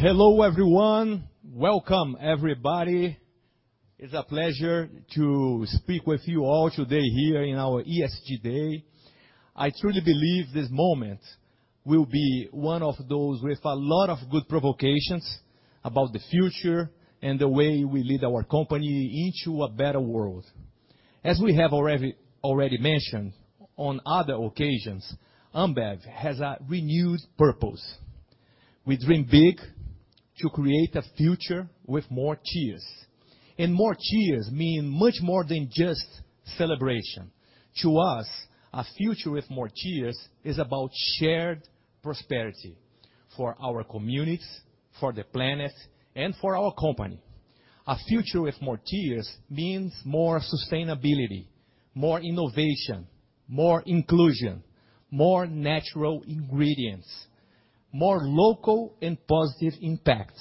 Hello everyone. Welcome everybody. It's a pleasure to speak with you all today here in our ESG day. I truly believe this moment will be one of those with a lot of good provocations about the future and the way we lead our company into a better world. As we have already mentioned on other occasions, Ambev has a renewed purpose. We dream big to create a future with more cheers. More cheers mean much more than just celebration. To us, a future with more cheers is about shared prosperity for our communities, for the planet, and for our company. A future with more cheers means more sustainability, more innovation, more inclusion, more natural ingredients, more local and positive impact,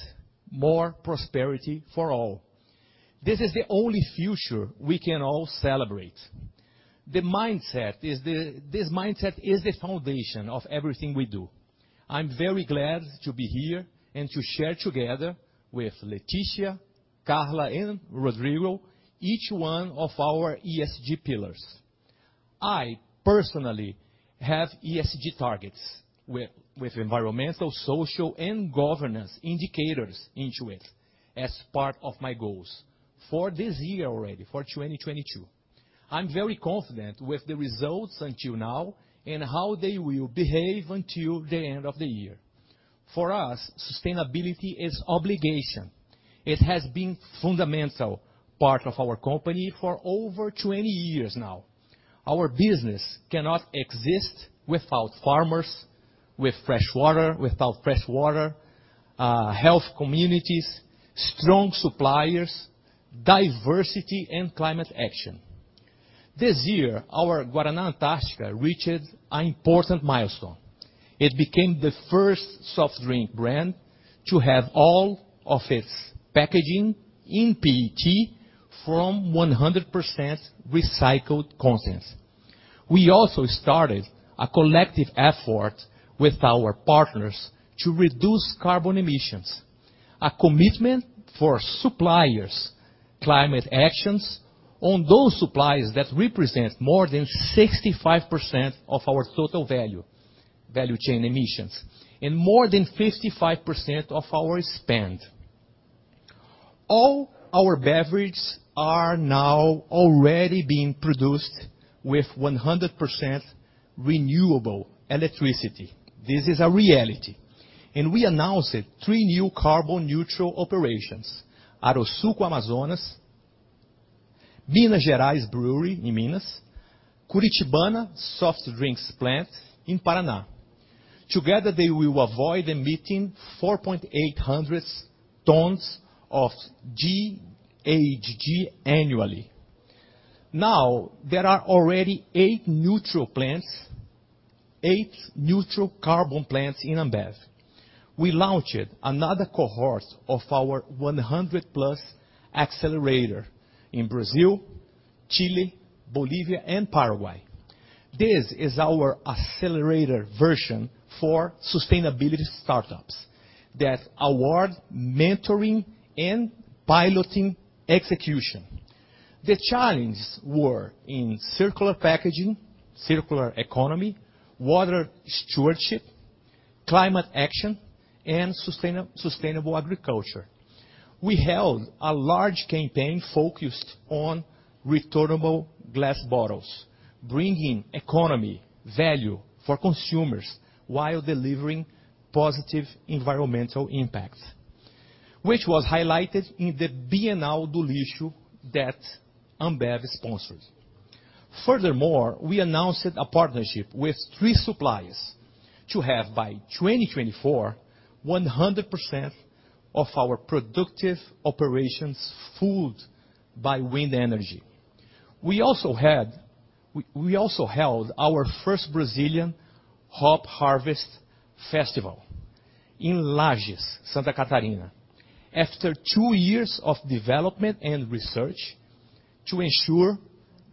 more prosperity for all. This is the only future we can all celebrate. This mindset is the foundation of everything we do. I'm very glad to be here and to share together with Letícia, Carla, and Rodrigo, each one of our ESG pillars. I personally have ESG targets with environmental, social, and governance indicators into it as part of my goals for this year already, for 2022. I'm very confident with the results until now and how they will behave until the end of the year. For us, sustainability is our obligation. It has been fundamental part of our company for over 20 years now. Our business cannot exist without farmers, without fresh water, healthy communities, strong suppliers, diversity and climate action. This year, our Guaraná Antarctica reached an important milestone. It became the first soft drink brand to have all of its packaging in PET from 100% recycled contents. We also started a collective effort with our partners to reduce carbon emissions, a commitment for suppliers, climate actions on those suppliers that represent more than 65% of our total value chain emissions, and more than 55% of our spend. All our beverages are now already being produced with 100% renewable electricity. This is a reality. We announced three new carbon neutral operations. Arujá, Amazonas, Minas Gerais Brewery in Minas, Curitibana Soft Drinks Plant in Paraná. Together, they will avoid emitting 4,800 tons of GHG annually. Now, there are already eight neutral plants, eight neutral carbon plants in Ambev. We launched another cohort of our 100+ Accelerator in Brazil, Chile, Bolivia, and Paraguay. This is our accelerator version for sustainability startups that award mentoring and piloting execution. The challenges were in circular packaging, circular economy, water stewardship, climate action, and sustainable agriculture. We held a large campaign focused on returnable glass bottles, bringing economic value for consumers while delivering positive environmental impacts, which was highlighted in the Bienal do Lixo that Ambev sponsored. Furthermore, we announced a partnership with three suppliers to have by 2024, 100% of our productive operations fueled by wind energy. We also held our first Brazilian hop harvest festival in Lages, Santa Catarina, after two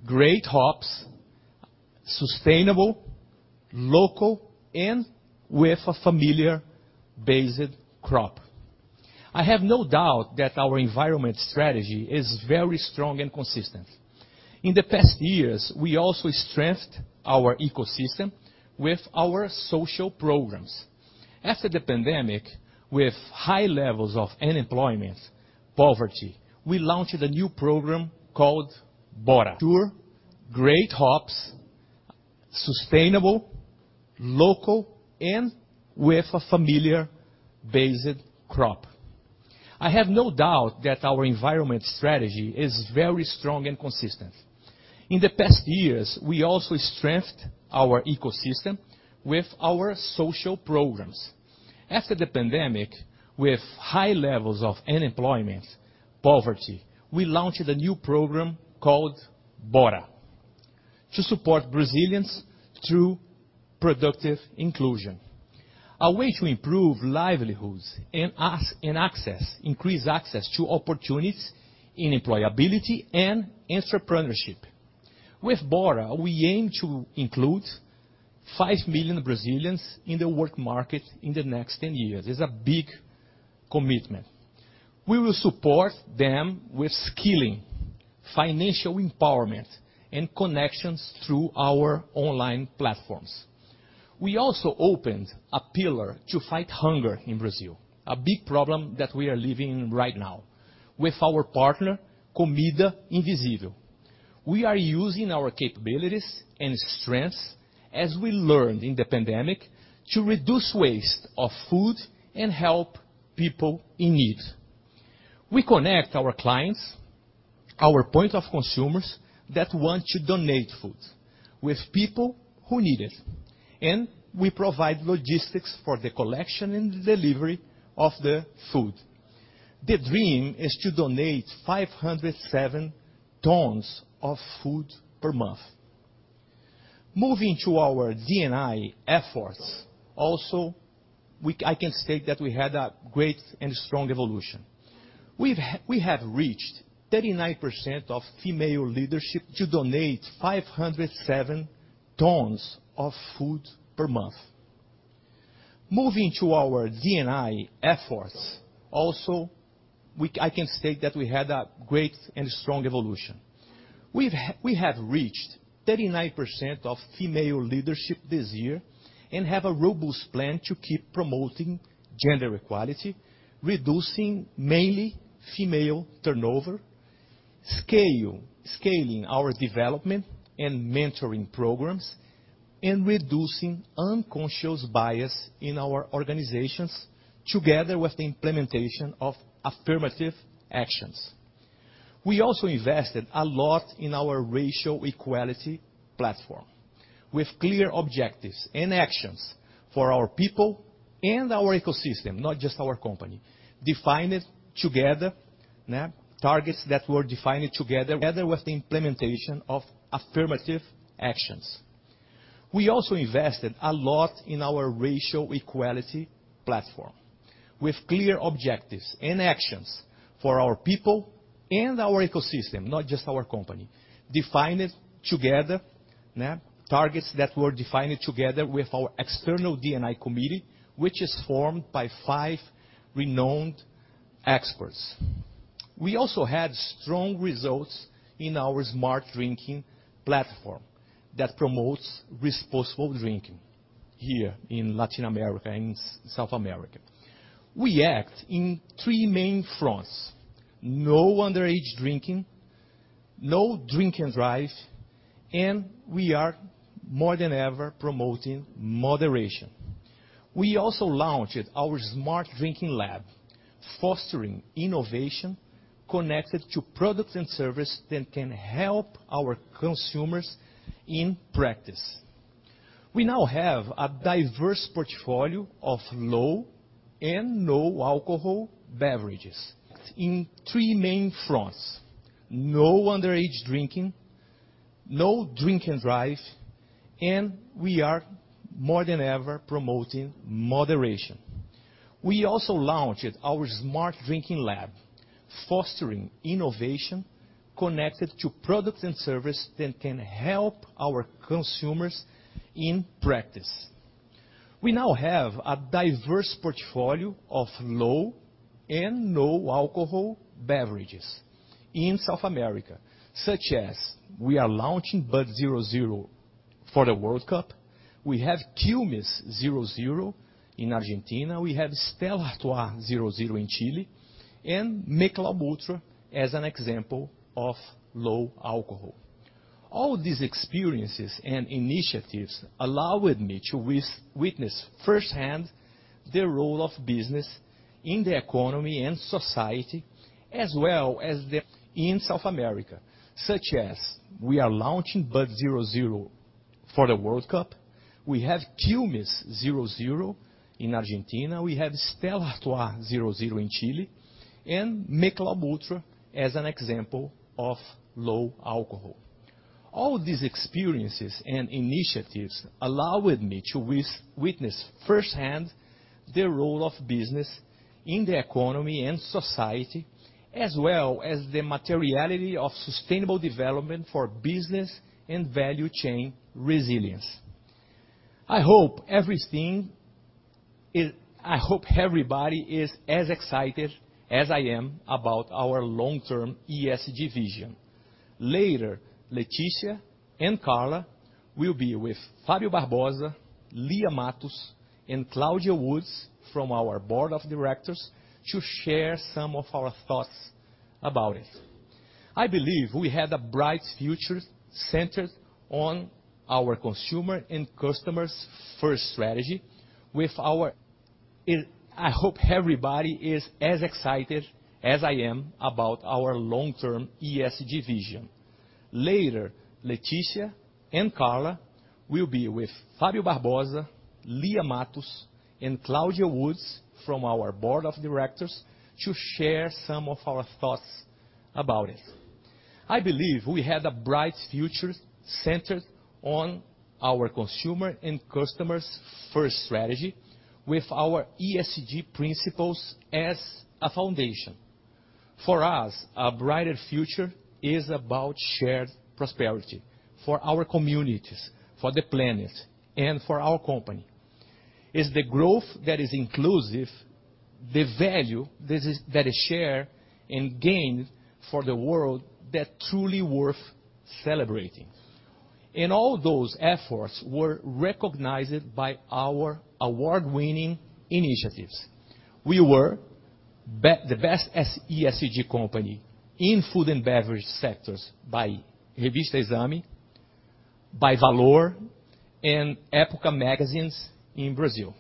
years of development and research to ensure great hops, sustainable, local, and with a familiar basic crop. I have no doubt that our environmental strategy is very strong and consistent. In the past years, we also strengthened our ecosystem with our social programs. After the pandemic, with high levels of unemployment, poverty, we launched a new program called Bora. to support Brazilians through productive inclusion, a way to improve livelihoods and access, increase access to opportunities in employability and entrepreneurship. With Bora, we aim to include 5 million Brazilians in the work market in the next 10 years. It's a big commitment. We will support them with skilling, financial empowerment, and connections through our online platforms. We also opened a pillar to fight hunger in Brazil, a big problem that we are living in right now. With our partner, Comida Invisível, we are using our capabilities and strengths as we learned in the pandemic to reduce waste of food and help people in need. We connect our clients, our points of consumption that want to donate food with people who need it, and we provide logistics for the collection and the delivery of the food. The dream is to donate 507 tons of food per month. Moving to our D&I efforts also, I can state that we had a great and strong evolution. We have reached 39% of female leadership this year and have a robust plan to keep promoting gender equality, reducing mainly female turnover, scaling our development and mentoring programs, and reducing unconscious bias in our organizations together with the implementation of affirmative actions. We also invested a lot in our racial equality platform with clear objectives and actions for our people and our ecosystem, not just our company. Defined together, né, targets that were defined together with our external D&I committee, which is formed by five renowned experts. We also had strong results in our Smart Drinking platform that promotes responsible drinking here in Latin America and South America. We act in three main fronts: no underage drinking, no drink and drive, and we are more than ever promoting moderation. We also launched our Smart Drinking Lab, fostering innovation connected to products and services that can help our consumers in practice. We now have a diverse portfolio of low and no alcohol beverages in South America, such as we are launching Bud 0.0 for the World Cup. We have Quilmes 0.0 in Argentina. We have Stella Artois 0.0 in Chile and Michelob ULTRA as an example of low alcohol. All these experiences and initiatives allowed me to witness firsthand the role of business in the economy and society. As well as the materiality of sustainable development for business and value chain resilience. I hope everybody is as excited as I am about our long-term ESG vision. Later, Letícia and Carla will be with Fábio Barbosa, Lia Matos, and Claudia Woods from our Board of Directors to share some of our thoughts about it. I believe we have a bright future centered on our consumer and customers-first strategy. with our ESG principles as a foundation. For us, a brighter future is about shared prosperity for our communities, for the planet, and for our company. It's the growth that is inclusive, the value that is shared and gained for the world that truly worth celebrating. All those efforts were recognized by our award-winning initiatives. We were the best ESG company in food and beverage sectors by Revista Exame, by Valor, and Época magazines in Brazil.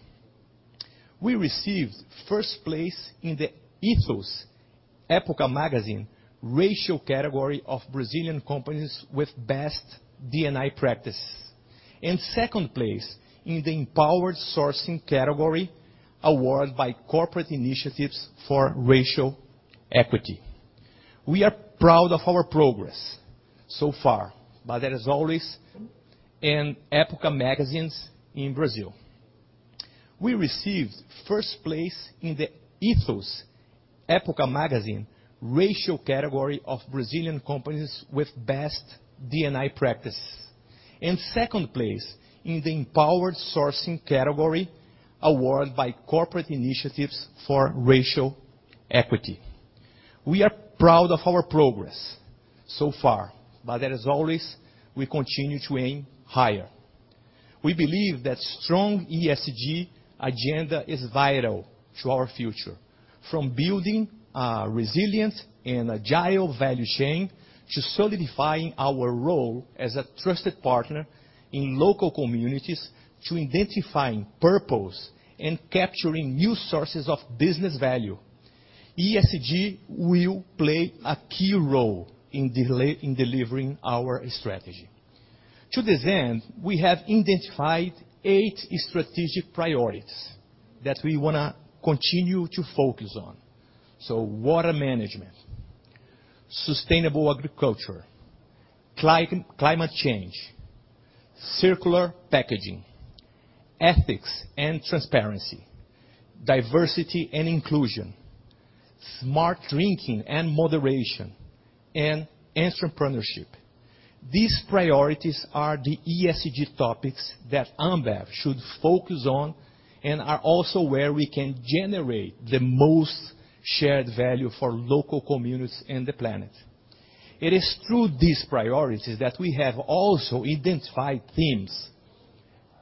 We received first place in the Ethos/Época magazine racial category of Brazilian companies with best D&I practices, and second place in the Empowered Sourcing category, award by corporate initiatives for racial equity. We are proud of our progress so far, but as always, we continue to aim higher. We believe that strong ESG agenda is vital to our future. From building a resilient and agile value chain, to solidifying our role as a trusted partner in local communities, to identifying purpose and capturing new sources of business value. ESG will play a key role in delivering our strategy. To this end, we have identified eight strategic priorities that we wanna continue to focus on. Water management, sustainable agriculture, climate change, circular packaging, ethics and transparency, diversity and inclusion, Smart Drinking and moderation, and entrepreneurship. These priorities are the ESG topics that Ambev should focus on and are also where we can generate the most shared value for local communities and the planet. It is through these priorities that we have also identified themes,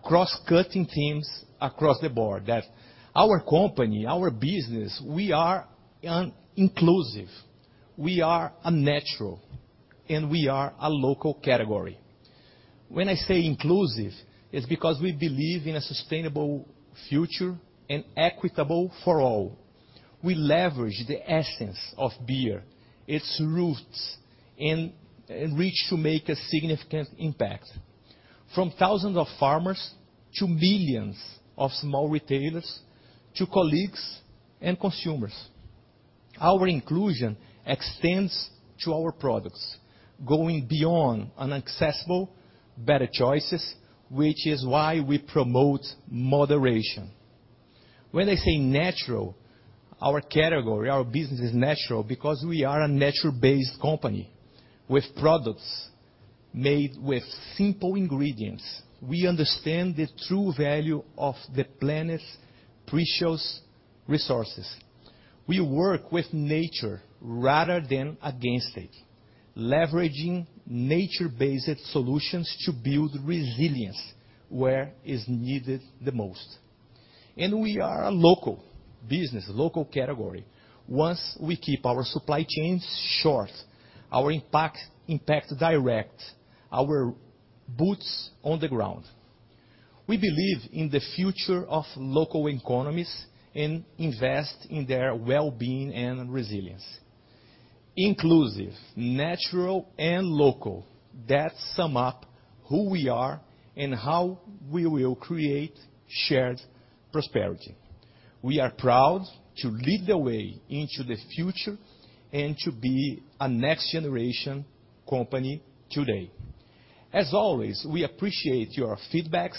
cross-cutting themes across the board that our company, our business, we are an inclusive, we are a natural, and we are a local category. When I say inclusive, it's because we believe in a sustainable future and equitable for all. We leverage the essence of beer, its roots, and reach to make a significant impact, from thousands of farmers to millions of small retailers to colleagues and consumers. Our inclusion extends to our products, going beyond inaccessible, better choices, which is why we promote moderation. When I say natural, our category, our business is natural because we are a natural-based company with products made with simple ingredients. We understand the true value of the planet's precious resources. We work with nature rather than against it, leveraging nature-based solutions to build resilience where is needed the most. We are a local business, local category. Once we keep our supply chains short, our impact direct, our boots on the ground. We believe in the future of local economies and invest in their well-being and resilience. Inclusive, natural and local, that sum up who we are and how we will create shared prosperity. We are proud to lead the way into the future and to be a next generation company today. As always, we appreciate your feedback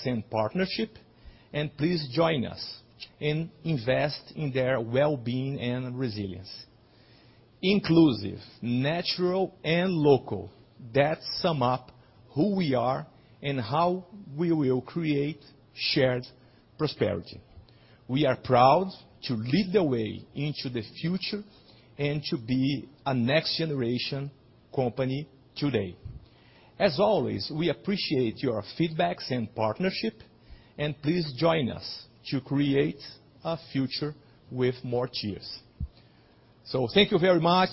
and partnership, and please join us to create a future with more cheers. Thank you very much.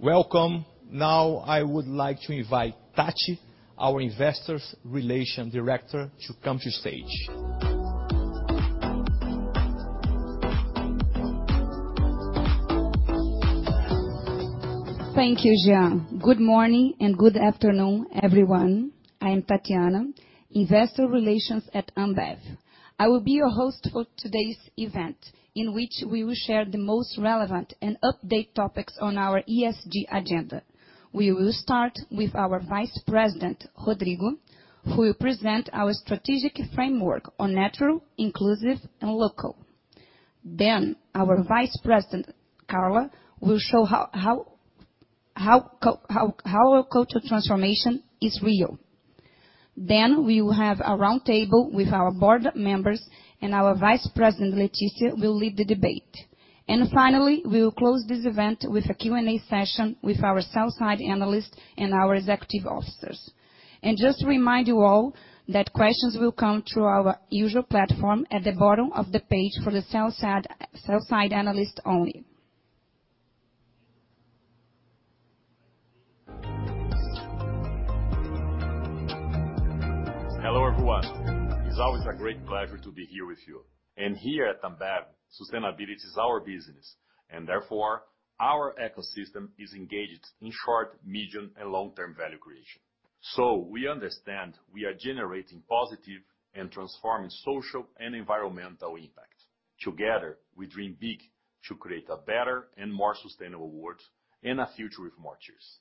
Welcome. Now I would like to invite Tati, our Investor Relations Director, to come to stage. Thank you, Jean. Good morning and good afternoon, everyone. I am Tatiana, Investor Relations at Ambev. I will be your host for today's event, in which we will share the most relevant and updated topics on our ESG agenda. We will start with our Vice President, Rodrigo, who will present our strategic framework on natural, inclusive, and local. Our Vice President, Carla, will show how our culture transformation is real. We will have a round table with our board members and our Vice President, Letícia, will lead the debate. Finally, we will close this event with a Q&A session with our sell-side analysts and our executive officers. Just to remind you all that questions will come through our usual platform at the bottom of the page for the sell-side analysts only. Hello, everyone. It's always a great pleasure to be here with you. Here at Ambev, sustainability is our business, and therefore, our ecosystem is engaged in short, medium, and long-term value creation. We understand we are generating positive and transforming social and environmental impact. Together, we dream big to create a better and more sustainable world and a future with more cheers.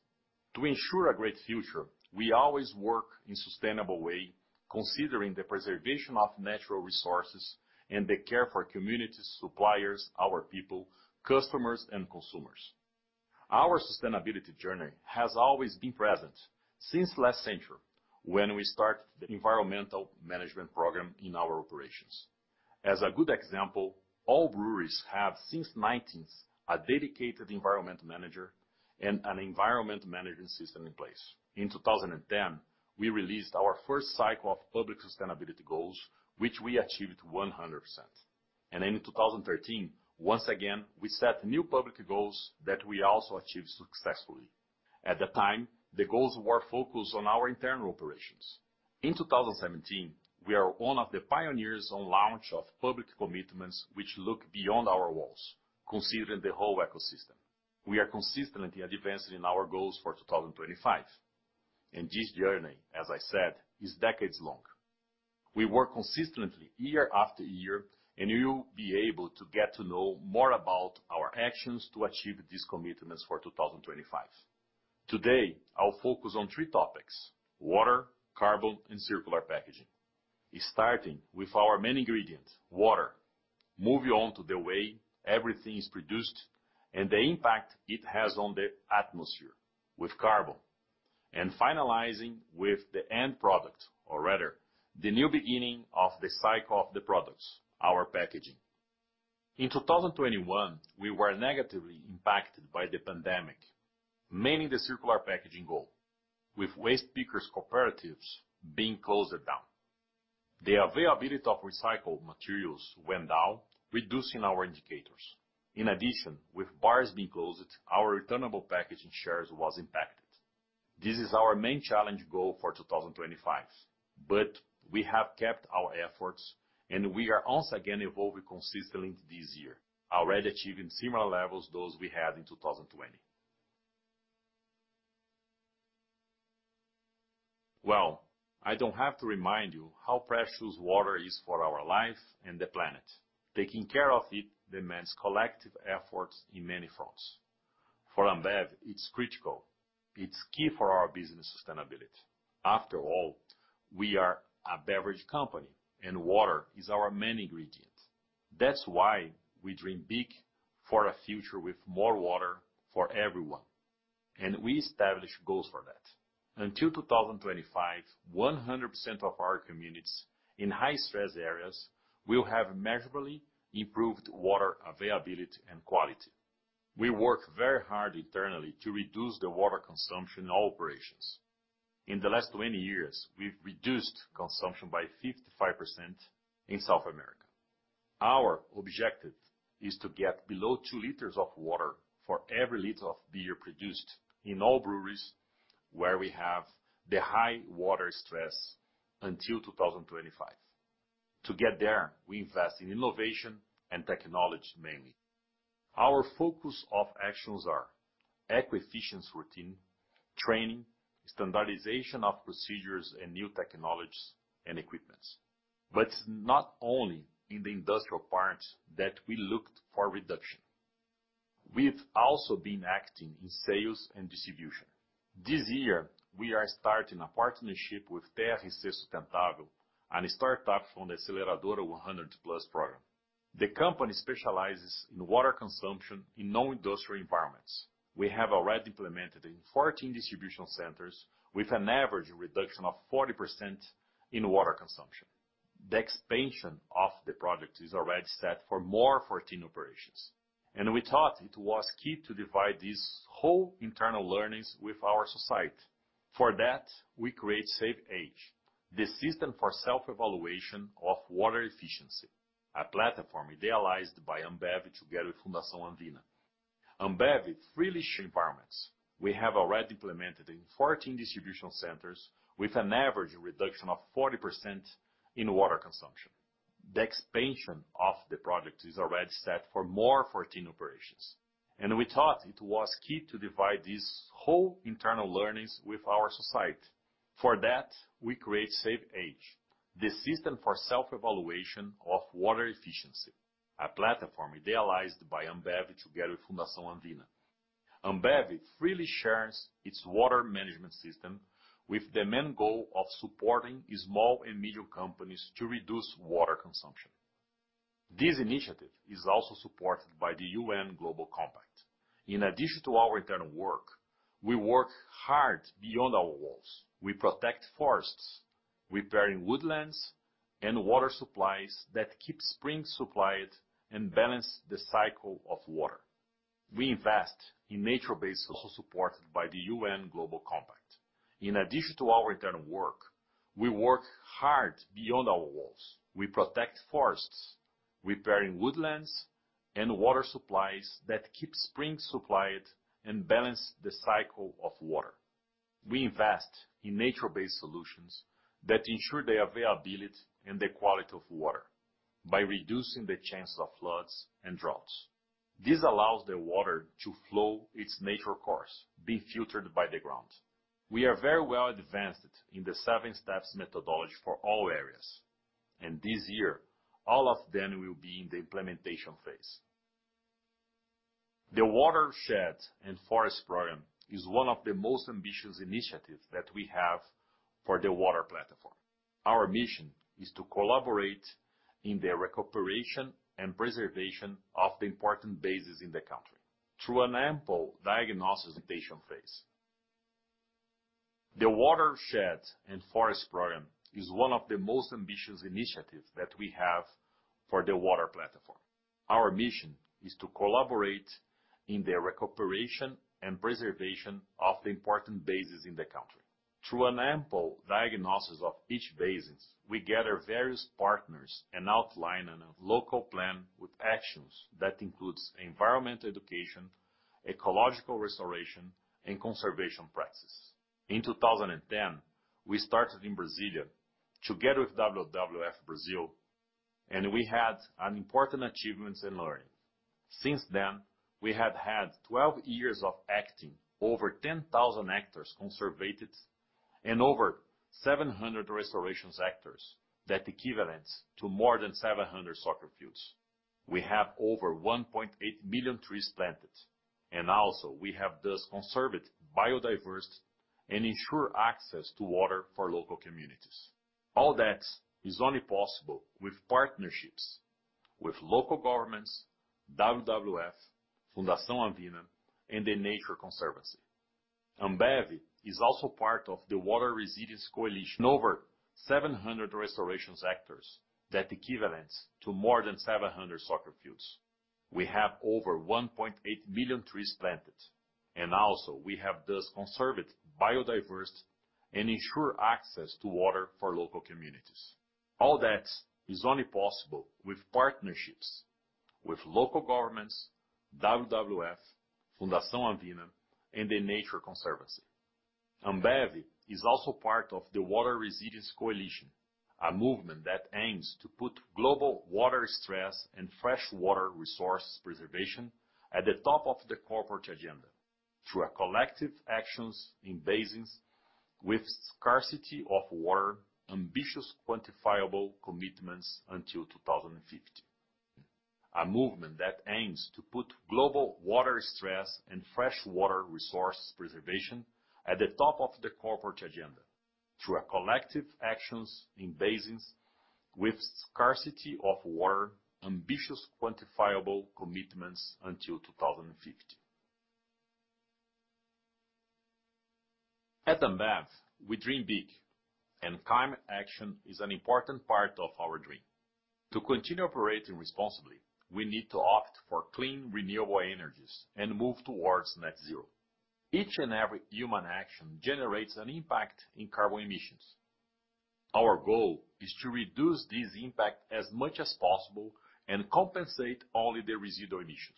To ensure a great future, we always work in sustainable way, considering the preservation of natural resources and the care for communities, suppliers, our people, customers and consumers. Our sustainability journey has always been present since last century when we start the environmental management program in our operations. As a good example, all breweries have, since nineties, a dedicated environmental manager and an environmental management system in place. In 2010, we released our first cycle of public sustainability goals, which we achieved 100%. In 2013, once again, we set new public goals that we also achieved successfully. At the time, the goals were focused on our internal operations. In 2017, we are one of the pioneers on launch of public commitments, which look beyond our walls, considering the whole ecosystem. We are consistently advancing in our goals for 2025, and this journey, as I said, is decades long. We work consistently year after year, and you'll be able to get to know more about our actions to achieve these commitments for 2025. Today, I'll focus on three topics, water, carbon, and circular packaging. Starting with our main ingredient, water. Moving on to the way everything is produced and the impact it has on the atmosphere with carbon, and finalizing with the end product, or rather, the new beginning of the cycle of the products, our packaging. In 2021, we were negatively impacted by the pandemic, mainly the circular packaging goal. With waste pickers cooperatives being closed down, the availability of recycled materials went down, reducing our indicators. In addition, with bars being closed, our returnable packaging shares was impacted. This is our main challenge goal for 2025. We have kept our efforts, and we are once again evolving consistently this year, already achieving similar levels those we had in 2020. Well, I don't have to remind you how precious water is for our life and the planet. Taking care of it demands collective efforts in many fronts. For Ambev, it's critical. It's key for our business sustainability. After all, we are a beverage company, and water is our main ingredient. That's why we dream big for a future with more water for everyone, and we establish goals for that. Until 2025, 100% of our communities in high stress areas will have measurably improved water availability and quality. We work very hard internally to reduce the water consumption in operations. In the last 20 years, we've reduced consumption by 55% in South America. Our objective is to get below 2 L of water for every liter of beer produced in all breweries where we have the high water stress until 2025. To get there, we invest in innovation and technology mainly. Our focus of actions are efficiency routine, training, standardization of procedures, and new technologies and equipment. Not only in the industrial parts that we looked for reduction. We've also been acting in sales and distribution. This year, we are starting a partnership with [TerraCycle], a startup from the 100+ Accelerator program. The company specializes in water consumption in non-industrial environments. We have already implemented in 14 distribution centers with an average reduction of 40% in water consumption. The expansion of the project is already set for more 14 operations, and we thought it was key to divide these whole internal learnings with our society. For that, we create SAVEh, the System for Self-Evaluation of Water Efficiency, a platform idealized by Ambev together with Fundação Avina for Ambev's three main environments. Ambev freely shares its water management system with the main goal of supporting small and medium companies to reduce water consumption. This initiative is also supported by the UN Global Compact. In addition to our internal work, we work hard beyond our walls. We protect forests, repairing woodlands and water supplies that keep springs supplied and balance the cycle of water. We invest in nature-based, also supported by the UN Global Compact. In addition to our internal work, we work hard beyond our walls. We protect forests, repairing woodlands and water supplies that keep springs supplied and balance the cycle of water. We invest in nature-based solutions that ensure the availability and the quality of water by reducing the chance of floods and droughts. This allows the water to flow its natural course, being filtered by the ground. We are very well advanced in the seven steps methodology for all areas, and this year all of them will be in the implementation phase. The Watershed & Forest Program is one of the most ambitious initiatives that we have for the water platform. Our mission is to collaborate in the recuperation and preservation of the important basins in the country. Through an ample diagnosis of each basins, we gather various partners and outline a local plan with actions that include environmental education, ecological restoration, and conservation practices. In 2010, we started in Brasília together with WWF-Brazil, and we had important achievements in learning. Since then, we have had 12 years of acting, over 10,000 hectares conserved and over 700 restoration sectors that equivalent to more than 700 soccer fields. We have over 1.8 million trees planted, and also we have thus conserved biodiversity and ensure access to water for local communities. All that is only possible with partnerships with local governments, WWF, Fundação Avina, and The Nature Conservancy. Ambev is also part of the Water Resilience Coalition, a movement that aims to put global water stress and fresh water resource preservation at the top of the corporate agenda through collective actions in basins with scarcity of water, ambitious, quantifiable commitments until 2050. At Ambev, we dream big, and climate action is an important part of our dream. To continue operating responsibly, we need to opt for clean, renewable energies and move towards net zero. Each and every human action generates an impact in carbon emissions. Our goal is to reduce this impact as much as possible and compensate only the residual emissions.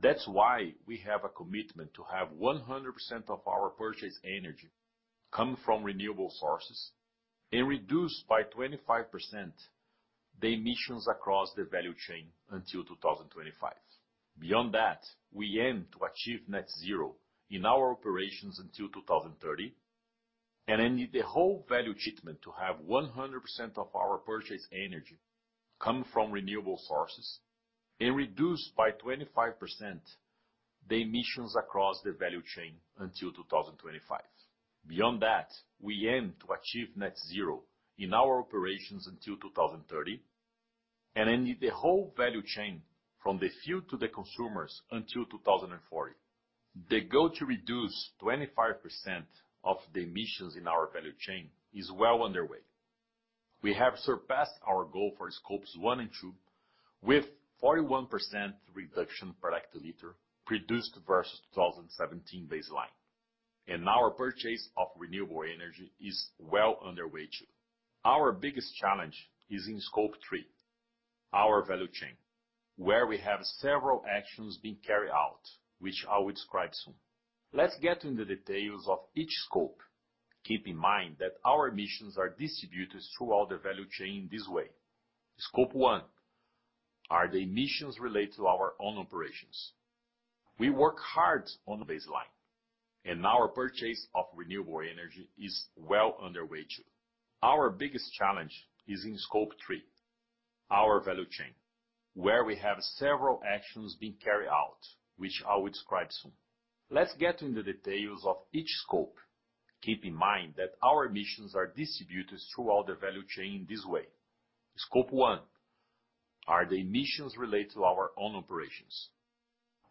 That's why we have a commitment to have 100% of our purchased energy coming from renewable sources and reduce by 25% the emissions across the value chain until 2025. Beyond that, we aim to achieve net zero in our operations until 2030, and in the whole value chain to have 100% of our purchased energy come from renewable sources and reduce by 25% the emissions across the value chain until 2025. from the brew to the consumers until 2040. The goal to reduce 25% of the emissions in our value chain is well underway. We have surpassed our goal for Scope 1 and Scope 2 with 41% reduction per hectoliter produced versus 2017 baseline. Our purchase of renewable energy is well underway too. Our biggest challenge is in Scope 3, our value chain, where we have several actions being carried out, which I will describe soon. Let's get into the details of each scope. Keep in mind that our emissions are distributed throughout the value chain this way. Scope 1 are the emissions related to our own operations.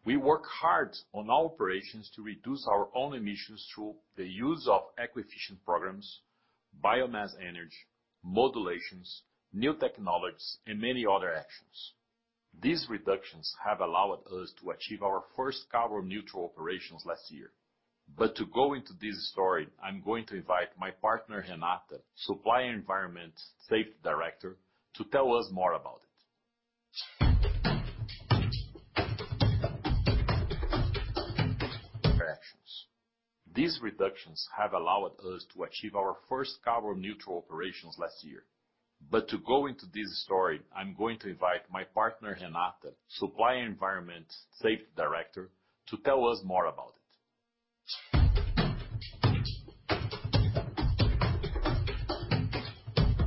We work hard on our operations to reduce our own emissions through the use of eco-efficient programs, biomass energy, modulations, new technologies, and many other actions. These reductions have allowed us to achieve our first carbon-neutral operations last year. To go into this story, I'm going to invite my partner, Renata, Supply Environment & Safety Director, to tell us more about it.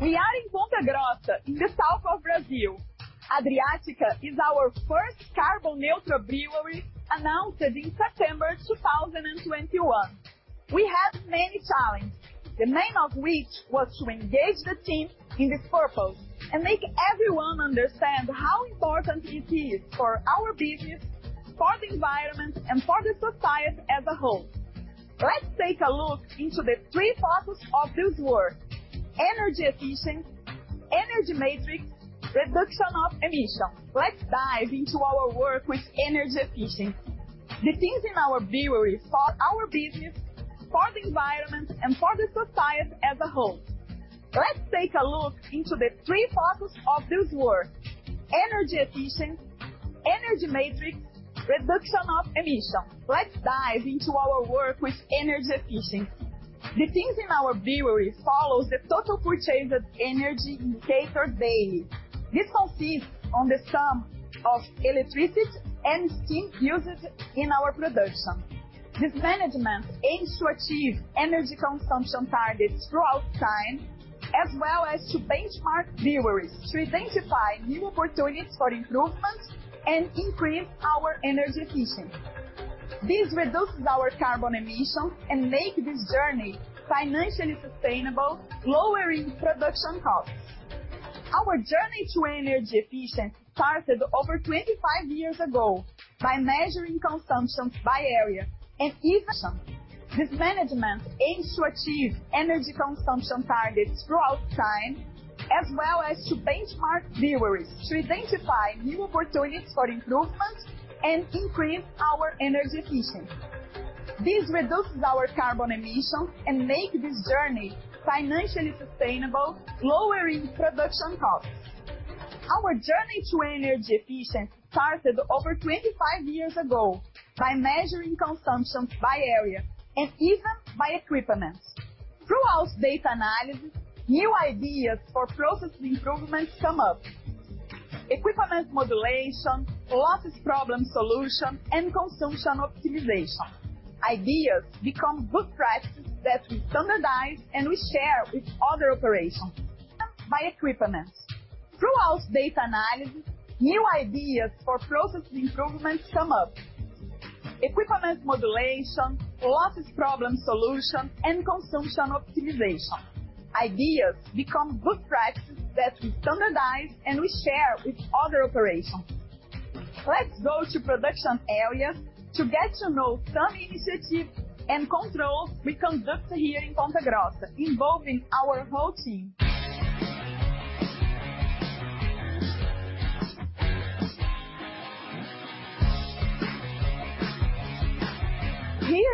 We are in Ponta Grossa in the south of Brazil. Adriática is our first carbon-neutral brewery, announced in September 2021. We had many challenges, the main of which was to engage the team in this purpose and make everyone understand how important it is for our business, for the environment, and for the society as a whole. Let's take a look into the three focus of this work, energy efficiency, energy matrix, reduction of emission. Let's dive into our work with energy efficieny. The teams in our brewery follows the total purchased energy indicator daily. This consists of the sum of electricity and steam used in our production. This management aims to achieve energy consumption targets over time, as well as to benchmark breweries to identify new opportunities for improvement and increase our energy efficiency. This reduces our carbon emission and make this journey financially sustainable, lowering production costs. Our journey to energy efficiency started over 25 years ago by measuring consumption by area and even by equipment. Throughout data analysis, new ideas for process improvements come up. Equipment modulation, losses problem solution, and consumption optimization. Ideas become good practices that we standardize and we share with other operations. By equipment. Throughout data analysis, new ideas for process improvements come up. Equipment modulation, losses problem solution, and consumption optimization. Ideas become good practices that we standardize and we share with other operations. Let's go to production area to get to know some initiatives and controls we conduct here in Ponta Grossa involving our whole team.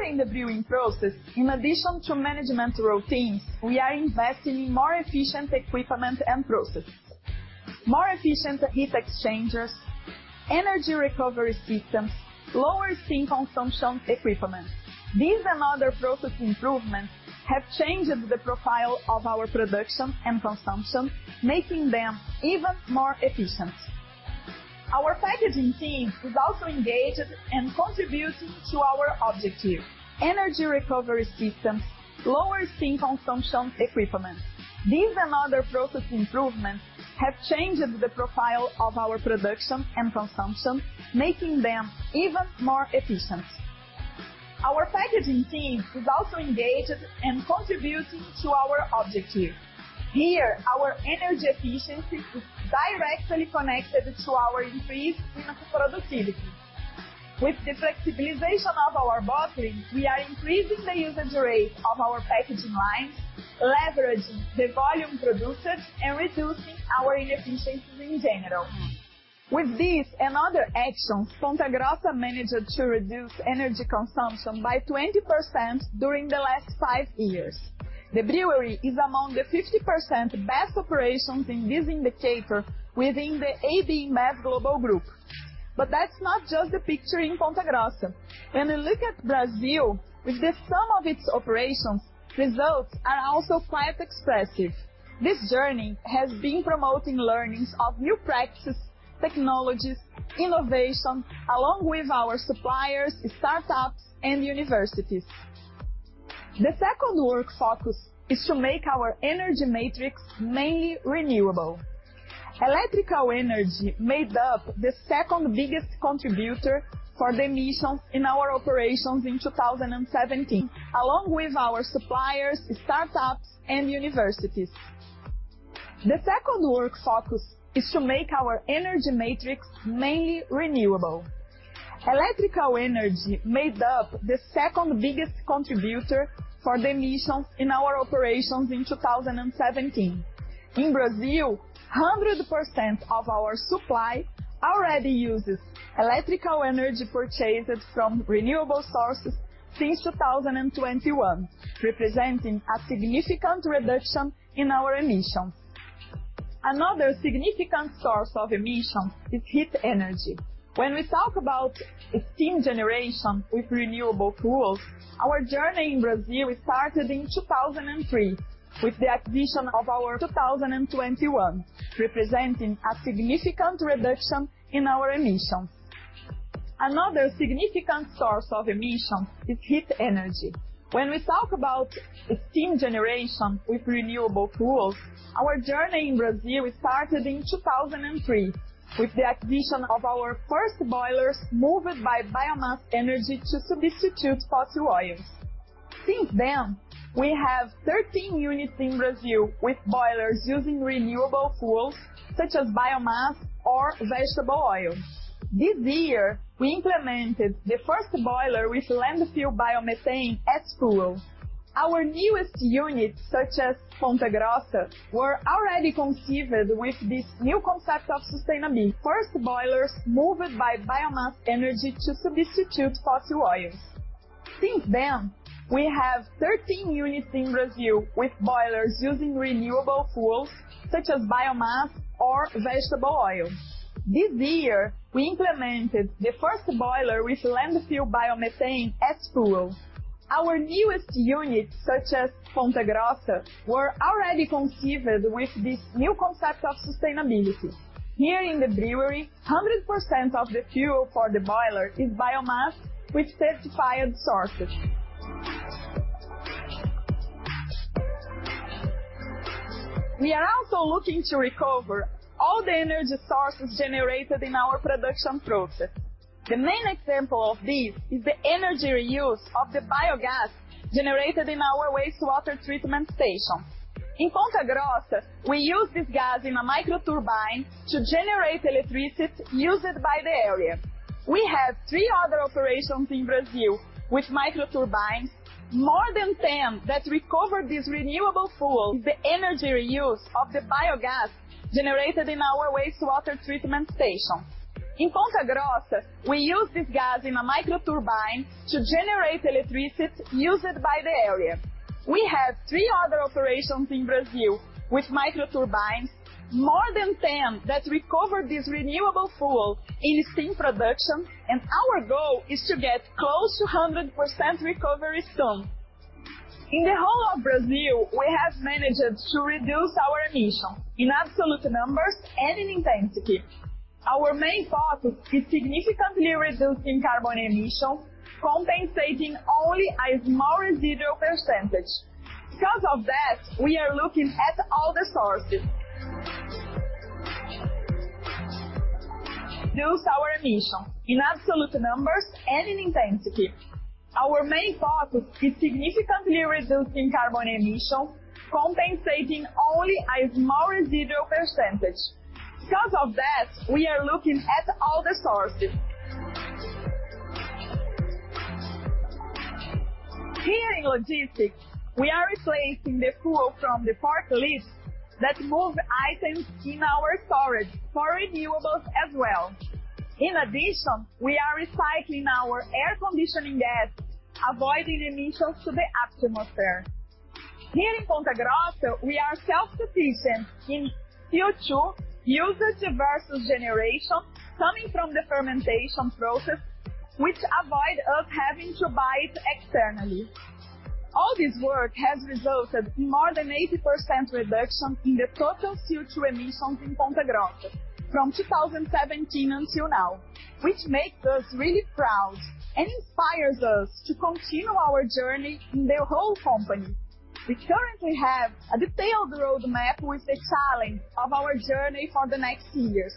Here in the brewing process, in addition to management routines, we are investing in more efficient equipment and processes. More efficient heat exchangers, energy recovery systems, lower steam consumption equipment. These and other process improvements have changed the profile of our production and consumption, making them even more efficient. Our packaging team is also engaged and contributing to our objective. Energy recovery systems, lower steam consumption equipment. Here, our energy efficiency is directly connected to our increased productivity. With the flexibilization of our bottling, we are increasing the usage rate of our packaging lines, leveraging the volume produced, and reducing our inefficiencies in general. With this and other actions, Ponta Grossa managed to reduce energy consumption by 20% during the last five years. The brewery is among the 50% best operations in this indicator within the AB InBev global group. That's not just the picture in Ponta Grossa. When we look at Brazil with the sum of its operations, results are also quite expressive. This journey has been promoting learnings of new practices, technologies, innovation along with our suppliers, startups, and universities. The second work focus is to make our energy matrix mainly renewable. Electrical energy made up the second biggest contributor for the emissions in our operations in 2017. In Brazil, 100% of our supply already uses electrical energy purchased from renewable sources since 2021, representing a significant reduction in our emissions. Another significant source of emissions is heat energy. When we talk about steam generation with renewable fuels, our journey in Brazil started in 2003 with the acquisition of our... first boilers moved by biomass energy to substitute fossil oils. Since then, we have 13 units in Brazil with boilers using renewable fuels such as biomass or vegetable oil. This year, we implemented the first boiler with landfill biomethane as fuel. Our newest units, such as Ponta Grossa, were already conceived with this new concept of sustainability. Here in the brewery, 100% of the fuel for the boiler is biomass with certified sources. We are also looking to recover all the energy sources generated in our production process. The main example of this is the energy reuse of the biogas generated in our wastewater treatment station. In Ponta Grossa, we use this gas in a microturbine to generate electricity used by the area. We have three other operations in Brazil with microturbines, more than 10 that recover this renewable fuel in steam production, and our goal is to get close to 100% recovery soon. In the whole of Brazil, we have managed to reduce our emissions in absolute numbers and in intensity. Our main focus is significantly reducing carbon emissions, compensating only a small residual percentage. Because of that, we are looking at all the sources. Here in logistics, we are replacing the fuel from the forklifts that move items in our storage for renewables as well. In addition, we are recycling our air conditioning gas, avoiding emissions to the atmosphere. Here in Ponta Grossa, we are self-sufficient in CO2 usage versus generation coming from the fermentation process, which avoid us having to buy it externally. All this work has resulted in more than 80% reduction in the total CO2 emissions in Ponta Grossa from 2017 until now, which makes us really proud and inspires us to continue our journey in the whole company. We currently have a detailed roadmap with the challenge of our journey for the next years,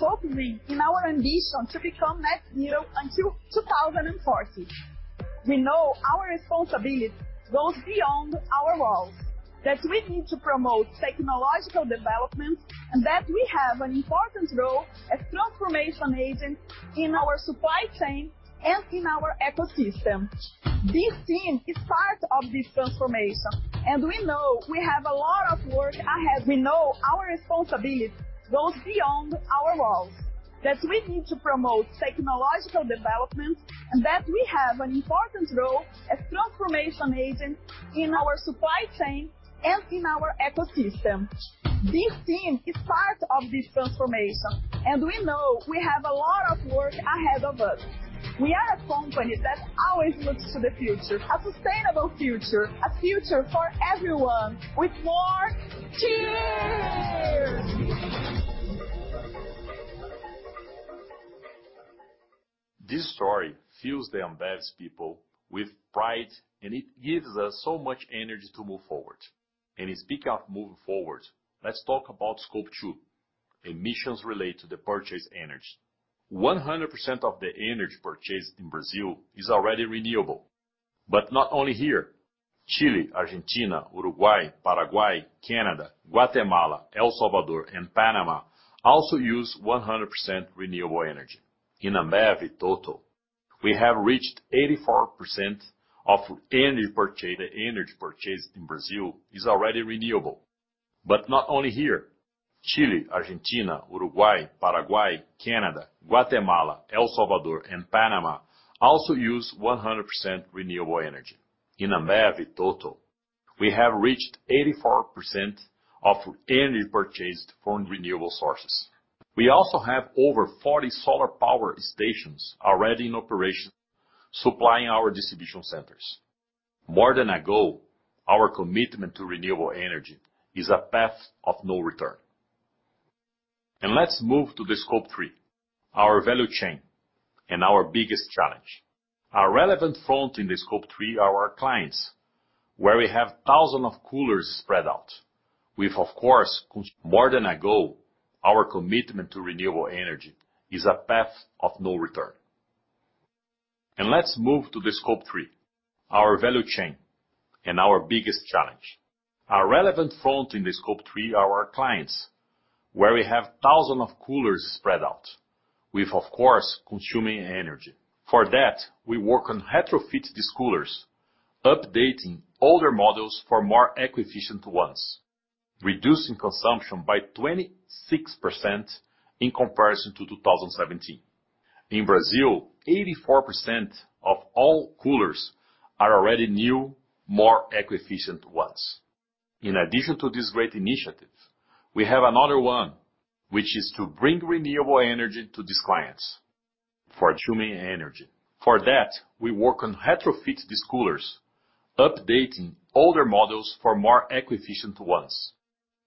focusing in our ambition to become net zero until 2040. We know our responsibility goes beyond our walls, that we need to promote technological development, and that we have an important role as transformation agent in our supply chain and in our ecosystem. This team is part of this transformation, and we know we have a lot of work ahead of us. We are a company that always looks to the future, a sustainable future, a future for everyone with more cheers. This story fills the Ambev's people with pride, and it gives us so much energy to move forward. Speaking of moving forward, let's talk about Scope 2 emissions related to the purchased energy. 100% of the energy purchased in Brazil is already renewable. Not only here. Chile, Argentina, Uruguay, Paraguay, Canada, Guatemala, El Salvador, and Panama also use 100% renewable energy. In Ambev total, we have reached 84% of energy purchased. The energy purchased in Brazil is already renewable. Not only here. Chile, Argentina, Uruguay, Paraguay, Canada, Guatemala, El Salvador, and Panama also use 100% renewable energy. In Ambev total, we have reached 84% of energy purchased from renewable sources. We also have over 40 solar power stations already in operation supplying our distribution centers. More than a goal, our commitment to renewable energy is a path of no return. Let's move to the Scope 3, our value chain and our biggest challenge. Our relevant front in the Scope 3 are our clients, where we have thousands of coolers spread out, with of course, consuming energy. For that, we work on retrofitting these coolers, updating older models for more eco-efficient ones, reducing consumption by 26% in comparison to 2017. In Brazil, 84% of all coolers are already new, more eco-efficient ones. In addition to this great initiative, we have another one, which is to bring renewable energy to these clients. For consuming energy. For that, we work on retrofit these coolers, updating older models for more eco-efficient ones,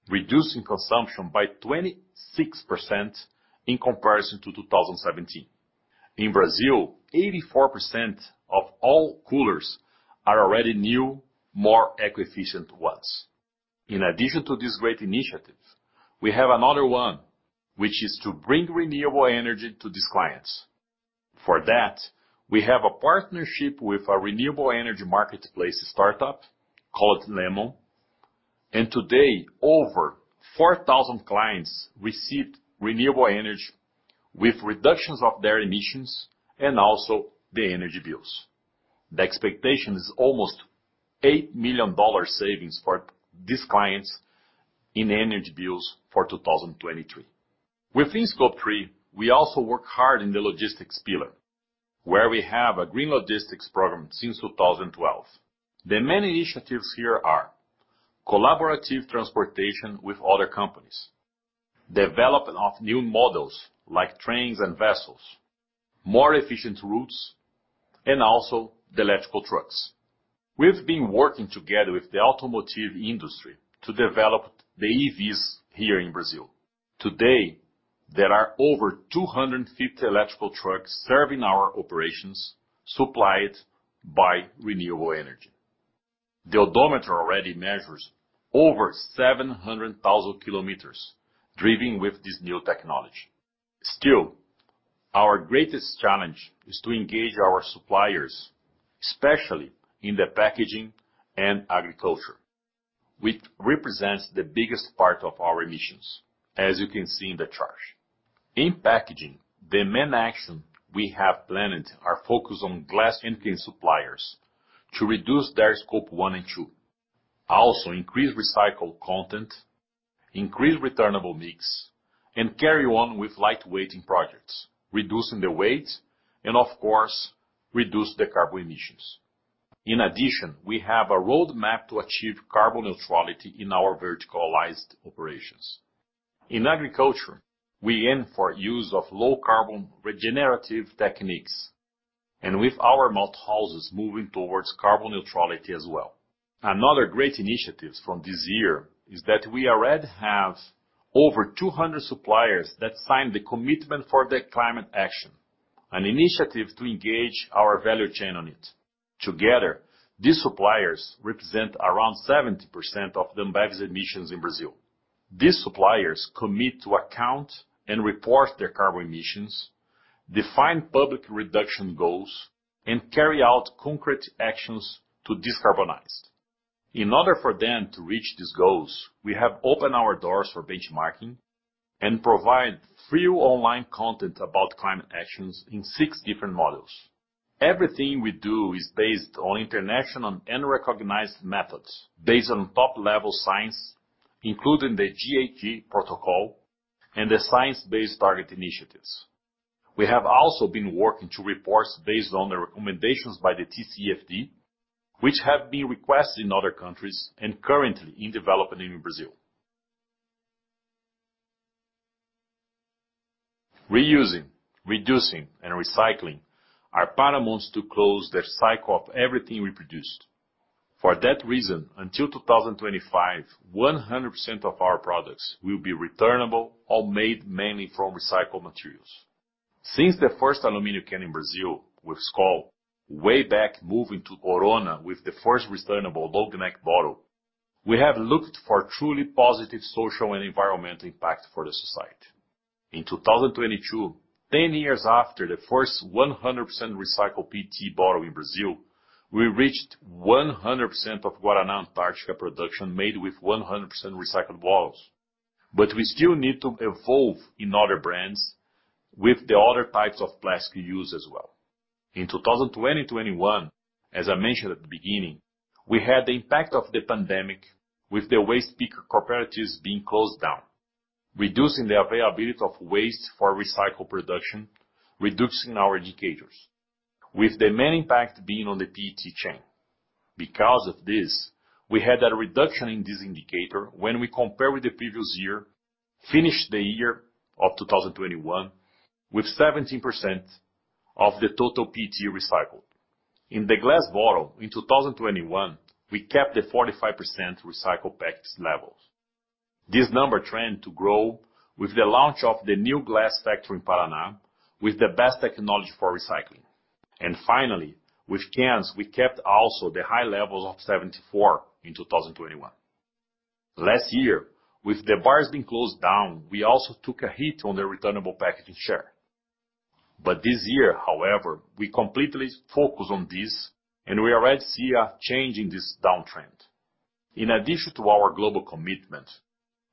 reducing consumption by 26% in comparison to 2017. For that, we have a partnership with a renewable energy marketplace startup called Lemon Energia. Today, over 4,000 clients receive renewable energy with reductions of their emissions and also the energy bills. The expectation is almost $8 million savings for these clients in energy bills for 2023. Within Scope 3, we also work hard in the logistics pillar, where we have a green logistics program since 2012. The many initiatives here are collaborative transportation with other companies, development of new models like trains and vessels, more efficient routes, and also the electric trucks. We've been working together with the automotive industry to develop the EVs here in Brazil. Today, there are over 250 electric trucks serving our operations supplied by renewable energy. The odometer already measures over 700,000 km driven with this new technology. Still, our greatest challenge is to engage our suppliers, especially in the packaging and agriculture, which represents the biggest part of our emissions, as you can see in the chart. In packaging, the main action we have planned are focused on glass and can suppliers to reduce their Scope 1 and 2. Also increase recycled content, increase returnable mix, and carry on with lightweighting projects, reducing the weight and of course, reduce the carbon emissions. In addition, we have a roadmap to achieve carbon neutrality in our verticalized operations. In agriculture, we aim for use of low carbon regenerative techniques, and with our malthouses moving towards carbon neutrality as well. Another great initiatives from this year is that we already have over 200 suppliers that signed the commitment for the climate action, an initiative to engage our value chain on it. Together, these suppliers represent around 70% of Ambev's emissions in Brazil. These suppliers commit to account and report their carbon emissions, define public reduction goals, and carry out concrete actions to decarbonize. In order for them to reach these goals, we have opened our doors for benchmarking and provide free online content about climate actions in six different models. Everything we do is based on international and recognized methods based on top-level science, including the GHG Protocol and the Science Based Targets initiative. We have also been working on reports based on the recommendations by the TCFD, which have been requested in other countries and currently in development in Brazil. Reusing, reducing, and recycling are paramount to close the cycle of everything we produced. For that reason, until 2025, 100% of our products will be returnable or made mainly from recycled materials. Since the first aluminum can in Brazil with Skol, way back moving to Corona with the first returnable long neck bottle, we have looked for truly positive social and environmental impact for the society. In 2022, 10 years after the first 100% recycled PET bottle in Brazil, we reached 100% of Guaraná Antarctica production made with 100% recycled bottles. We still need to evolve in other brands with the other types of plastic we use as well. In 2021, as I mentioned at the beginning, we had the impact of the pandemic, with the waste picker cooperatives being closed down, reducing the availability of waste for recycled production, reducing our indicators, with the main impact being on the PET chain. Because of this, we had a reduction in this indicator when we compare with the previous year, finished the year of 2021 with 17% of the total PET recycled. In the glass bottle in 2021, we kept the 45% recycled package levels. This number trends to grow with the launch of the new glass factory in Paraná with the best technology for recycling. Finally, with cans, we kept also the high levels of 74% in 2021. Last year, with the bars being closed down, we also took a hit on the returnable packaging share.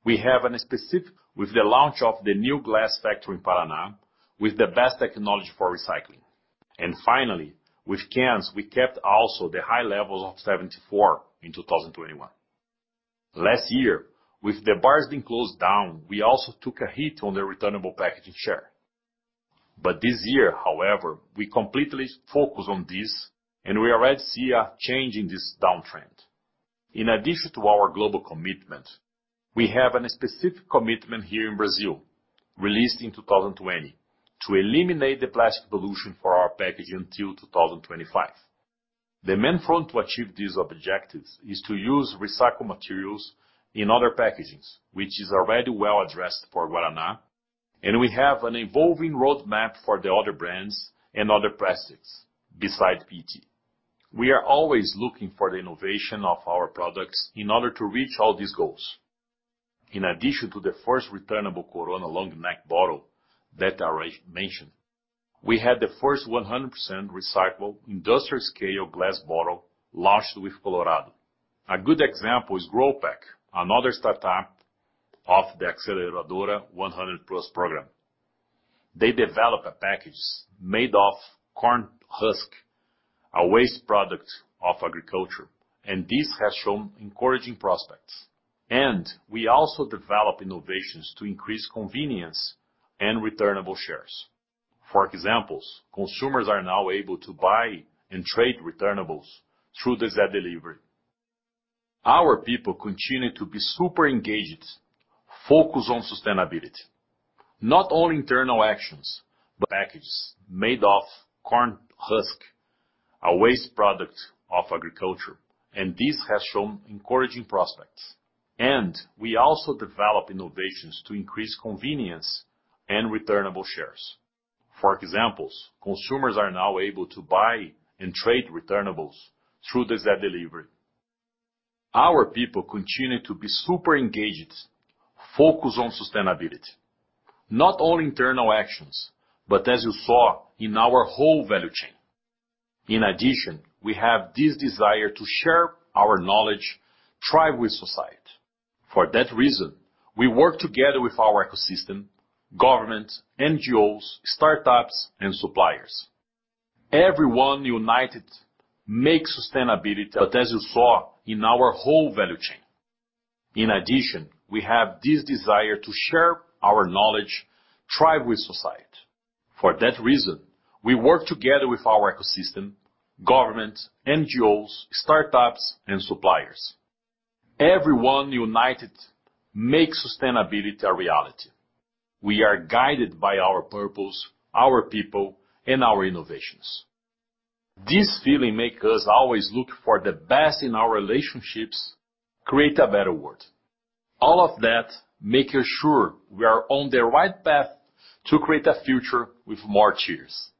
This year, however, we completely focus on this, and we already see a change in this downtrend. In addition to our global commitment, we have a specific commitment here in Brazil, released in 2020, to eliminate the plastic pollution for our packaging till 2025. The main front to achieve these objectives is to use recycled materials in other packagings, which is already well addressed for Guaraná, and we have an evolving roadmap for the other brands and other plastics besides PET. We are always looking for the innovation of our products in order to reach all these goals. In addition to the first returnable Corona long-neck bottle that I mentioned, we had the first 100% recycled industrial scale glass bottle launched with Colorado. A good example is growPack, another startup of the 100+ Accelerator program. They develop a package made of corn husk, a waste product of agriculture, and this has shown encouraging prospects. We also develop innovations to increase convenience and returnable shares. For example, consumers are now able to buy and trade returnables through the Zé Delivery. Our people continue to be super engaged, focused on sustainability, not only internal actions, but as you saw in our whole value chain. In addition, we have this desire to share our knowledge, thrive with society. For that reason, we work together with our ecosystem, government, NGOs, startups, and suppliers. Everyone united make sustainability a reality. We are guided by our purpose, our people, and our innovations. This feeling make us always look for the best in our relationships, create a better world. All of that making sure we are on the right path to create a future with more cheers.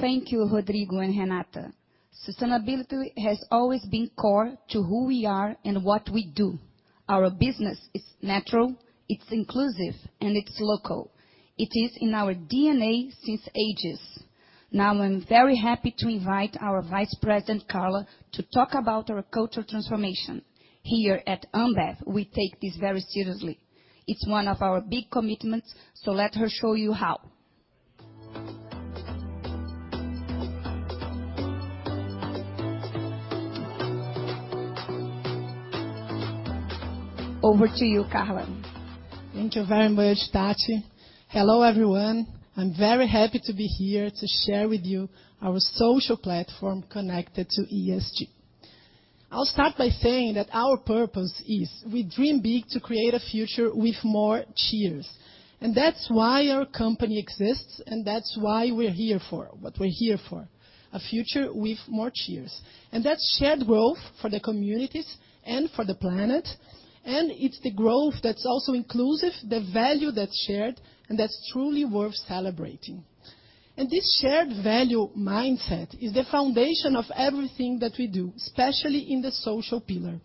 Thank you, Rodrigo and Renata. Sustainability has always been core to who we are and what we do. Our business is natural, it's inclusive, and it's local. It is in our DNA since ages. Now, I'm very happy to invite our Vice President, Carla, to talk about our cultural transformation. Here at Ambev, we take this very seriously. It's one of our big commitments, so let her show you how. Over to you, Carla. Thank you very much, Tati. Hello everyone. I'm very happy to be here to share with you our social platform connected to ESG. I'll start by saying that our purpose is we dream big to create a future with more cheers. And that's why our company exists, and that's why we're here for. A future with more cheers. And that's shared growth for the communities and for the planet. And it's the growth that's also inclusive the value that shares, and that's truly worth celebrating. And the shared value mindset is the foundation of everything that we do, especially in the social business.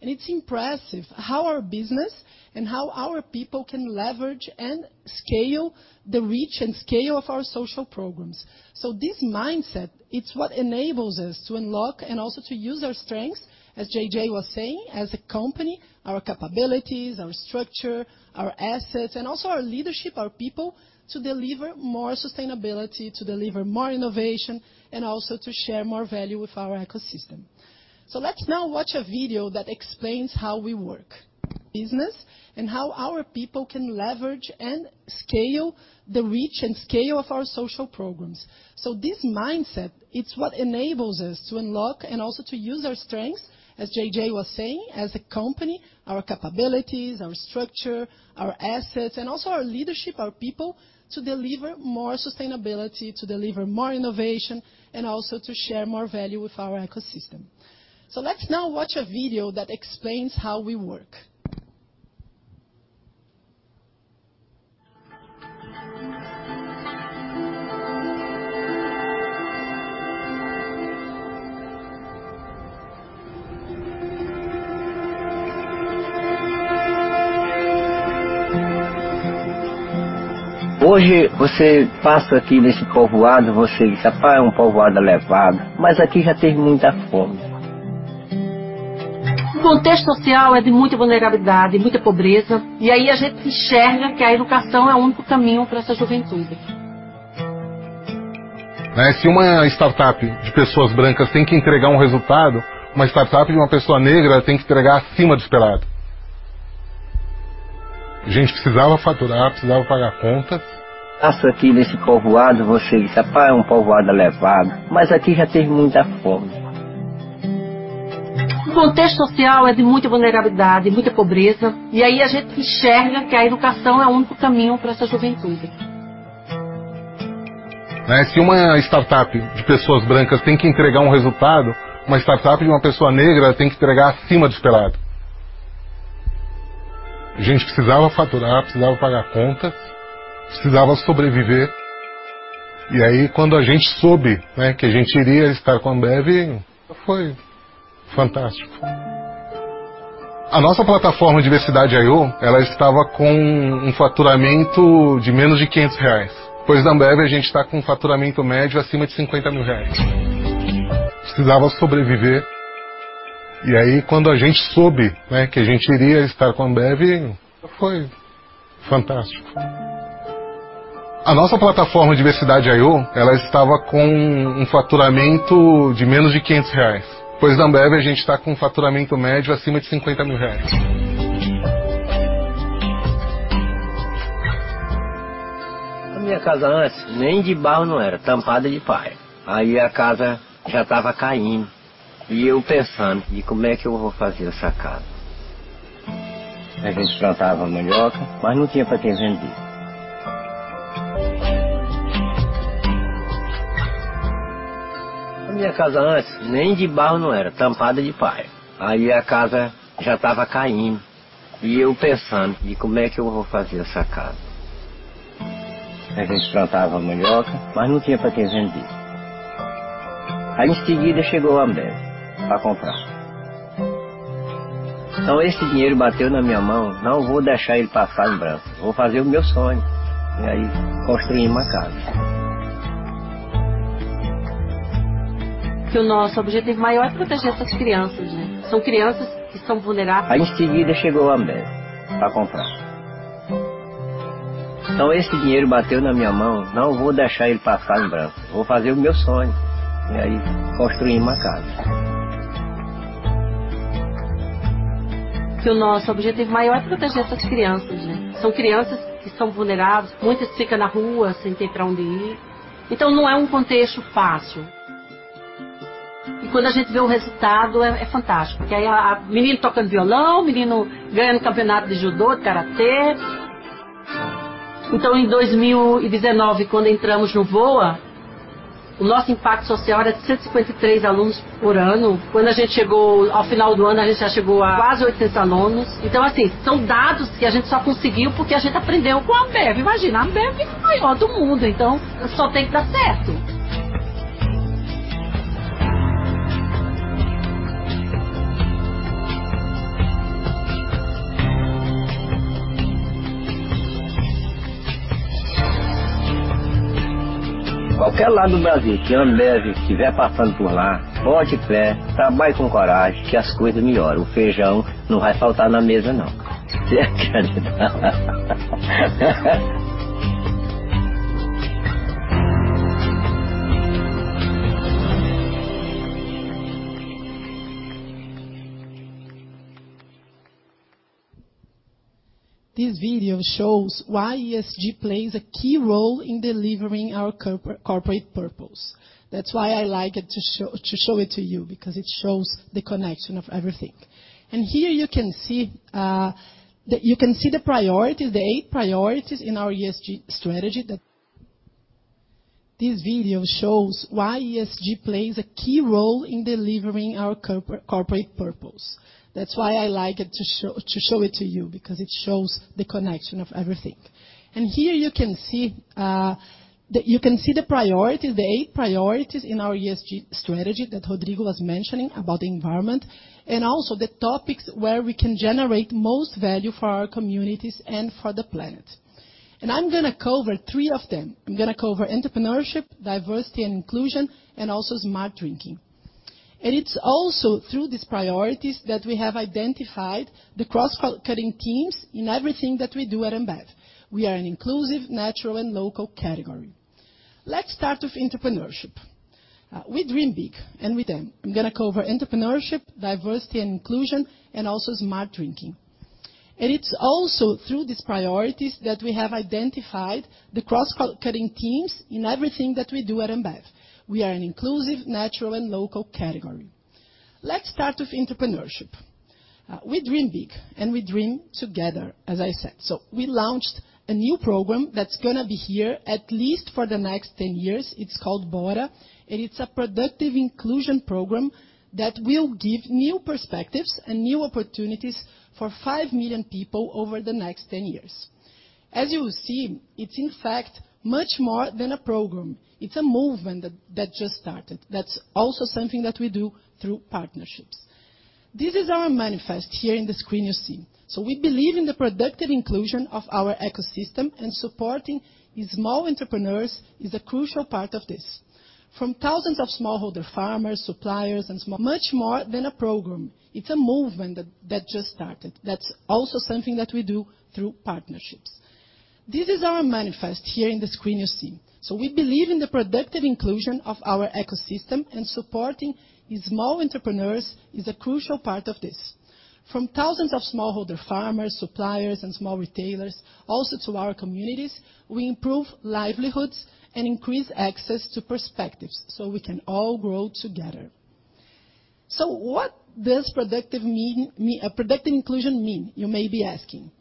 It's impressive how our business and how our people can leverage and scale the reach and scale of our social programs. So this mindset, it's what enables us to unlock and also to use our strengths, as JJ was saying, as a company, our capabilities, our structure, our assets, and also our leadership and our people, to deliver more sustainability, to deliver more innovation, and also to share more value with our ecosystem. So let's now watch a video that explains how we work. Business and how our people can leverage and scale... Hoje, você passa aqui nesse povoado, você diz: "Ah, é um povoado elevado", mas aqui já teve muita fome. O contexto social é de muita vulnerabilidade, muita pobreza. Aí a gente enxerga que a educação é o único caminho pra essa juventude. Né, se uma startup de pessoas brancas tem que entregar um resultado, uma startup de uma pessoa negra tem que entregar acima do esperado. A gente precisava faturar, precisava pagar conta. Passa aqui nesse povoado, você diz: "Ah, é um povoado elevado", mas aqui já teve muita fome. O contexto social é de muita vulnerabilidade, muita pobreza. Aí a gente enxerga que a educação é o único caminho pra essa juventude. Se uma startup de pessoas brancas tem que entregar um resultado, uma startup de uma pessoa negra tem que entregar acima do esperado. A gente precisava faturar, precisava pagar conta, precisava sobreviver. Quando a gente soube, né, que a gente iria estar com a Ambev, foi fantástico. A nossa plataforma Diversidade.io, ela estava com um faturamento de menos de 500 reais. Depois da Ambev, a gente tá com um faturamento médio acima de BRL 50,000. A minha casa antes, nem de barro não era, tampada de palha. Aí a casa já tava caindo. Eu pensando: "E como é que eu vou fazer essa casa?" É, a gente plantava a mandioca, mas não tinha pra quem vender. Aí em seguida, chegou a Ambev pra comprar. Então esse dinheiro bateu na minha mão, não vou deixar ele passar em branco, vou fazer o meu sonho. Aí construí uma casa. Que o nosso objetivo maior é proteger essas crianças, né? São crianças que são vulneráveis. Aí em seguida, chegou a Ambev pra comprar. Esse dinheiro bateu na minha mão, não vou deixar ele passar em branco, vou fazer o meu sonho. Construí uma casa. Que o nosso objetivo maior é proteger essas crianças, né? São crianças que são vulneráveis, muitas fica na rua sem ter pra onde ir. Não é um contexto fácil. Quando a gente vê o resultado, é fantástico, porque aí menino tocando violão, menino ganhando campeonato de judô, de karatê. Em 2019, quando entramos no Voa, o nosso impacto social era de 153 alunos por ano. Quando a gente chegou ao final do ano, a gente já chegou a quase 800 alunos. São dados que a gente só conseguiu porque a gente aprendeu com a Ambev. Imagina, a Ambev é a maior do mundo, então só tem que dar certo. Qualquer lado do Brasil que a Ambev tiver passando por lá, pode crer, trabalhe com coragem que as coisas melhoram. O feijão não vai faltar na mesa, não. Certo, Chalita? This video shows why ESG plays a key role in delivering our corporate purpose. That's why I like to show it to you because it shows the connection of everything. Here you can see the priorities, the eight priorities in our ESG strategy that Rodrigo was mentioning about the environment, and also the topics where we can generate most value for our communities and for the planet. I'm gonna cover three of them. I'm gonna cover entrepreneurship, diversity and inclusion, and also Smart Drinking. It's also through these priorities that we have identified the cross-cutting themes in everything that we do at Ambev. We are an inclusive, natural, and local category. Let's start with entrepreneurship. We dream big, and we dream together, as I said. We launched a new program that's gonna be here at least for the next 10 years. It's called Bora, and it's a productive inclusion program that will give new perspectives and new opportunities for 5 million people over the next 10 years. As you will see, it's in fact much more than a program. It's a movement that just started. That's also something that we do through partnerships. This is our manifesto here on the screen you see. We believe in the productive inclusion of our ecosystem, and supporting small entrepreneurs is a crucial part of this. From thousands of smallholder farmers, suppliers, and small retailers, also to our communities, we improve livelihoods and increase access to perspectives, so we can all grow together. What does productive inclusion mean, you may be asking.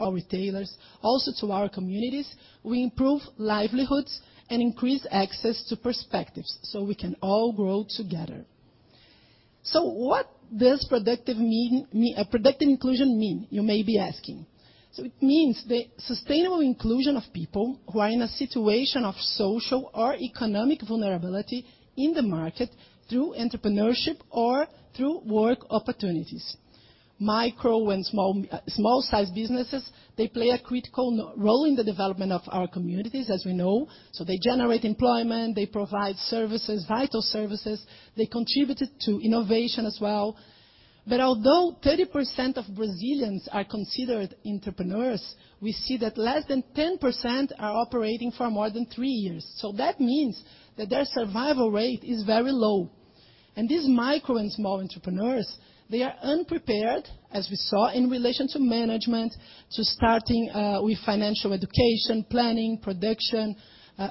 Retailers, also to our communities, we improve livelihoods and increase access to perspectives, so we can all grow together. What does productive inclusion mean, you may be asking. It means the sustainable inclusion of people who are in a situation of social or economic vulnerability in the market through entrepreneurship or through work opportunities. Micro and small-sized businesses play a critical role in the development of our communities, as we know. They generate employment, they provide vital services. They contributed to innovation as well. Although 30% of Brazilians are considered entrepreneurs, we see that less than 10% are operating for more than three years. That means that their survival rate is very low. These micro and small entrepreneurs, they are unprepared, as we saw, in relation to management, to starting, with financial education, planning, production,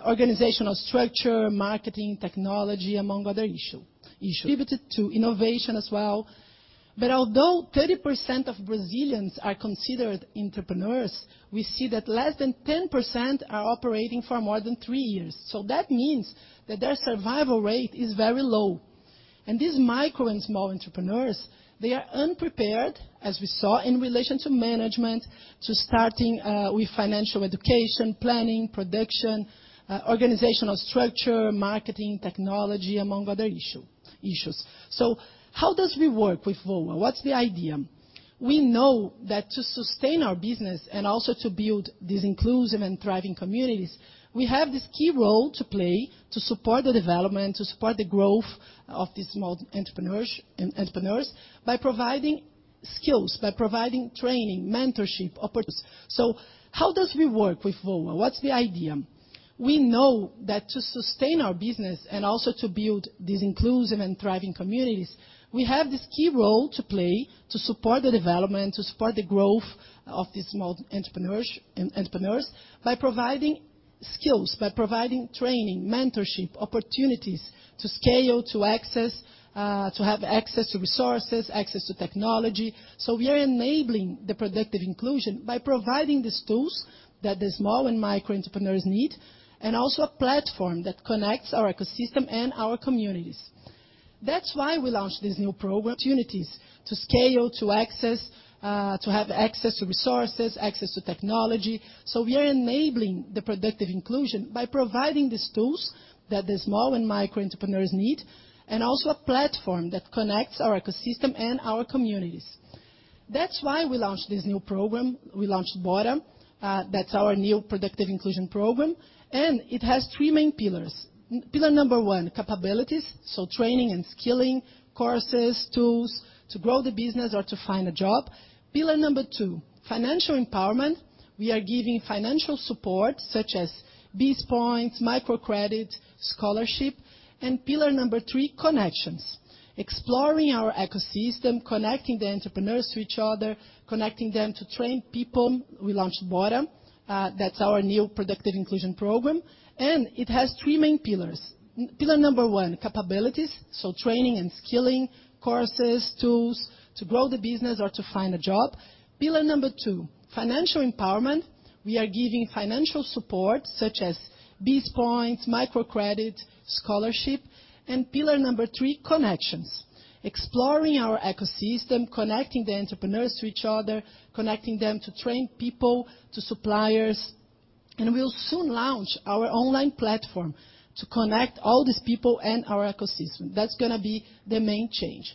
organizational structure, marketing, technology, among other issues. Contributed to innovation as well. Although 30% of Brazilians are considered entrepreneurs, we see that less than 10% are operating for more than three years. That means that their survival rate is very low. These micro and small entrepreneurs, they are unprepared, as we saw, in relation to management, to starting, with financial education, planning, production, organizational structure, marketing, technology, among other issues. How do we work with VOA? What's the idea? We know that to sustain our business and also to build these inclusive and thriving communities, we have this key role to play to support the development, to support the growth of these small entrepreneurs by providing skills, by providing training, mentorship, opportunities. How do we work with VOA? What's the idea? We know that to sustain our business and also to build these inclusive and thriving communities, we have this key role to play to support the development, to support the growth of these small entrepreneurs by providing skills, by providing training, mentorship, opportunities to scale, to access, to have access to resources, access to technology. We are enabling the productive inclusion by providing these tools that the small and micro entrepreneurs need, and also a platform that connects our ecosystem and our communities. That's why we launched this new program. Opportunities to scale, to access, to have access to resources, access to technology. We are enabling the productive inclusion by providing these tools that the small and micro entrepreneurs need, and also a platform that connects our ecosystem and our communities. That's why we launched this new program. We launched Bora, that's our new productive inclusion program, and it has three main pillars. Pillar number one, capabilities. Training and skilling, courses, tools to grow the business or to find a job. Pillar number two, financial empowerment. We are giving financial support such as BEES points, microcredit, scholarship. Pillar number three, connections. Exploring our ecosystem, connecting the entrepreneurs to each other, connecting them to trained people. Training and skilling, courses, tools to grow the business or to find a job. Pillar number two, financial empowerment. We are giving financial support such as BEES points, microcredit, scholarship. Pillar number three, connections. Exploring our ecosystem, connecting the entrepreneurs to each other, connecting them to trained people, to suppliers. We'll soon launch our online platform to connect all these people and our ecosystem. That's gonna be the main change.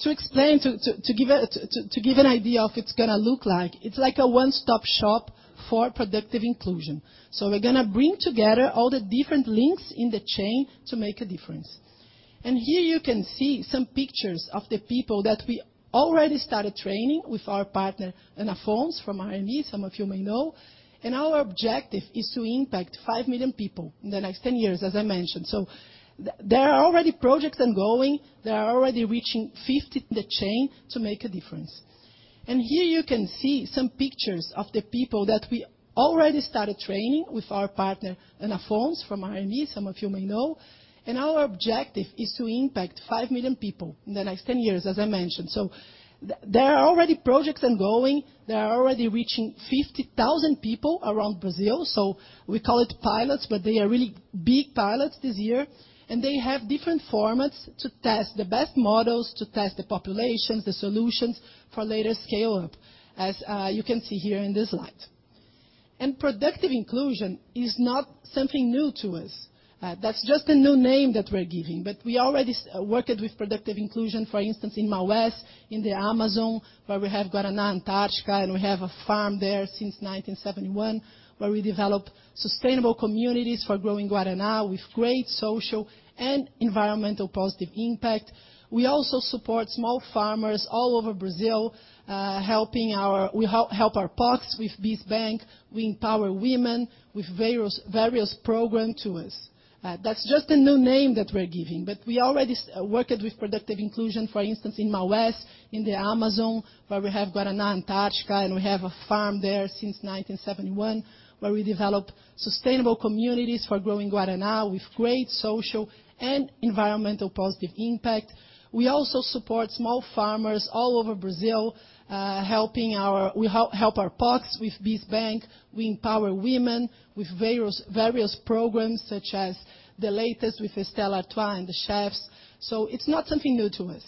To explain, to give an idea of what it's gonna look like, it's like a one-stop shop for productive inclusion. We're gonna bring together all the different links in the chain to make a difference. Here you can see some pictures of the people that we already started training with our partner, Ana Fontes from RME, some of you may know. Our objective is to impact 5 million people in the next 10 years, as I mentioned. Here you can see some pictures of the people that we already started training with our partner, Ana Fontes from RME, some of you may know. Our objective is to impact 5 million people in the next 10 years, as I mentioned. There are already projects ongoing that are already reaching 50,000 people around Brazil. We call it pilots, but they are really big pilots this year. They have different formats to test the best models, to test the populations, the solutions for later scale-up, as you can see here in this slide. Productive inclusion is not something new to us. That's just a new name that we're giving. We already worked with productive inclusion, for instance, in Maués, in the Amazon, where we have Guaraná Antarctica, and we have a farm there since 1971, where we developed sustainable communities for growing guaraná with great social and environmental positive impact. We also support small farmers all over Brazil. We help our POCs with BEES Bank. We empower women with various program to us. We also support small farmers all over Brazil, we help our POCs with BEES Bank. We empower women with various programs such as the latest with Stella Artois and the chefs. It's not something new to us.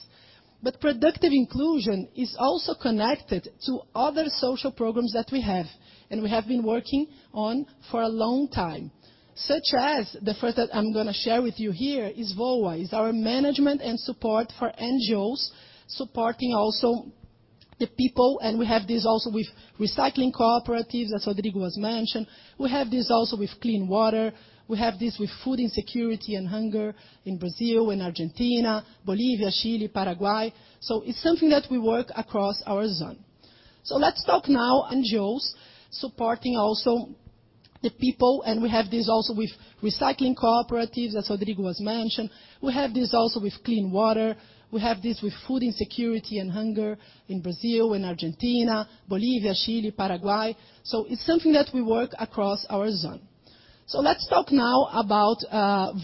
Productive inclusion is also connected to other social programs that we have and we have been working on for a long time. Such as the first that I'm gonna share with you here is VOA. It's our management and support for NGOs, supporting also the people. We have this also with recycling cooperatives, as Rodrigo has mentioned. We have this also with clean water. We have this with food insecurity and hunger in Brazil and Argentina, Bolivia, Chile, Paraguay. It's something that we work across our zone. Let's talk now. NGOs supporting also the people, and we have this also with recycling cooperatives, as Rodrigo has mentioned. We have this also with clean water. We have this with food insecurity and hunger in Brazil and Argentina, Bolivia, Chile, Paraguay. It's something that we work across our zone. Let's talk now about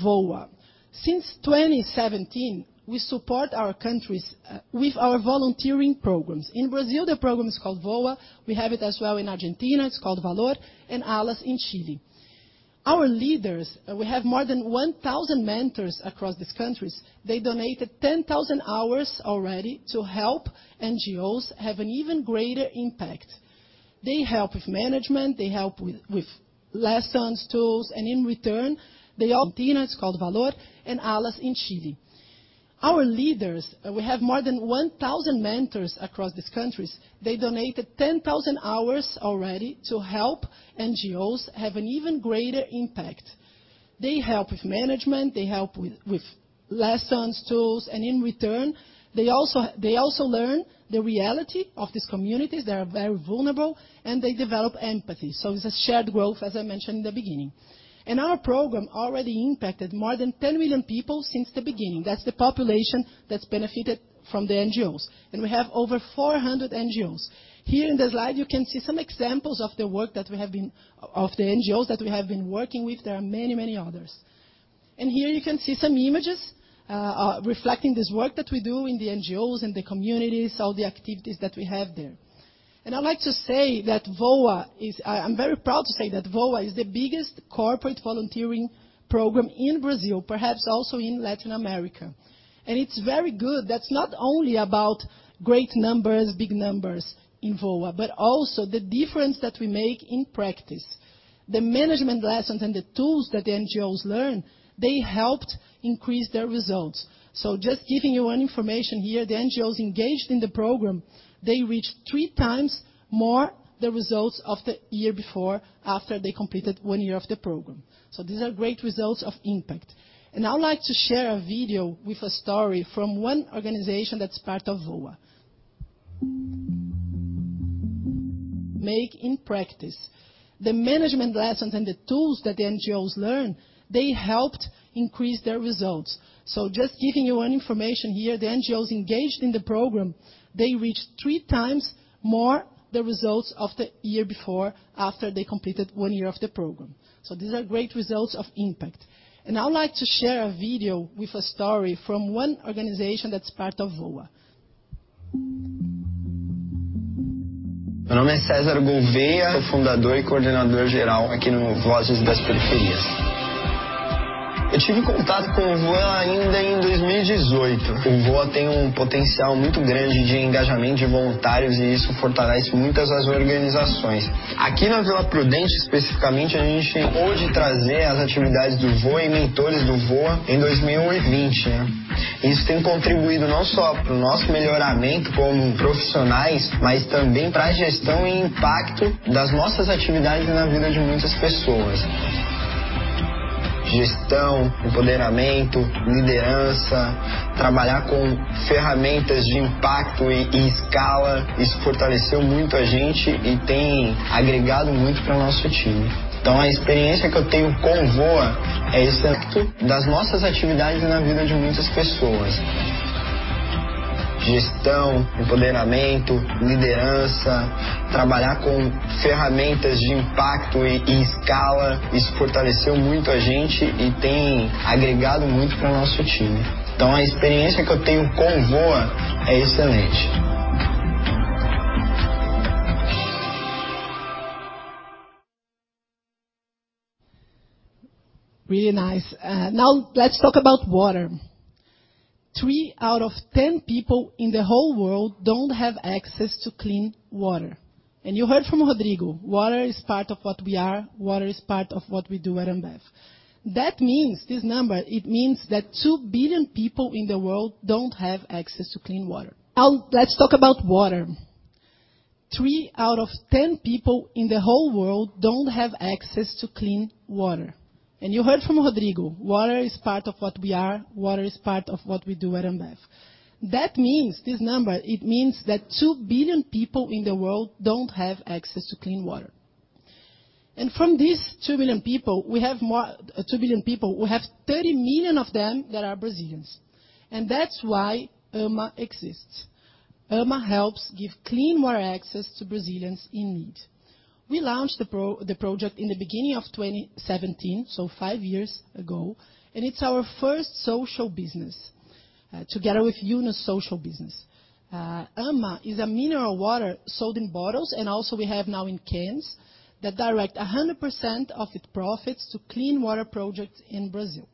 VOA. Since 2017, we support our countries with our volunteering programs. In Brazil, the program is called VOA. We have it as well in Argentina; it's called Valor, and Alas in Chile. Our leaders, we have more than 1,000 mentors across these countries. They donated 10,000 hours already to help NGOs have an even greater impact. They help with management. They help with lessons, tools, and in return, they Our leaders, we have more than 1,000 mentors across these countries. They donated 10,000 hours already to help NGOs have an even greater impact. They help with management. They help with lessons, tools, and in return, they also learn the reality of these communities that are very vulnerable, and they develop empathy. It's a shared growth, as I mentioned in the beginning. Our program already impacted more than 10 million people since the beginning. That's the population that's benefited from the NGOs. We have over 400 NGOs. Here in the slide, you can see some examples of the NGOs that we have been working with. There are many, many others. Here you can see some images reflecting this work that we do in the NGOs and the communities, all the activities that we have there. I'd like to say that VOA is the biggest corporate volunteering program in Brazil, perhaps also in Latin America. It's very good. That's not only about great numbers, big numbers in VOA, but also the difference that we make in practice. The management lessons and the tools that the NGOs learn, they helped increase their results. Just giving you one information here, the NGOs engaged in the program, they reached three times more the results of the year before, after they completed one year of the program. These are great results of impact. I would like to share a video with a story from one organization that's part of VOA. Make in practice. The management lessons and the tools that the NGOs learn, they helped increase their results. Just giving you one information here, the NGOs engaged in the program, they reached three times more the results of the year before after they completed one year of the program. These are great results of impact. I would like to share a video with a story from one organization that's part of VOA. Really nice. Now let's talk about water. Three out of ten people in the whole world don't have access to clean water. You heard from Rodrigo, water is part of what we are, water is part of what we do at Ambev. That means this number, it means that 2 billion people in the world don't have access to clean water. Now let's talk about water. Three out of 10 people in the whole world don't have access to clean water. You heard from Rodrigo, water is part of what we are, water is part of what we do at Ambev. That means, this number, it means that 2 billion people in the world don't have access to clean water. From these 2 billion people, 30 million of them are Brazilians. That's why AMA exists. AMA helps give clean water access to Brazilians in need. We launched the project in the beginning of 2017, so five years ago, and it's our first social business together with Yunus Social Business. AMA is a mineral water sold in bottles and also we have now in cans that direct 100% of its profits to clean water projects in Brazil.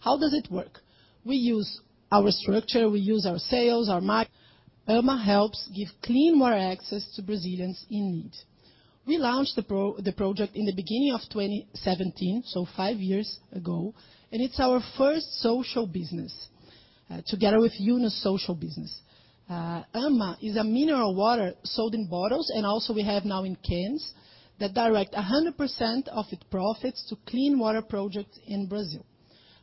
How does it work? We use our structure, we use our sales, AMA helps give clean water access to Brazilians in need. We launched the project in the beginning of 2017, so five years ago, and it's our first social business, together with Yunus Social Business. AMA is a mineral water sold in bottles and also we have now in cans that direct 100% of its profits to clean water projects in Brazil.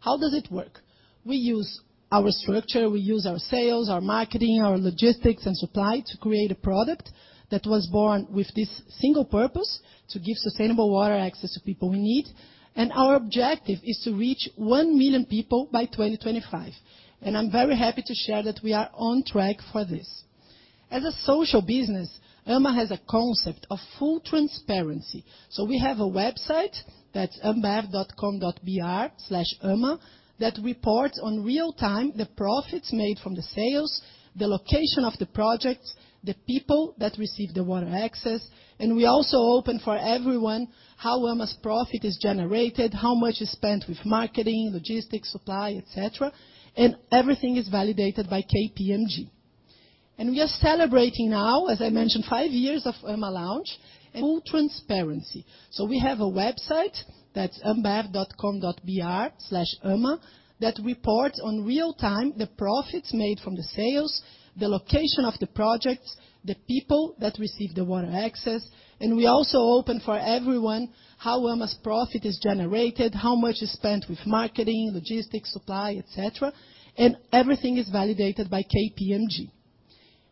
How does it work? We use our structure, we use our sales, our marketing, our logistics and supply to create a product that was born with this single purpose to give sustainable water access to people in need. Our objective is to reach 1 million people by 2025. I'm very happy to share that we are on track for this. As a social business, AMA has a concept of full transparency. We have a website, that's ambev.com.br/ama, that reports in real time the profits made from the sales, the location of the projects, the people that receive the water access, and we also open for everyone how AMA's profit is generated, how much is spent with marketing, logistics, supply, et cetera. Everything is validated by KPMG. We are celebrating now, as I mentioned, five years of AMA launch. Full transparency. We have a website, that's ambev.com.br/ama, that reports in real time the profits made from the sales, the location of the projects, the people that receive the water access, and we also open for everyone how AMA's profit is generated, how much is spent with marketing, logistics, supply, et cetera. Everything is validated by KPMG.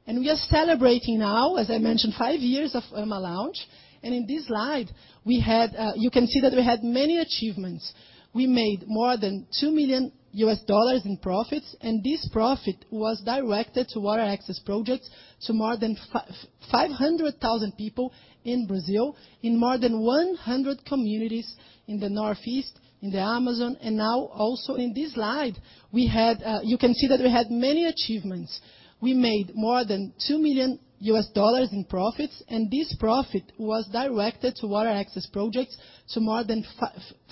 We are celebrating now, as I mentioned, five years of AMA launch. In this slide, you can see that we had many achievements. We made more than $2 million in profits, and this profit was directed to water access projects to more than 500,000 people in Brazil in more than 100 communities in the Northeast, in the Amazon. We made more than $2 million in profits, and this profit was directed to water access projects to more than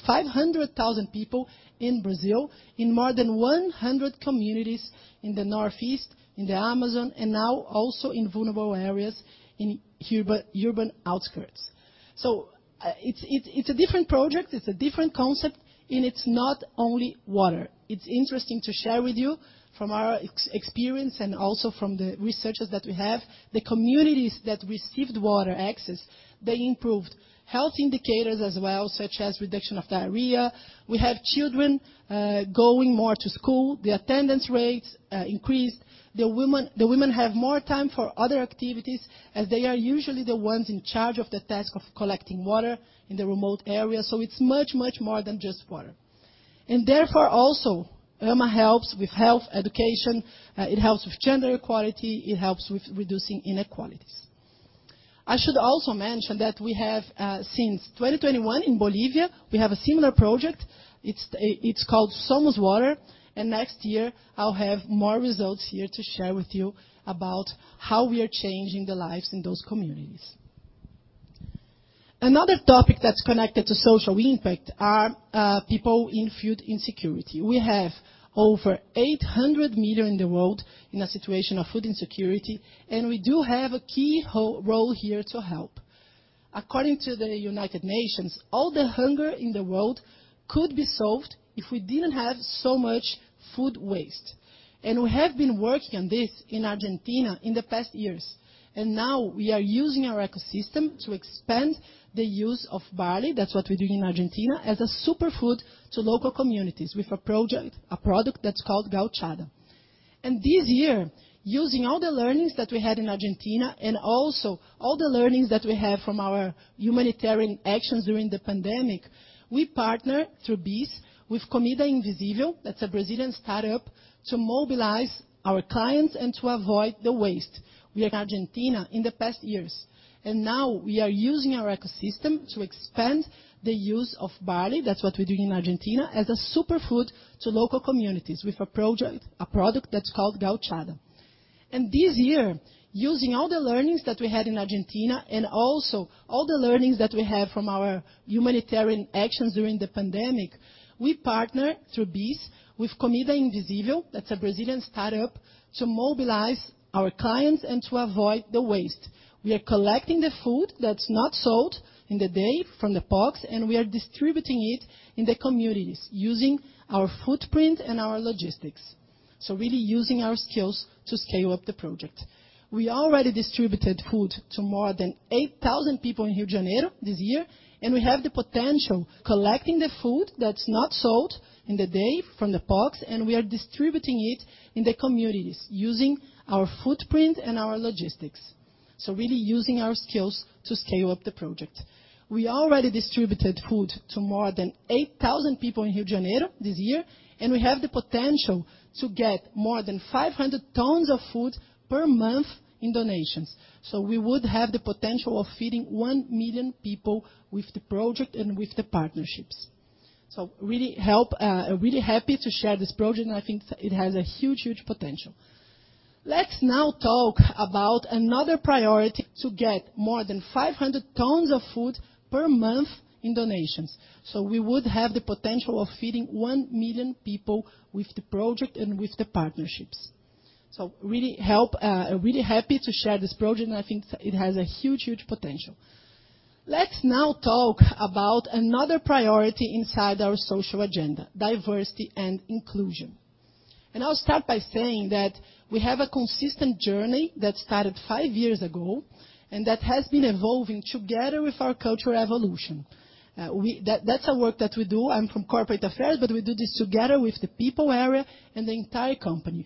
500,000 people in Brazil in more than 100 communities in the Northeast, in the Amazon, and now also in vulnerable areas in urban outskirts. It's a different project, it's a different concept, and it's not only water. It's interesting to share with you from our experience and also from the research that we have, the communities that received water access, they improved health indicators as well, such as reduction of diarrhea. We have children going more to school. The attendance rates increased. The women have more time for other activities, as they are usually the ones in charge of the task of collecting water in the remote areas. It's much, much more than just water. Therefore also AMA helps with health education, it helps with gender equality, it helps with reducing inequalities. I should also mention that we have, since 2021 in Bolivia, we have a similar project. It's called Somos Água, and next year I'll have more results here to share with you about how we are changing the lives in those communities. Another topic that's connected to social impact are people in food insecurity. We have over 800 million in the world in a situation of food insecurity, and we do have a key role here to help. According to the United Nations, all the hunger in the world could be solved if we didn't have so much food waste. We have been working on this in Argentina in the past years. Now we are using our ecosystem to expand the use of barley, that's what we do in Argentina, as a super food to local communities with a project, a product that's called Gauchada. This year, using all the learnings that we had in Argentina and also all the learnings that we have from our humanitarian actions during the pandemic, we partner through BEES with Comida Invisível, that's a Brazilian startup, to mobilize our clients and to avoid the waste. This year, using all the learnings that we had in Argentina and also all the learnings that we have from our humanitarian actions during the pandemic, we partner through BEES with Comida Invisível, that's a Brazilian startup, to mobilize our clients and to avoid the waste. We are collecting the food that's not sold in the day from the box, and we are distributing it in the communities using our footprint and our logistics. Really using our skills to scale up the project. We already distributed food to more than 8,000 people in Rio de Janeiro this year, and we have the potential. We already distributed food to more than 8,000 people in Rio de Janeiro this year, and we have the potential to get more than 500 tons of food per month in donations. We would have the potential of feeding 1 million people with the project and with the partnerships. Really helpful, really happy to share this project, and I think it has a huge potential. Let's now talk about another priority inside our social agenda, diversity and inclusion. I'll start by saying that we have a consistent journey that started five years ago and that has been evolving together with our cultural evolution. That's a work that we do. I'm from corporate affairs, but we do this together with the people area and the entire company.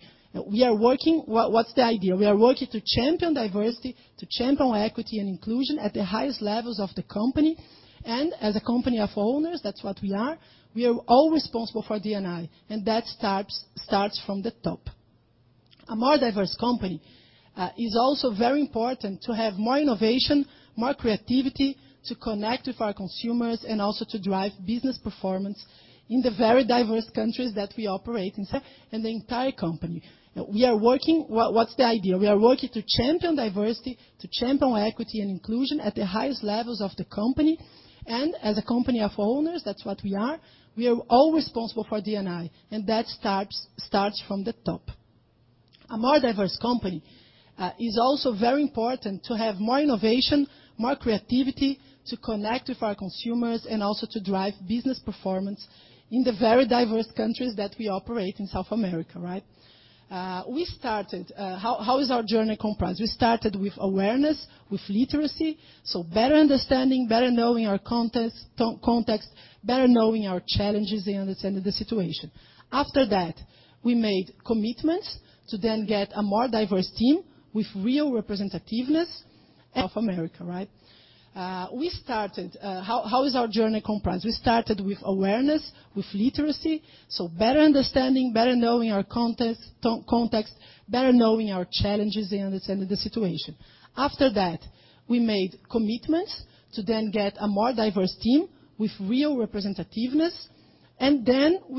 We are working to champion diversity, to champion equity and inclusion at the highest levels of the company. As a company of owners, that's what we are, we are all responsible for D&I, and that starts from the top. A more diverse company is also very important to have more innovation, more creativity, to connect with our consumers and also to drive business performance in the very diverse countries that we operate in South America, right? We started. How is our journey comprised? We started with awareness, with literacy, so better understanding, better knowing our context, better knowing our challenges and understanding the situation. After that, we made commitments to then get a more diverse team with real representativeness of America, right? Then we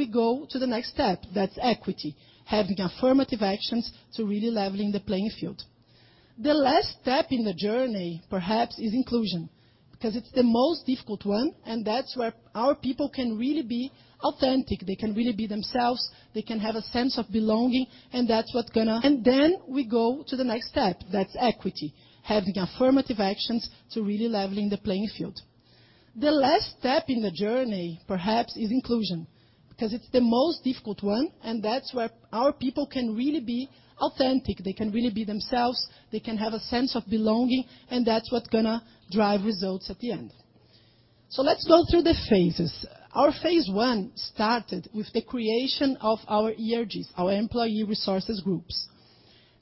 go to the next step, that's equity, having affirmative actions to really leveling the playing field. The last step in the journey, perhaps, is inclusion, because it's the most difficult one, and that's where our people can really be authentic. They can really be themselves, they can have a sense of belonging, and that's what's gonna. Then we go to the next step, that's equity, having affirmative actions to really leveling the playing field. The last step in the journey, perhaps, is inclusion, because it's the most difficult one, and that's where our people can really be authentic. They can really be themselves, they can have a sense of belonging, and that's what's gonna drive results at the end. Let's go through the phases. Our phase one started with the creation of our ERGs, our employee resource groups.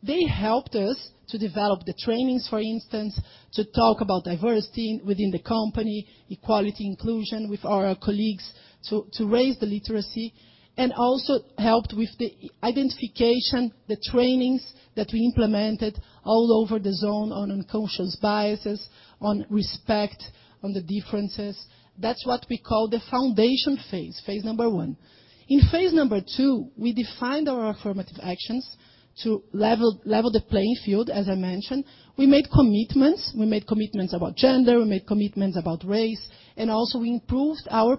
They helped us to develop the trainings, for instance, to talk about diversity within the company, equality, inclusion with our colleagues to raise the literacy, and also helped with the identification, the trainings that we implemented all over the zone on unconscious biases, on respect, on the differences. That's what we call the foundation phase number one. In phase 2, we defined our affirmative actions to level the playing field, as I mentioned. We made commitments. We made commitments about gender, we made commitments about race, and also we improved our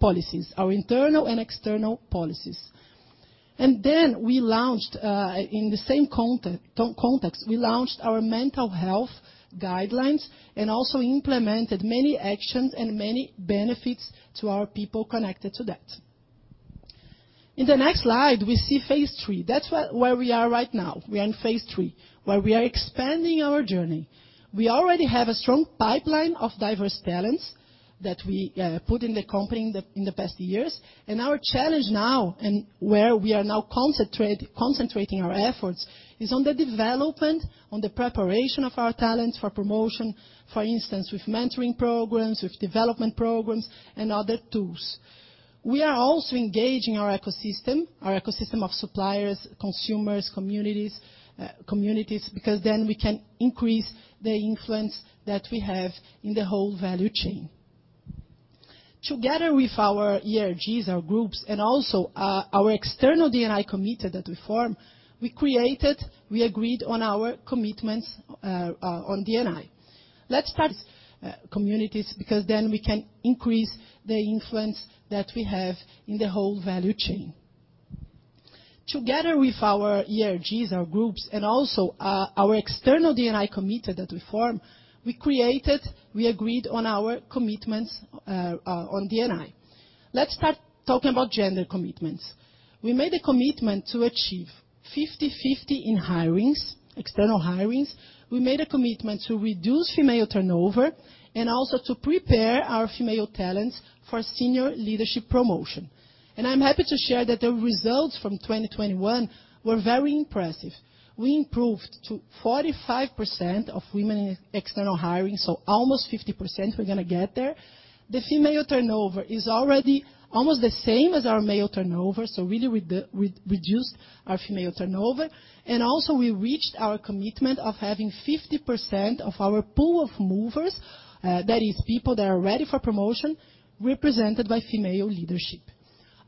policies, our internal and external policies. Then we launched in the same context our mental health guidelines and also implemented many actions and many benefits to our people connected to that. In the next slide, we see phase 3. That's where we are right now. We are in phase 3, where we are expanding our journey. We already have a strong pipeline of diverse talents that we put in the company in the past years, and our challenge now and where we are now concentrating our efforts is on the development, preparation of our talents for promotion, for instance, with mentoring programs, development programs, and other tools. We are also engaging our ecosystem of suppliers, consumers, communities because then we can increase the influence that we have in the whole value chain. Together with our ERGs, groups, and also our external D&I committee that we form, we created, we agreed on our commitments on D&I. Together with our ERGs, our groups, and also our external D&I committee that we form, we created, we agreed on our commitments on D&I. Let's start talking about gender commitments. We made a commitment to achieve 50/50 in hirings, external hirings. We made a commitment to reduce female turnover and also to prepare our female talents for senior leadership promotion. I'm happy to share that the results from 2021 were very impressive. We improved to 45% of women in external hiring, so almost 50% we're gonna get there. The female turnover is already almost the same as our male turnover, so really we reduced our female turnover. We reached our commitment of having 50% of our pool of movers, that is people that are ready for promotion, represented by female leadership.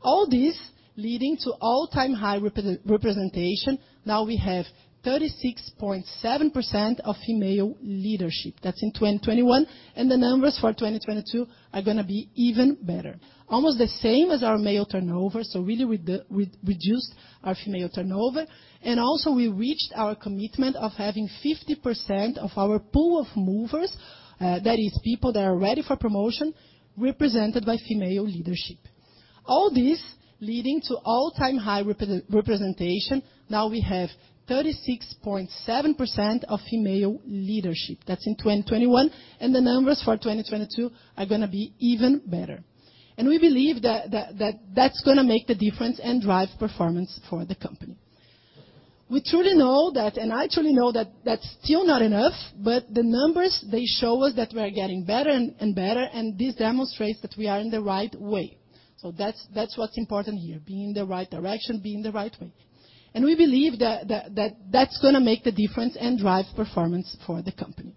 All this leading to all-time high representation. Now we have 36.7% of female leadership. That's in 2021, and the numbers for 2022 are gonna be even better. Almost the same as our male turnover, so really we reduced our female turnover. We reached our commitment of having 50% of our pool of movers, that is people that are ready for promotion, represented by female leadership. All this leading to all-time high representation. Now we have 36.7% of female leadership. That's in 2021, and the numbers for 2022 are gonna be even better. We believe that's gonna make the difference and drive performance for the company. We truly know that, and I truly know that that's still not enough, but the numbers, they show us that we are getting better and better, and this demonstrates that we are in the right way. That's what's important here, be in the right direction, be in the right way. We believe that that's gonna make the difference and drive performance for the company.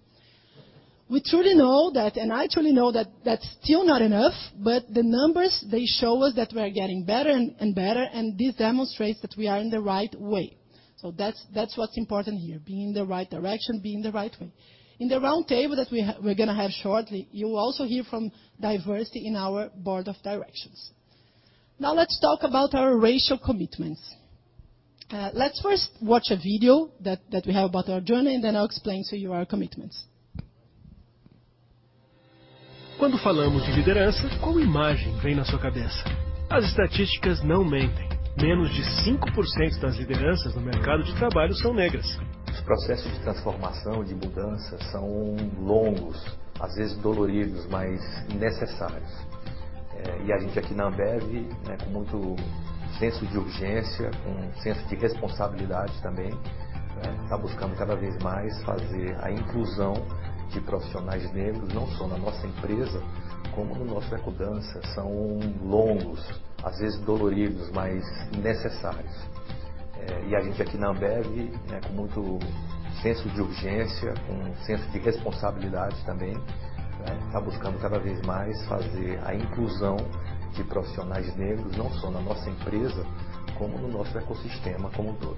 We truly know that, and I truly know that that's still not enough, but the numbers, they show us that we are getting better and better, and this demonstrates that we are in the right way. That's what's important here, be in the right direction, be in the right way. In the round table that we're gonna have shortly, you will also hear from diversity in our board of directors. Now let's talk about our racial commitments. Let's first watch a video that we have about our journey, and then I'll explain to you our commitments. Quando falamos de liderança, qual imagem vem na sua cabeça? As estatísticas não mentem. Menos de 5% das lideranças no mercado de trabalho são negras. Os processos de transformação, de mudança são longos, às vezes doloridos, mas necessários. É a gente aqui na Ambev, né, com muito senso de urgência, com senso de responsabilidade também, né, tá buscando cada vez mais fazer a inclusão de profissionais negros, não só na nossa empresa, como no nosso ecossistema como um todo.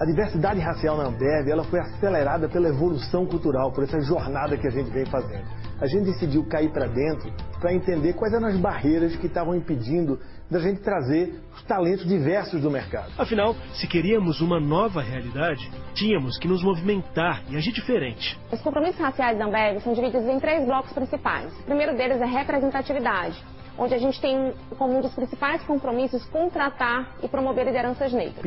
A diversidade racial na Ambev, ela foi acelerada pela evolução cultural, por essa jornada que a gente vem fazendo. A gente decidiu cair pra dentro pra entender quais eram as barreiras que tavam impedindo da gente trazer os talentos diversos do mercado. Afinal, se queríamos uma nova realidade, tínhamos que nos movimentar e agir diferente. Os compromissos raciais da Ambev são divididos em três blocos principais. O primeiro deles é representatividade, onde a gente tem como um dos principais compromissos contratar e promover lideranças negras.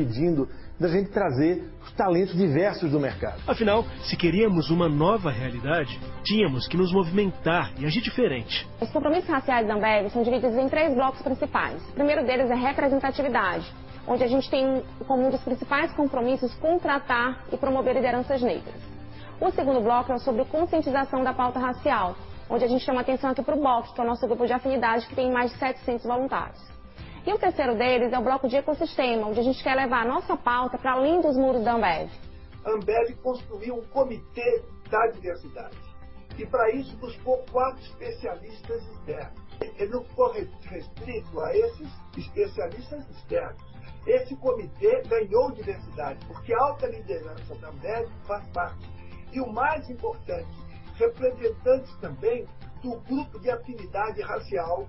Impedindo a gente de trazer os talentos diversos do mercado. Afinal, se queríamos uma nova realidade, tínhamos que nos movimentar e agir diferente. Os compromissos raciais da Ambev são divididos em três blocos principais. O primeiro deles é representatividade, onde a gente tem como um dos principais compromissos contratar e promover lideranças negras. O segundo bloco é sobre conscientização da pauta racial, onde a gente chama atenção aqui pro BOF, que é o nosso grupo de afinidade, que tem mais de 700 voluntários. O terceiro deles é o bloco de ecossistema, onde a gente quer levar a nossa pauta pra além dos muros da Ambev. Ambev construiu um comitê da diversidade e pra isso buscou 4 especialistas externos. Ele não foi restrito a esses especialistas externos. Esse comitê ganhou diversidade porque a alta liderança da Ambev faz parte. O mais importante, representantes também do grupo de afinidade racial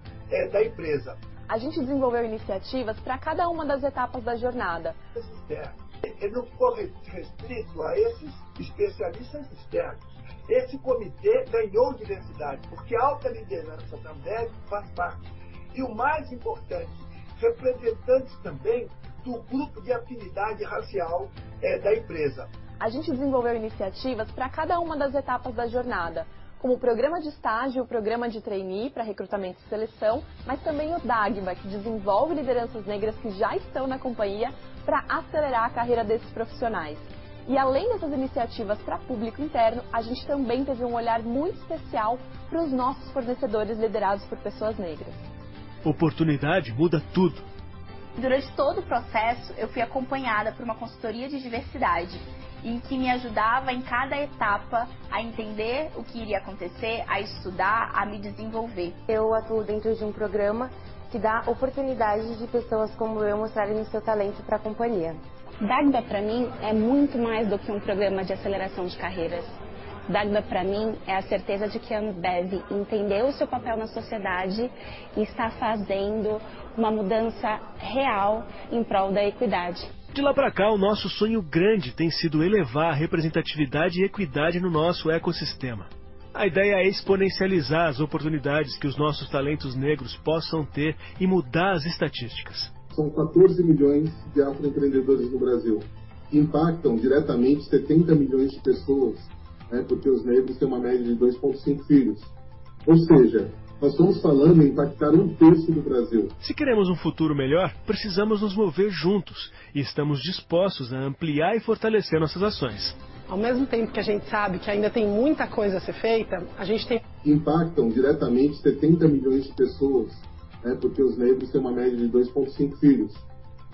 da empresa. A gente desenvolveu iniciativas pra cada uma das etapas da jornada. Especialistas externos. Ele não foi restrito a esses especialistas externos. Esse comitê ganhou diversidade, porque a alta liderança da Ambev faz parte. O mais importante, representantes também do grupo de afinidade racial, da empresa. A gente desenvolveu iniciativas pra cada uma das etapas da jornada, como o programa de estágio, o programa de trainee pra recrutamento e seleção, mas também o Dàgbá, que desenvolve lideranças negras que já estão na companhia pra acelerar a carreira desses profissionais. Além dessas iniciativas pra público interno, a gente também teve um olhar muito especial pros nossos fornecedores liderados por pessoas negras. Oportunidade muda tudo. Durante todo o processo, eu fui acompanhada por uma consultoria de diversidade, em que me ajudava em cada etapa a entender o que iria acontecer, a estudar, a me desenvolver. Eu atuo dentro de um programa que dá a oportunidade de pessoas como eu mostrarem o seu talento pra companhia. Dàgbá, pra mim, é muito mais do que um programa de aceleração de carreiras. Dàgbá, pra mim, é a certeza de que a Ambev entendeu o seu papel na sociedade e está fazendo uma mudança real em prol da equidade. De lá pra cá, o nosso sonho grande tem sido elevar a representatividade e equidade no nosso ecossistema. A ideia é exponencializar as oportunidades que os nossos talentos negros possam ter e mudar as estatísticas. São 14 milhões de afroempreendedores no Brasil, que impactam diretamente 70 milhões de pessoas, né, porque os negros têm uma média de 2.5 filhos. Ou seja, nós estamos falando em impactar um terço do Brasil. Se queremos um futuro melhor, precisamos nos mover juntos e estamos dispostos a ampliar e fortalecer nossas ações. Ao mesmo tempo que a gente sabe que ainda tem muita coisa a ser feita, a gente tem Impactam diretamente 70 milhões de pessoas, né, porque os negros têm uma média de 2.5 filhos.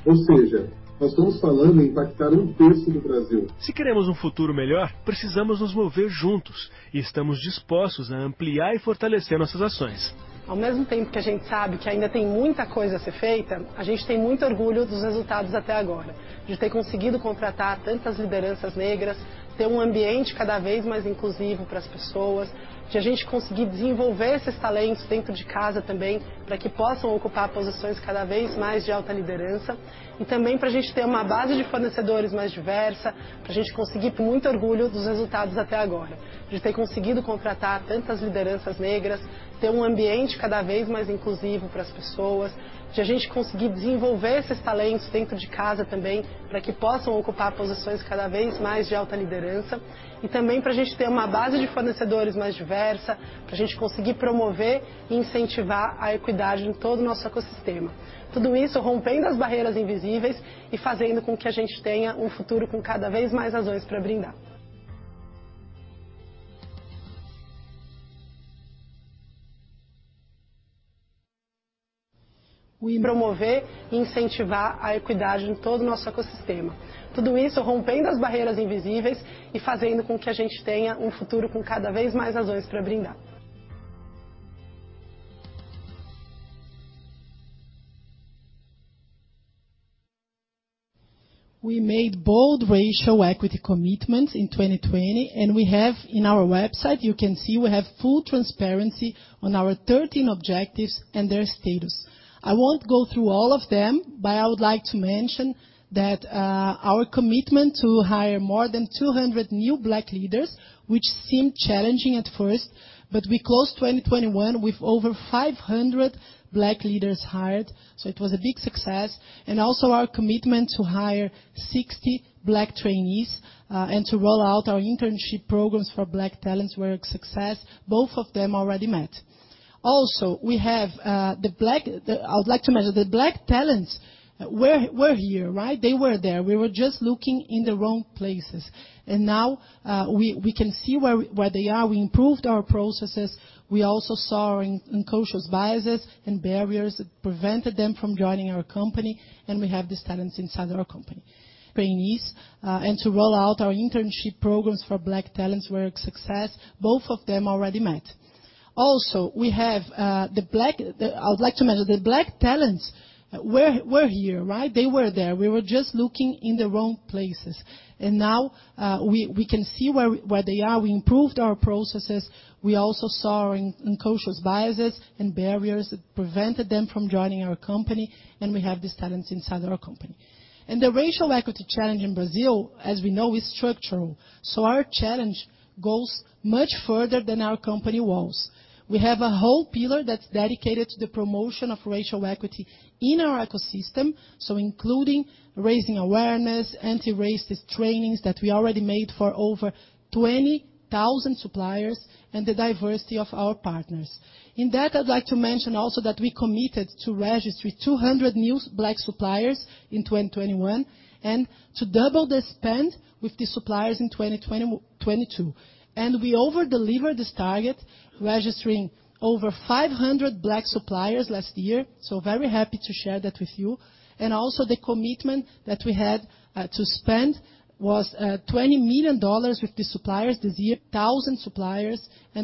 Ou seja, nós estamos falando em impactar um terço do Brasil. Se queremos um futuro melhor, precisamos nos mover juntos e estamos dispostos a ampliar e fortalecer nossas ações. Ao mesmo tempo que a gente sabe que ainda tem muita coisa a ser feita, a gente tem muito orgulho dos resultados até agora. De ter conseguido contratar tantas lideranças negras, ter um ambiente cada vez mais inclusivo pras pessoas. De a gente conseguir desenvolver esses talentos dentro de casa também, pra que possam ocupar posições cada vez mais de alta liderança. E também pra gente ter uma base de fornecedores mais diversa, pra gente conseguir promover e incentivar a equidade em todo o nosso ecossistema. Tudo isso rompendo as barreiras invisíveis e fazendo com que a gente tenha um futuro com cada vez mais razões pra brindar. Promover e incentivar a equidade em todo o nosso ecossistema. Tudo isso rompendo as barreiras invisíveis e fazendo com que a gente tenha um futuro com cada vez mais razões pra brindar. We made bold racial equity commitments in 2020 and we have in our website, you can see we have full transparency on our 13 objectives and their status. I won't go through all of them, but I would like to mention that, our commitment to hire more than 200 new Black leaders, which seemed challenging at first, but we closed 2021 with over 500 Black leaders hired. It was a big success. Our commitment to hire 60 Black trainees, and to roll out our internship programs for Black talents were a success. Both of them already met. I would like to mention the Black talents were here, right? They were there. We were just looking in the wrong places. Now, we can see where they are. We improved our processes. We also saw our unconscious biases and barriers that prevented them from joining our company. We have these talents inside our company. Trainees, and to roll out our internship programs for Black talents were a success. Both of them already met. Also, I would like to mention the Black talents were here, right? They were there. We were just looking in the wrong places. Now, we can see where they are. We improved our processes. We also saw our unconscious biases and barriers that prevented them from joining our company. We have these talents inside our company. The racial equity challenge in Brazil, as we know, is structural. Our challenge goes much further than our company walls. We have a whole pillar that's dedicated to the promotion of racial equity in our ecosystem. Including raising awareness, anti-racist trainings that we already made for over 20,000 suppliers and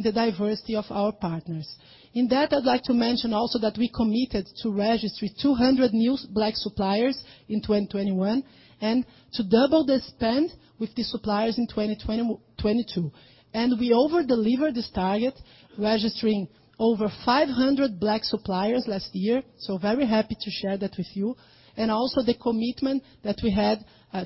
the diversity of our partners. In that, I'd like to mention also that we committed to register 200 new Black suppliers in 2021 and to double the spend with the suppliers in 2022. We over-delivered this target, registering over 500 Black suppliers last year, so very happy to share that with you. Also the commitment that we had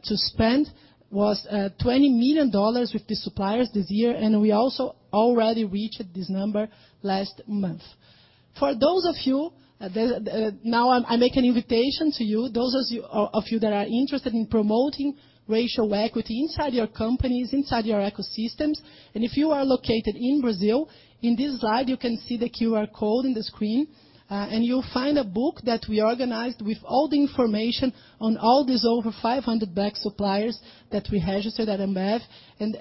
to spend was $20 million with the suppliers this year. We over-delivered this target, registering over 500 Black suppliers last year, so very happy to share that with you. Also the commitment that we had to spend was $20 million with the suppliers this year, and we also already reached this number last month. For those of you. Now I make an invitation to you, those of you that are interested in promoting racial equity inside your companies, inside your ecosystems. If you are located in Brazil, in this slide you can see the QR code on the screen. You'll find a book that we organized with all the information on all these over 500 Black suppliers that we registered at Ambev and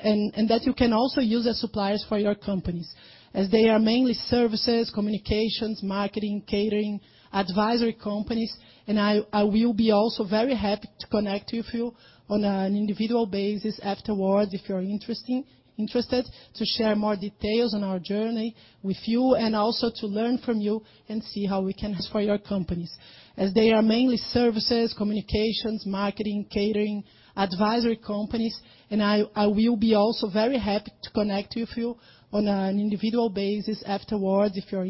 that you can also use as suppliers for your companies as they are mainly services, communications, marketing, catering, advisory companies. I will be also very happy to connect with you on an individual basis afterwards if you are interested to share more details on our journey with you and also to learn from you and see how we can help your companies. As they are mainly services, communications, marketing, catering, advisory companies, and I will be also very happy to connect with you on an individual basis afterwards if you are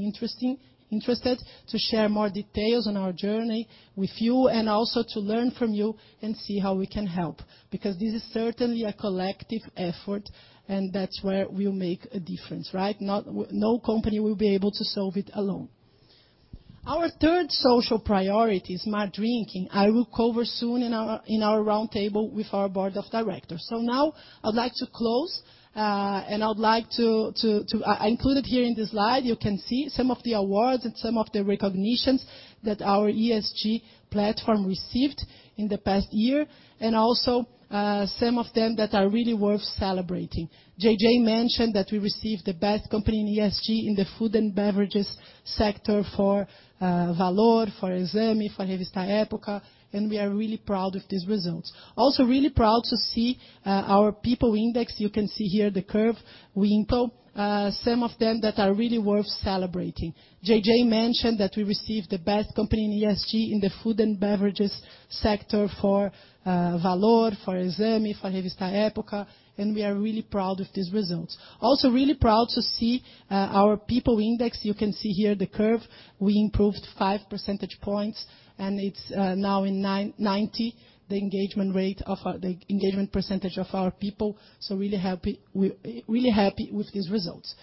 interested to share more details on our journey with you and also to learn from you and see how we can help. Because this is certainly a collective effort and that's where we'll make a difference, right? No company will be able to solve it alone. Our third social priority, Smart Drinking, I will cover soon in our roundtable with our board of directors. Now I'd like to close. I included here in this slide, you can see some of the awards and some of the recognitions that our ESG platform received in the past year and also some of them that are really worth celebrating. JJ mentioned that we received the best company in ESG in the food and beverages sector for Valor, for Exame, for Revista Época, and we are really proud of these results. Also really proud to see our people index. You can see here the curve. You can see here the curve. We improved 5 percentage points and it's now in 90%, the engagement percentage of our people. Really happy with these results.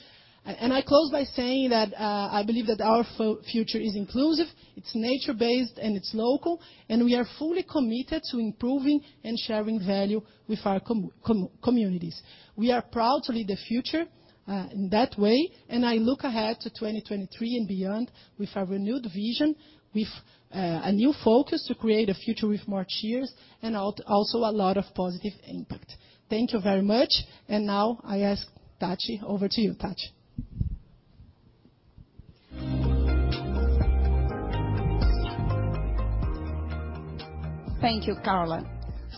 I close by saying that I believe that our future is inclusive, it's nature-based, and it's local, and we are fully committed to improving and sharing value with our communities. We are proud to lead the future in that way, and I look ahead to 2023 and beyond with our renewed vision, with a new focus to create a future with more cheers and also a lot of positive impact. Thank you very much. Now I ask Tati, over to you, Tati. Thank you, Carla.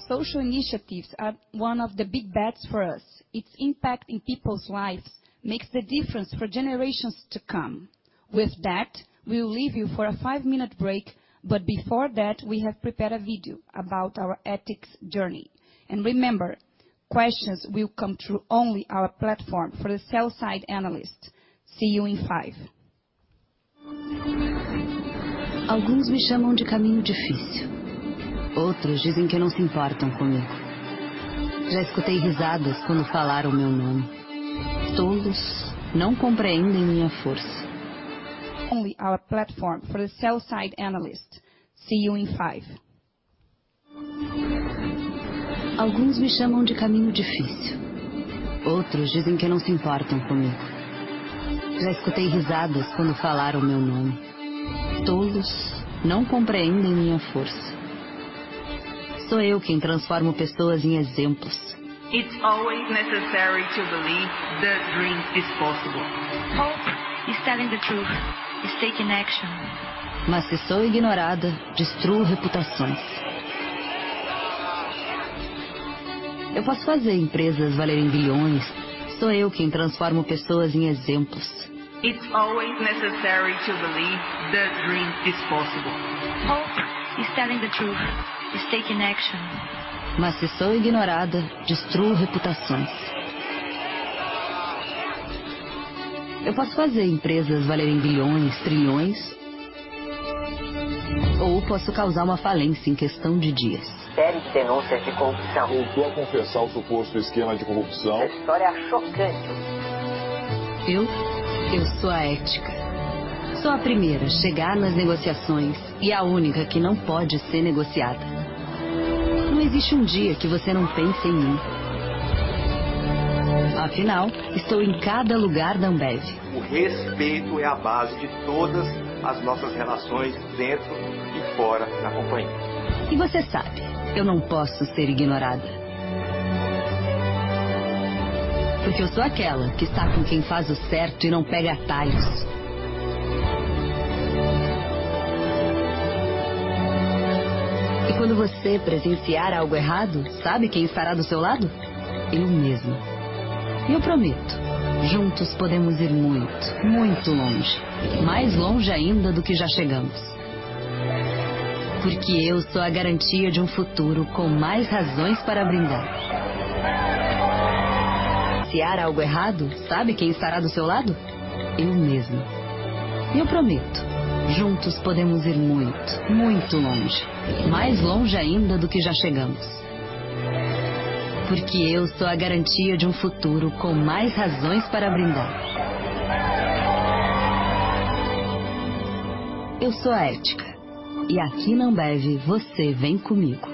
Social initiatives are one of the big bets for us. Its impact in people's lives makes the difference for generations to come. With that, we'll leave you for a five-minute break, but before that, we have prepared a video about our ethics journey. Remember, questions will come through only our platform for the sell-side analyst. See you in five. Only our platform for the sell-side analyst. See you in five. It's always necessary to believe the dream is possible. Hope is telling the truth, is taking action. It's always necessary to believe the dream is possible. Hope is telling the truth, is taking action. Series of corruption allegations. Confessed again to the alleged corruption scheme. The story is shocking. Eu? Eu sou a ética. Sou a primeira a chegar nas negociações e a única que não pode ser negociada. Não existe um dia que você não pense em mim. Afinal, estou em cada lugar da Ambev. O respeito é a base de todas as nossas relações, dentro e fora da companhia. Você sabe, eu não posso ser ignorada. Porque eu sou aquela que está com quem faz o certo e não pega atalhos. Quando você presenciar algo errado, sabe quem estará do seu lado? Eu mesma. Eu prometo, juntos podemos ir muito longe, mais longe ainda do que já chegamos. Porque eu sou a garantia de um futuro com mais razões para brindar. Se há algo errado, sabe quem estará do seu lado? Eu mesma. Eu prometo, juntos podemos ir muito longe, mais longe ainda do que já chegamos. Porque eu sou a garantia de um futuro com mais razões para brindar. Eu sou a ética e aqui na Ambev você vem comigo.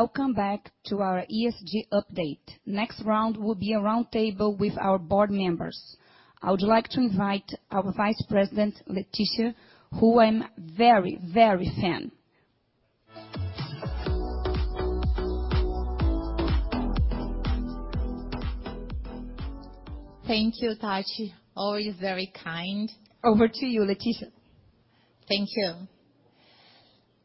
Hello, and welcome back to our ESG update. Next round will be a round table with our board members. I would like to invite our Vice President, Letícia, who I'm very, very fan. Thank you, Tati. Always very kind. Over to you, Letícia. Thank you.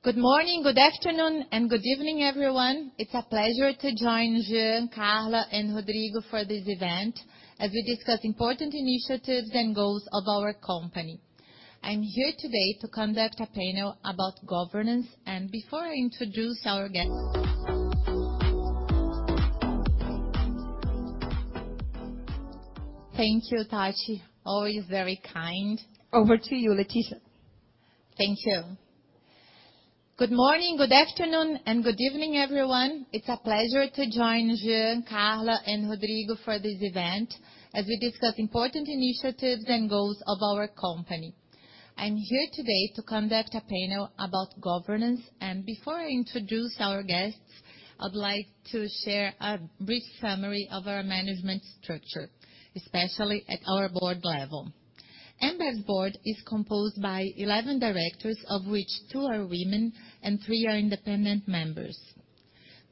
Good morning, good afternoon, and good evening, everyone. It's a pleasure to join Jean, Carla, and Rodrigo for this event as we discuss important initiatives and goals of our company. I'm here today to conduct a panel about governance. Before I introduce our guests. Thank you, Tati. Always very kind. Over to you, Letícia. Thank you. Good morning, good afternoon, and good evening, everyone. It's a pleasure to join Jean, Carla, and Rodrigo for this event as we discuss important initiatives and goals of our company. I'm here today to conduct a panel about governance. Before I introduce our guests, I'd like to share a brief summary of our management structure, especially at our board level. Ambev's board is composed by 11 directors, of which two are women and three are independent members.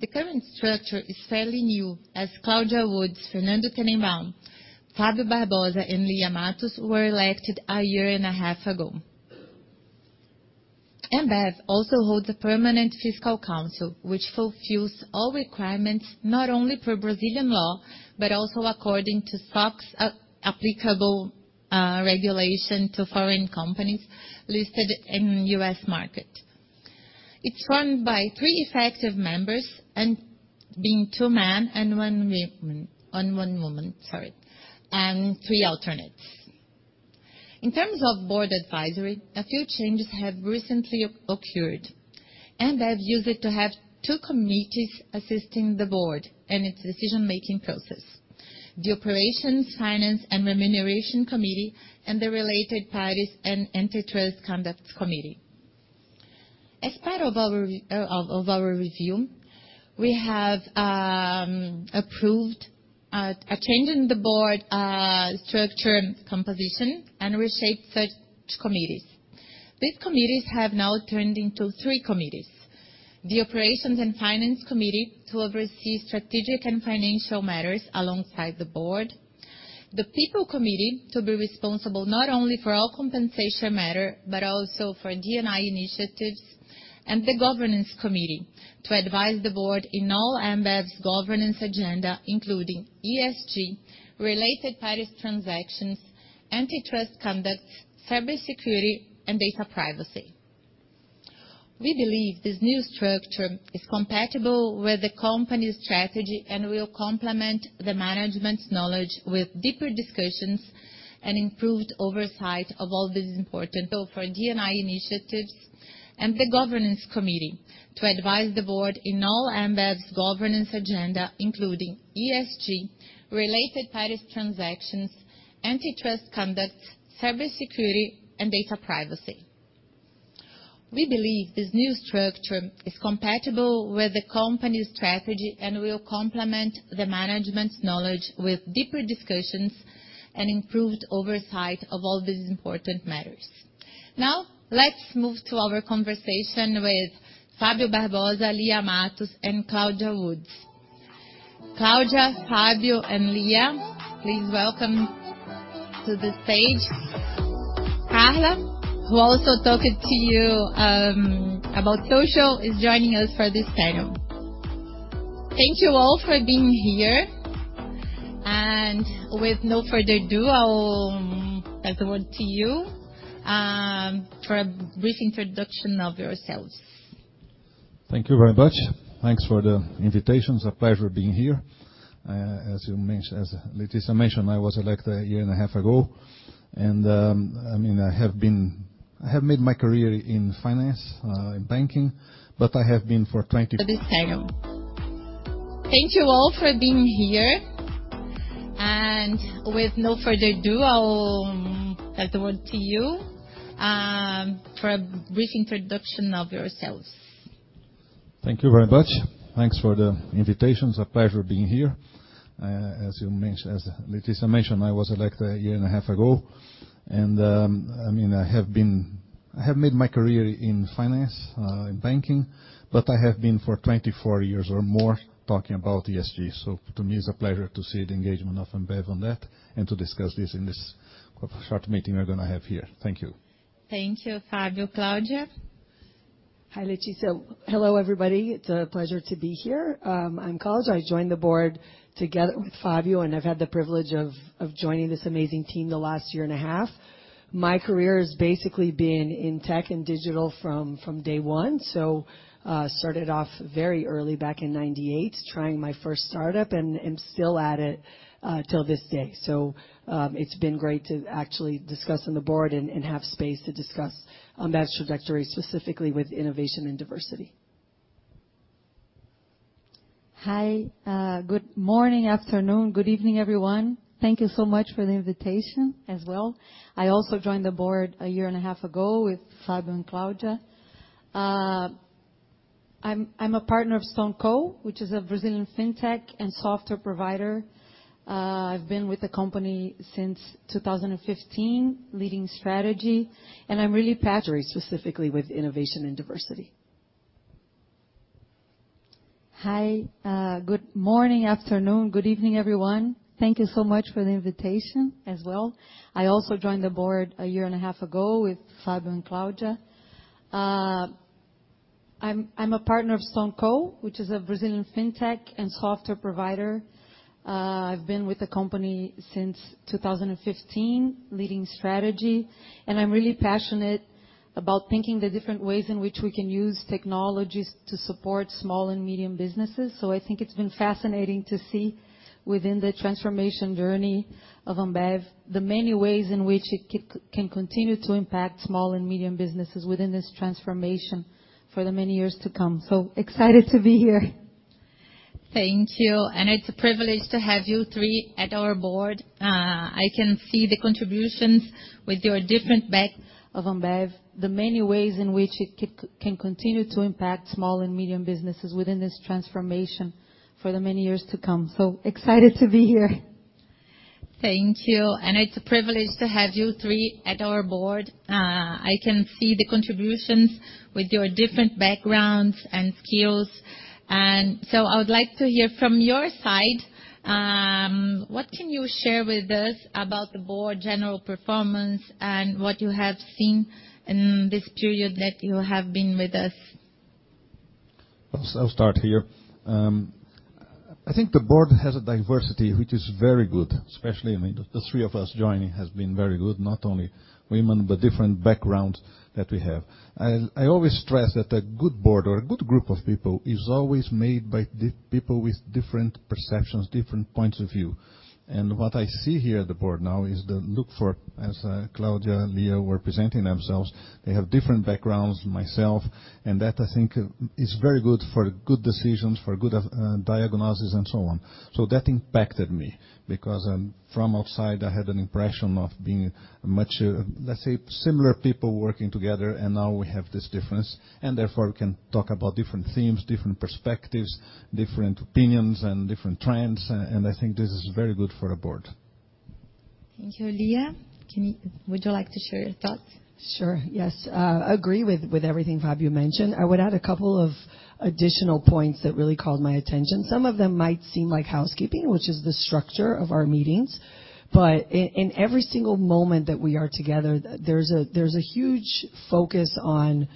The current structure is fairly new as Claudia Woods, Fernando Tennenbaum, Fábio Barbosa, and Lia Matos were elected a 1.5 year ago. Ambev also holds a permanent fiscal council, which fulfills all requirements not only for Brazilian law, but also according to SOX applicable regulation to foreign companies listed in U.S. market. It's formed by three effective members and being two men and one woman, sorry, and three alternates. In terms of board advisory, a few changes have recently occurred. Ambev used to have two committees assisting the board and its decision-making process. The Operations, Finance, and Remuneration Committee and the Related Parties and Antitrust Conduct Committee. As part of our review, we have approved a change in the board structure and composition and reshaped such committees. These committees have now turned into three committees. The Operations and Finance Committee to oversee strategic and financial matters alongside the board. The People Committee to be responsible not only for all compensation matter, but also for D&I initiatives. The Governance Committee to advise the board in all Ambev's governance agenda, including ESG, related parties transactions, antitrust conducts, cybersecurity, and data privacy. We believe this new structure is compatible with the company's strategy and will complement the management's knowledge with deeper discussions and improved oversight of all these important So for D&I initiatives and the governance committee to advise the board in all Ambev's governance agenda, including ESG, related parties transactions, antitrust conducts, cybersecurity, and data privacy. We believe this new structure is compatible with the company's strategy and will complement the management's knowledge with deeper discussions and improved oversight of all these important matters. Now, let's move to our conversation with Fábio Barbosa, Lia Matos, and Claudia Woods. Claudia, Fábio, and Lia, please welcome to the stage. Carla, who also talked to you about social, is joining us for this panel. Thank you all for being here. With no further ado, I will pass the word to you for a brief introduction of yourselves. Thank you very much. Thanks for the invitation. It's a pleasure being here. As Letícia mentioned, I was elected a 1.5 year ago. I mean, I have made my career in finance, in banking, but I have been for 24- For this panel. Thank you all for being here. With no further ado, I will pass the word to you, for a brief introduction of yourselves. Thank you very much. Thanks for the invitation. It's a pleasure being here. As Letícia mentioned, I was elected a 1.5 year ago. I mean, I have made my career in finance, in banking, but I have been for 24 years or more talking about ESG. To me, it's a pleasure to see the engagement of Ambev on that and to discuss this in this short meeting we're gonna have here. Thank you. Thank you, Fábio. Claudia? Hi, Letícia. Hello, everybody. It's a pleasure to be here. I'm Claudia Woods. I joined the board together with Fábio Barbosa, and I've had the privilege of joining this amazing team the 1.5 year. My career has basically been in tech and digital from day one. I started off very early back in 1998 trying my first startup, and still at it till this day. It's been great to actually discuss on the board and have space to discuss Ambev's trajectory, specifically with innovation and diversity. Hi. Good morning, afternoon, good evening, everyone. Thank you so much for the invitation as well. I also joined the board a 1.5 year ago with Fábio and Claudia. I'm a partner of StoneCo, which is a Brazilian fintech and software provider. I've been with the company since 2015 leading strategy, and I'm really passionate trajectory, specifically with innovation and diversity. Hi. Good morning, afternoon, good evening, everyoneI. Thank you so much for the invitation as well. I also joined the board a 1.5 year ago with Fábio and Claudia. I'm a partenr of StoneCo, which is a Brazilian fintech and software provider. I've been with the company since 2015 leading strategy, and I'm really passionate about thinking the different ways in which we can use technologies to support small and medium businesses. I think it's been fascinating to see within the transformation journey of Ambev the many ways in which it can continue to impact small and medium businesses within this transformation for the many years to come. Excited to be here. Thank you, and it's a privilege to have you three at our Board. I can see the contributions with your different backgrounds of Ambev, the many ways in which it can continue to impact small and medium businesses within this transformation for the many years to come. Excited to be here. Thank you, and it's a privilege to have you three at our Board. I can see the contributions with your different backgrounds and skills. I would like to hear from your side, what can you share with us about the Board's general performance and what you have seen in this period that you have been with us? I'll start here. I think the board has a diversity which is very good, especially, I mean, the three of us joining has been very good, not only women, but different backgrounds that we have. I always stress that a good board or a good group of people is always made by different people with different perceptions, different points of view. What I see here at the board now is, as Claudia, Lia were presenting themselves, they have different backgrounds, myself, and that I think is very good for good decisions, for good diagnosis and so on. That impacted me because, from outside, I had an impression of being much, let's say similar people working together, and now we have this difference, and therefore we can talk about different themes, different perspectives, different opinions, and different trends. I think this is very good for a board. Thank you. Lia, would you like to share your thoughts? Sure, yes. Agree with everything Fábio mentioned. I would add a couple of additional points that really called my attention. Some of them might seem like housekeeping, which is the structure of our meetings. In every single moment that we are together, there's a huge focus on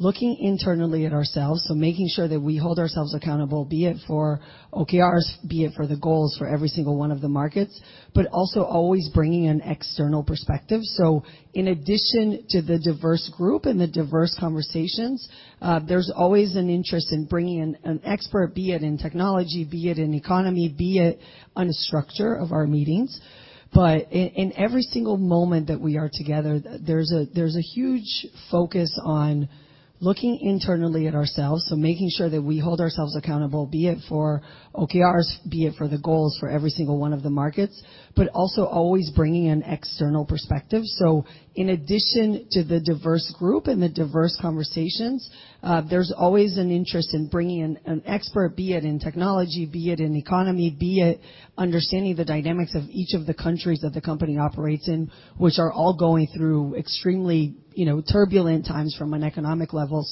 looking internally at ourselves, so making sure that we hold ourselves accountable, be it for OKRs, be it for the goals for every single one of the markets, but also always bringing an external perspective. In addition to the diverse group and the diverse conversations, there's always an interest in bringing in an expert, be it in technology, be it in economy, be it on the structure of our meetings. In every single moment that we are together, there's a huge focus on looking internally at ourselves, so making sure that we hold ourselves accountable, be it for OKRs, be it for the goals for every single one of the markets, but also always bringing an external perspective. In addition to the diverse group and the diverse conversations, there's always an interest in bringing in an expert, be it in technology, be it in economy, be it understanding the dynamics of each of the countries that the company operates in, which are all going through extremely, you know, turbulent times from an economic level.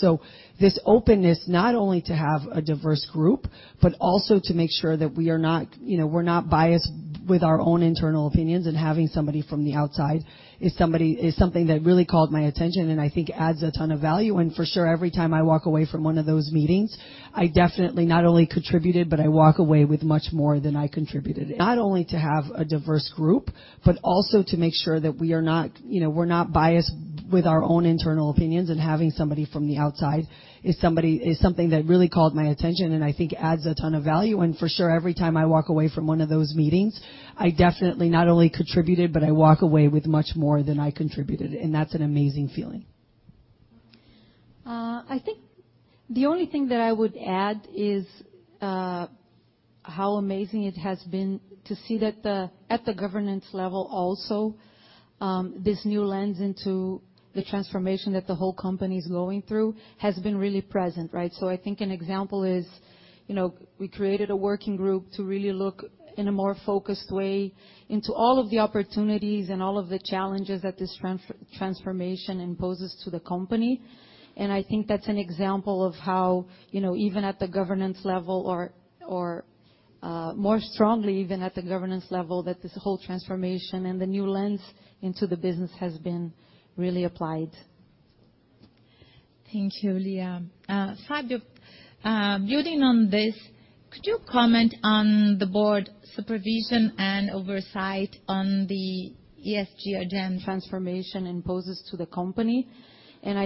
This openness not only to have a diverse group but also to make sure that we are not, you know, we're not biased with our own internal opinions, and having somebody from the outside is something that really called my attention and I think adds a ton of value. For sure, every time I walk away from one of those meetings, I definitely not only contributed, but I walk away with much more than I contributed. Not only to have a diverse group, but also to make sure that we are not, you know, we're not biased with our own internal opinions, and having somebody from the outside is something that really called my attention and I think adds a ton of value. For sure, every time I walk away from one of those meetings, I definitely not only contributed, but I walk away with much more than I contributed, and that's an amazing feeling. I think the only thing that I would add is how amazing it has been to see that at the governance level also this new lens into the transformation that the whole company's going through has been really present, right? I think an example is, you know, we created a working group to really look in a more focused way into all of the opportunities and all of the challenges that this transformation imposes to the company. I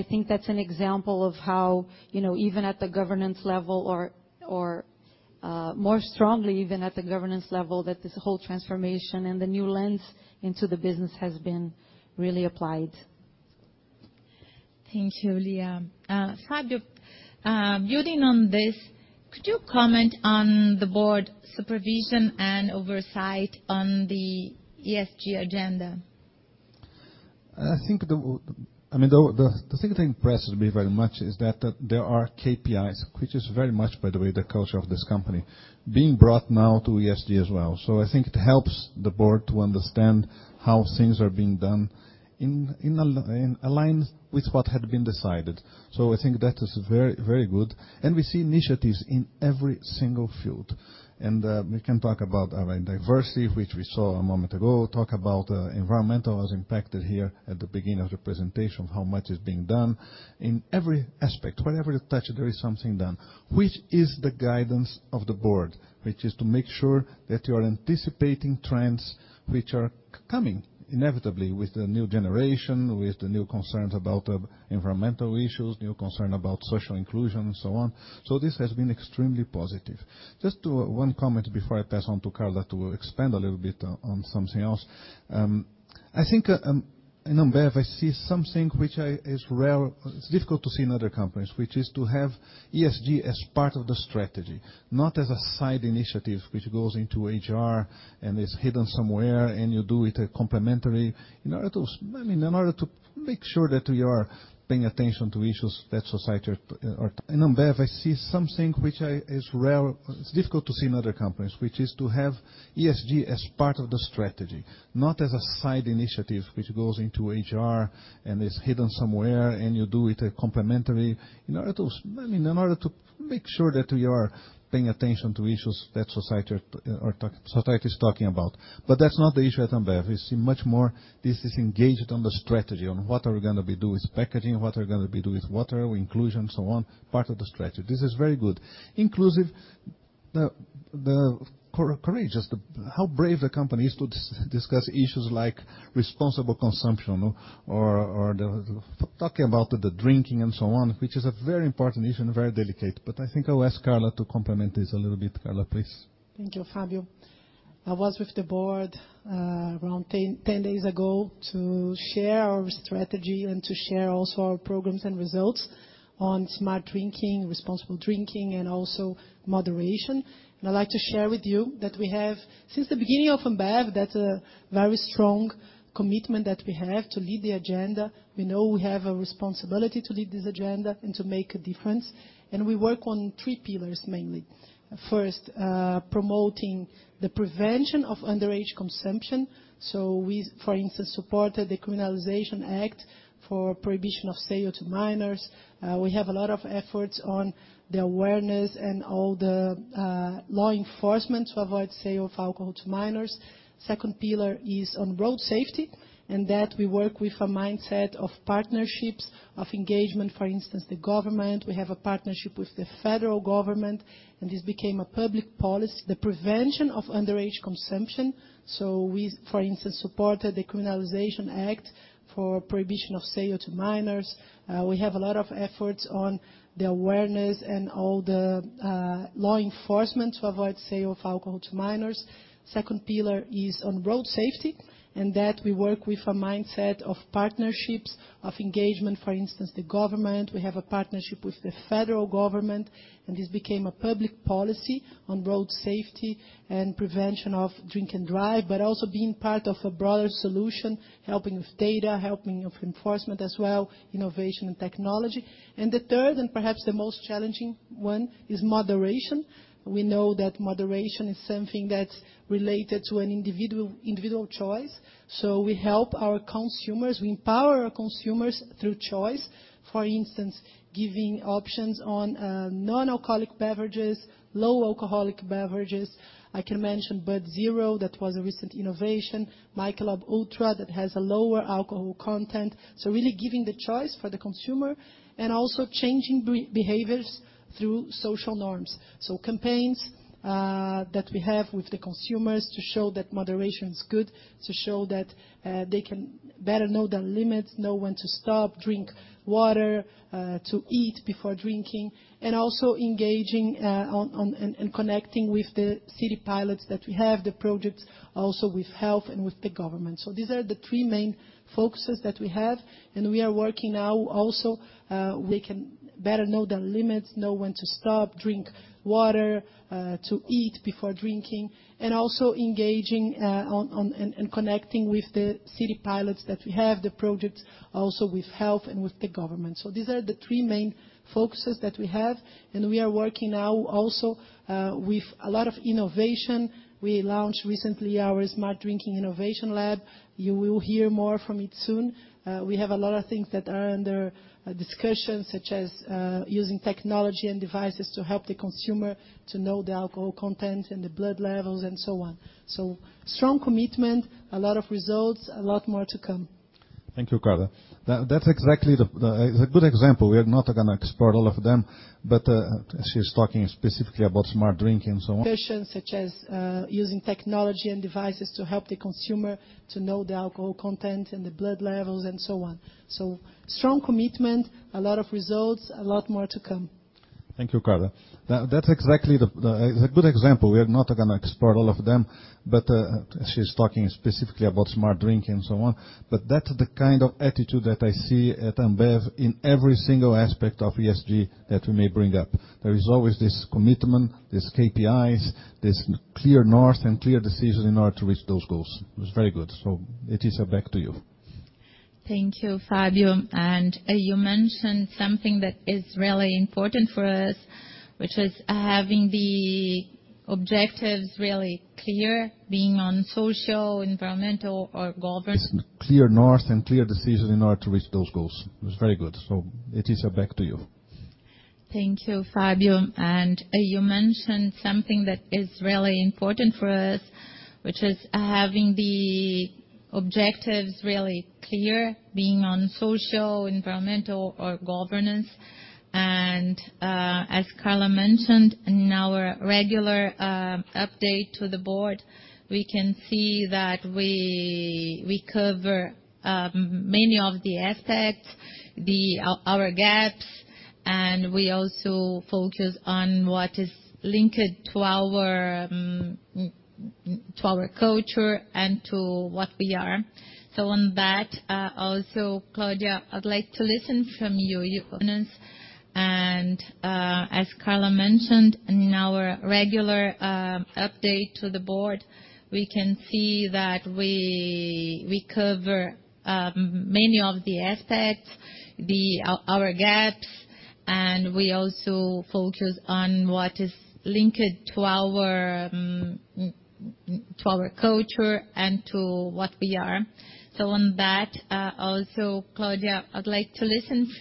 think that's an example of how, you know, even at the governance level or More strongly even at the governance level that this whole transformation and the new lens into the business has been really applied. Thank you, Lia. Fábio, building on this, could you comment on the board supervision and oversight on the ESG agenda? Transformation imposes on the company. I think that's an example of how, you know, even more strongly at the governance level that this whole transformation and the new lens into the business has been really applied. Thank you, Lia. Fábio, building on this, could you comment on the board supervision and oversight on the ESG agenda? I think, I mean, the second thing impresses me very much is that there are KPIs which is very much by the way, the culture of this company, being brought now to ESG as well. I think it helps the board to understand how things are being done in alignment with what had been decided. I think that is very, very good, and we see initiatives in every single field. We can talk about diversity, which we saw a moment ago, talk about environmental as impacted here at the beginning of the presentation, how much is being done in every aspect. Wherever you touch, there is something done, which is the guidance of the board, which is to make sure that you are anticipating trends which are coming inevitably with the new generation, with the new concerns about environmental issues, new concerns about social inclusion and so on. This has been extremely positive. Just one comment before I pass on to Carla to expand a little bit on something else. I think in Ambev, I see something which is rare. It's difficult to see in other companies, which is to have ESG as part of the strategy, not as a side initiative, which goes into HR and is hidden somewhere, and you do it complementary. In order to, I mean, in order to make sure that we are paying attention to issues that society are. In Ambev, I see something which is rare. It's difficult to see in other companies, which is to have ESG as part of the strategy, not as a side initiative, which goes into HR and is hidden somewhere, and you do it complementary. I mean, in order to make sure that we are paying attention to issues that society is talking about. That's not the issue at Ambev. We see much more this is engaged on the strategy on what are we gonna do with packaging, what are we gonna do with water, inclusion, so on, part of the strategy. This is very good. Inclusive, the courageous, the. How brave the company is to discuss issues like responsible consumption or talking about the drinking and so on, which is a very important issue and very delicate. I think I'll ask Carla to complement this a little bit. Carla, please. Thank you, Fábio. I was with the board around 10 days ago to share our strategy and to share also our programs and results on Smart Drinking, responsible drinking, and also moderation. I'd like to share with you that we have, since the beginning of Ambev, that's a very strong commitment that we have to lead the agenda. We know we have a responsibility to lead this agenda and to make a difference, and we work on three pillars mainly. First, promoting the prevention of underage consumption. We, for instance, supported the Criminalization Act for prohibition of sale to minors. We have a lot of efforts on the awareness and all the law enforcement to avoid sale of alcohol to minors. Second pillar is on road safety, and that we work with a mindset of partnerships, of engagement, for instance, the government. We have a partnership with the federal government, and this became a public policy, the prevention of underage consumption. We, for instance, supported the Criminalization Act for prohibition of sale to minors. We have a lot of efforts on the awareness and all the law enforcement to avoid sale of alcohol to minors. Second pillar is on road safety, and that we work with a mindset of partnerships, of engagement, for instance, the government. We have a partnership with the federal government, and this became a public policy on road safety and prevention of drink and drive, but also being part of a broader solution, helping with data, helping with enforcement as well, innovation and technology. The third, and perhaps the most challenging one is moderation. We know that moderation is something that's related to an individual choice. We help our consumers, we empower our consumers through choice. For instance, giving options on non-alcoholic beverages, low alcoholic beverages. I can mention Bud Zero, that was a recent innovation. Michelob ULTRA that has a lower alcohol content. Really giving the choice for the consumer and also changing behaviors through social norms. Campaigns that we have with the consumers to show that moderation is good, to show that they can better know their limits, know when to stop, drink water, to eat before drinking. Also engaging, connecting with the city pilots that we have, the projects also with health and with the government. These are the three main focuses that we have, and we are working now also, we can better know the limits, know when to stop, drink water, to eat before drinking. also engaging and connecting with the city pilots that we have, the projects also with health and with the government. These are the three main focuses that we have, and we are working now also with a lot of innovation. We launched recently our Smart Drinking Innovation Lab. You will hear more from it soon. We have a lot of things that are under discussion, such as using technology and devices to help the consumer to know the alcohol content and the blood levels and so on. Strong commitment, a lot of results, a lot more to come. Thank you, Carla. That's exactly, it's a good example. We are not gonna explore all of them, but she's talking specifically about Smart Drinking and so on. Solutions such as using technology and devices to help the consumer to know the alcohol content and the blood levels and so on. Strong commitment, a lot of results, a lot more to come. Thank you, Carla. That's exactly. It's a good example. We are not gonna explore all of them, but she's talking specifically about Smart Drinking and so on. That's the kind of attitude that I see at Ambev in every single aspect of ESG that we may bring up. There is always this commitment, these KPIs, this clear north and clear decision in order to reach those goals. It was very good. Letícia, back to you. Thank you, Fábio. You mentioned something that is really important for us, which is having the objectives really clear, being on social, environmental, or governance. This clear north and clear decision in order to reach those goals. It was very good. Letícia, back to you. Thank you, Fábio. You mentioned something that is really important for us, which is having the objectives really clear, being on social, environmental, or governance. As Carla mentioned in our regular update to the board, we can see that we cover many of the aspects, our gaps, and we also focus on what is linked to our culture and to what we are. On that, also, Claudia, I'd like to hear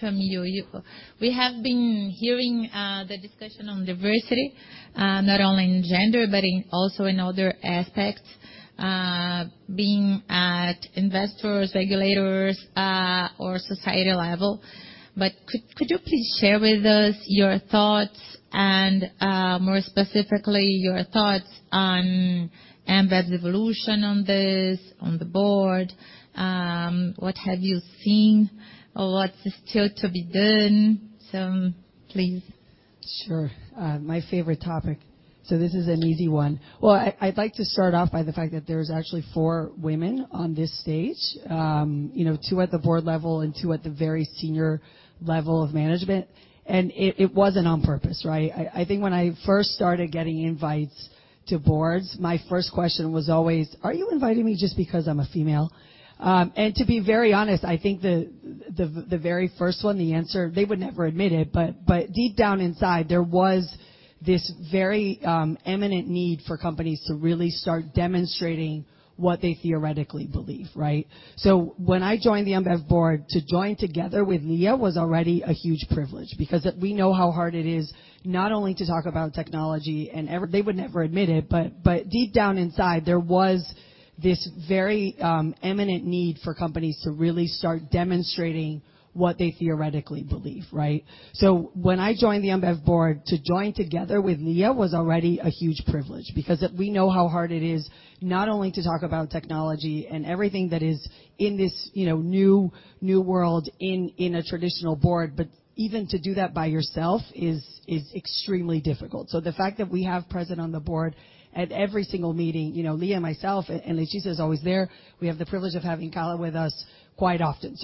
from you. We have been hearing the discussion on diversity, not only in gender but also in other aspects, being at investors, regulators, or societal level. Could you please share with us your thoughts and, more specifically, your thoughts on Ambev's evolution on this, on the board, what have you seen or what's still to be done? Please. Sure. My favorite topic, so this is an easy one. Well, I'd like to start off by the fact that there's actually four women on this stage, you know, two at the board level and two at the very senior level of management. It wasn't on purpose, right? I think when I first started getting invites to boards, my first question was always, "Are you inviting me just because I'm a female?" To be very honest, I think the very first one, the answer, they would never admit it, but deep down inside, there was this very imminent need for companies to really start demonstrating what they theoretically believe, right? They would never admit it, but deep down inside, there was this very imminent need for companies to really start demonstrating what they theoretically believe, right? When I joined the Ambev board, to join together with Lia was already a huge privilege because we know how hard it is not only to talk about technology and everything that is in this, you know, new world in a traditional board, but even to do that by yourself is extremely difficult. The fact that we are present on the board at every single meeting, you know, Lia and myself, and Letícia's always there. We have the privilege of having Carla with us quite often.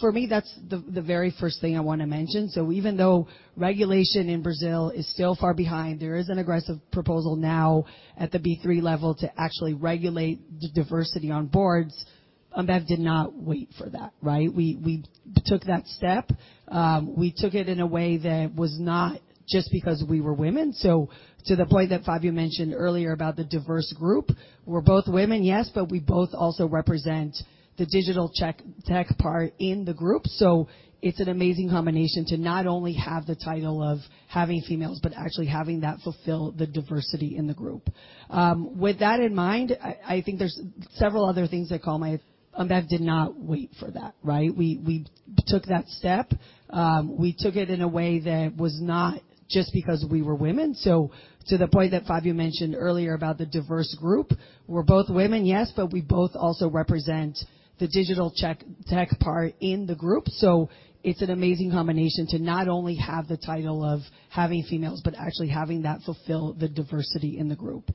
For me, that's the very first thing I wanna mention. Even though regulation in Brazil is still far behind, there is an aggressive proposal now at the B3 level to actually regulate diversity on boards. Ambev did not wait for that, right? We took that step. We took it in a way that was not just because we were women. To the point that Fábio mentioned earlier about the diverse group, we're both women, yes, but we both also represent the digital tech part in the group. It's an amazing combination to not only have the title of having females, but actually having that fulfill the diversity in the group. With that in mind, I think there's several other things that call my Ambev did not wait for that, right? We took that step. We took it in a way that was not just because we were women. To the point that Fábio mentioned earlier about the diverse group, we're both women, yes, but we both also represent the digital tech part in the group. It's an amazing combination to not only have the title of having females but actually having that fulfill the diversity in the group.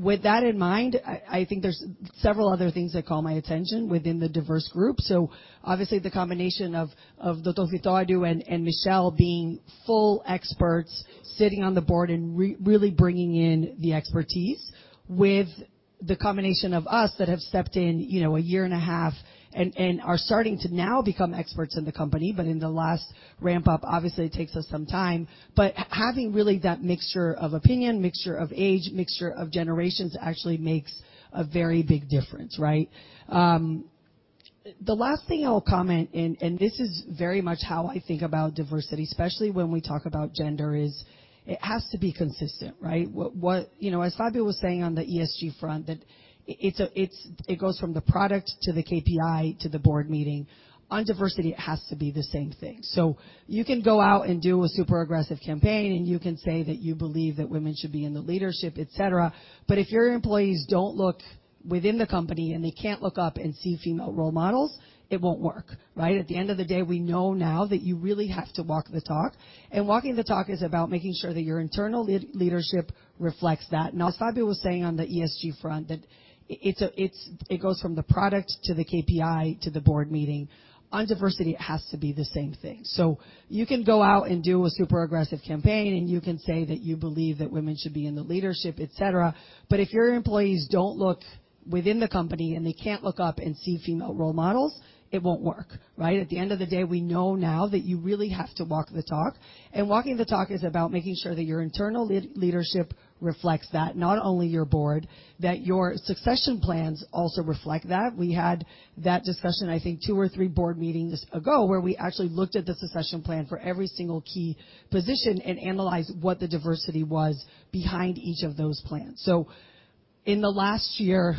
With that in mind, I think there's several other things that call my attention within the diverse group. Obviously, the combination of Dr. Victorio and Michel being full experts sitting on the board and really bringing in the expertise with the combination of us that have stepped in, you know, a 1.5 year and are starting to now become experts in the company. In the last ramp-up, obviously, it takes us some time. Having really that mixture of opinion, mixture of age, mixture of generations actually makes a very big difference, right? The last thing I'll comment, and this is very much how I think about diversity, especially when we talk about gender, is it has to be consistent, right? You know, as Fábio was saying on the ESG front, that it goes from the product to the KPI to the board meeting. On diversity, it has to be the same thing. You can go out and do a super aggressive campaign, and you can say that you believe that women should be in the leadership, et cetera, but if your employees don't look within the company and they can't look up and see female role models, it won't work, right? At the end of the day, we know now that you really have to walk the talk, and walking the talk is about making sure that your internal leadership reflects that. Now, as Fábio was saying on the ESG front, that it goes from the product to the KPI to the board meeting. On diversity, it has to be the same thing. You can go out and do a super aggressive campaign, and you can say that you believe that women should be in the leadership, etc., but if your employees don't look within the company and they can't look up and see female role models, it won't work, right? At the end of the day, we know now that you really have to walk the talk, and walking the talk is about making sure that your internal leadership reflects that. Not only your board, that your succession plans also reflect that. We had that discussion, I think two or three board meetings ago, where we actually looked at the succession plan for every single key position and analyzed what the diversity was behind each of those plans. In the last year,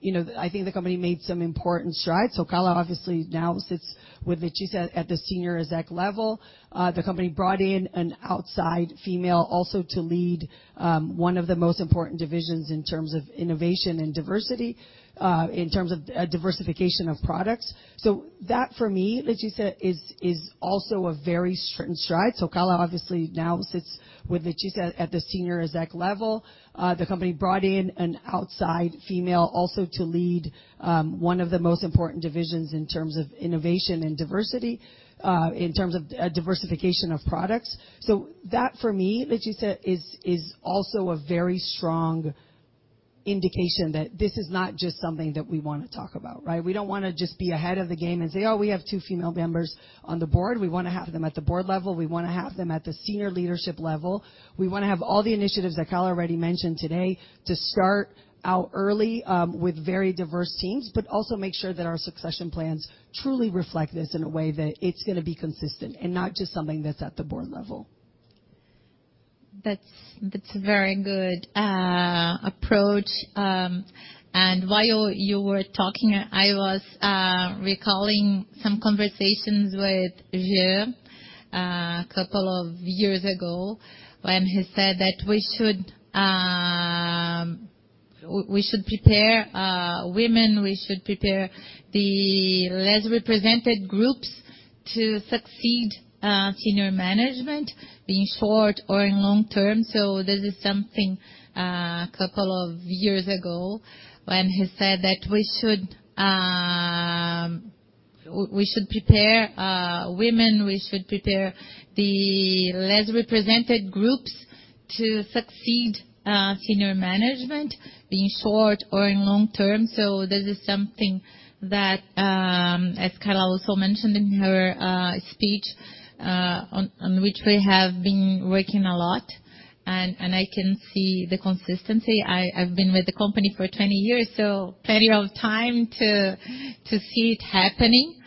you know, I think the company made some important strides. Carla obviously now sits with Letícia at the senior exec level. The company brought in an outside female also to lead one of the most important divisions in terms of innovation and diversity in terms of diversification of products. That, for me, Letícia, is also a very strong indication that this is not just something that we wanna talk about, right? We don't wanna just be ahead of the game and say, "Oh, we have two female members on the board." We wanna have them at the board level. We wanna have them at the senior leadership level. We wanna have all the initiatives that Carla already mentioned today to start out early, with very diverse teams, but also make sure that our succession plans truly reflect this in a way that it's gonna be consistent and not just something that's at the board level. That's a very good approach. While you were talking, I was recalling some conversations with Jean Jereissati a couple of years ago when he said that we should prepare women, we should prepare the less represented groups to succeed senior management in short or long term. This is something a couple of years ago when he said that we should prepare women, we should prepare the less represented groups to succeed senior management in short or long term. This is something that, as Carla also mentioned in her speech, on which we have been working a lot, and I can see the consistency. I've been with the company for 20 years, so plenty of time to see it happening.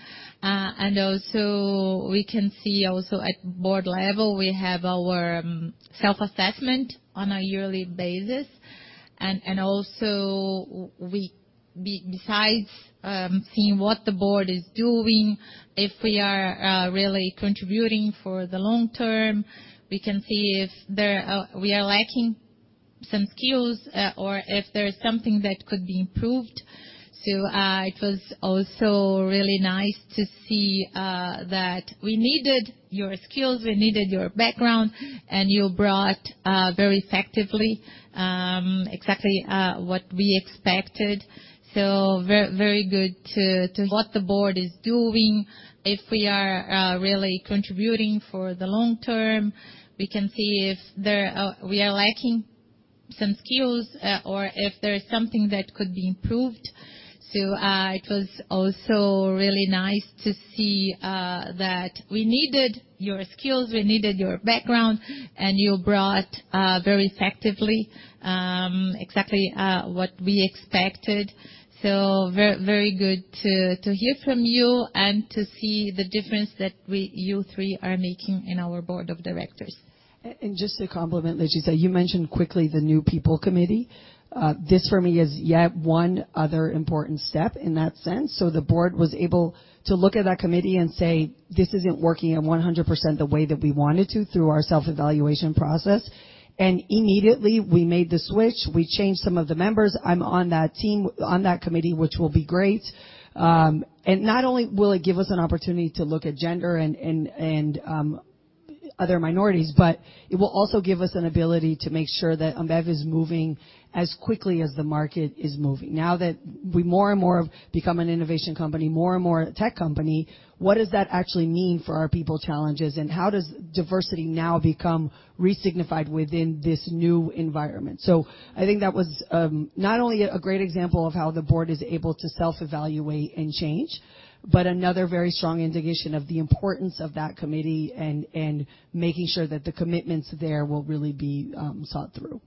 We can see also at board level, we have our self-assessment on a yearly basis. Besides seeing what the board is doing, if we are really contributing for the long term, we can see if there we are lacking some skills or if there is something that could be improved. It was also really nice to see that we needed your skills, we needed your background, and you brought very effectively exactly what we expected. Very good. What the board is doing, if we are really contributing for the long term, we can see if there we are lacking some skills or if there is something that could be improved. It was also really nice to see that we needed your skills, we needed your background, and you brought very effectively exactly what we expected. Very good to hear from you and to see the difference that you three are making in our board of directors. Just to complement, Letícia, you mentioned quickly the new People Committee. This for me is yet one other important step in that sense. The board was able to look at that committee and say, "This isn't working at 100% the way that we want it to through our self-evaluation process." Immediately we made the switch. We changed some of the members. I'm on that team, on that committee, which will be great. Not only will it give us an opportunity to look at gender and other minorities, but it will also give us an ability to make sure that Ambev is moving as quickly as the market is moving. Now that we more and more have become an innovation company, more and more a tech company, what does that actually mean for our people challenges, and how does diversity now become resignified within this new environment? I think that was not only a great example of how the board is able to self-evaluate and change, but another very strong indication of the importance of that committee and making sure that the commitments there will really be thought through.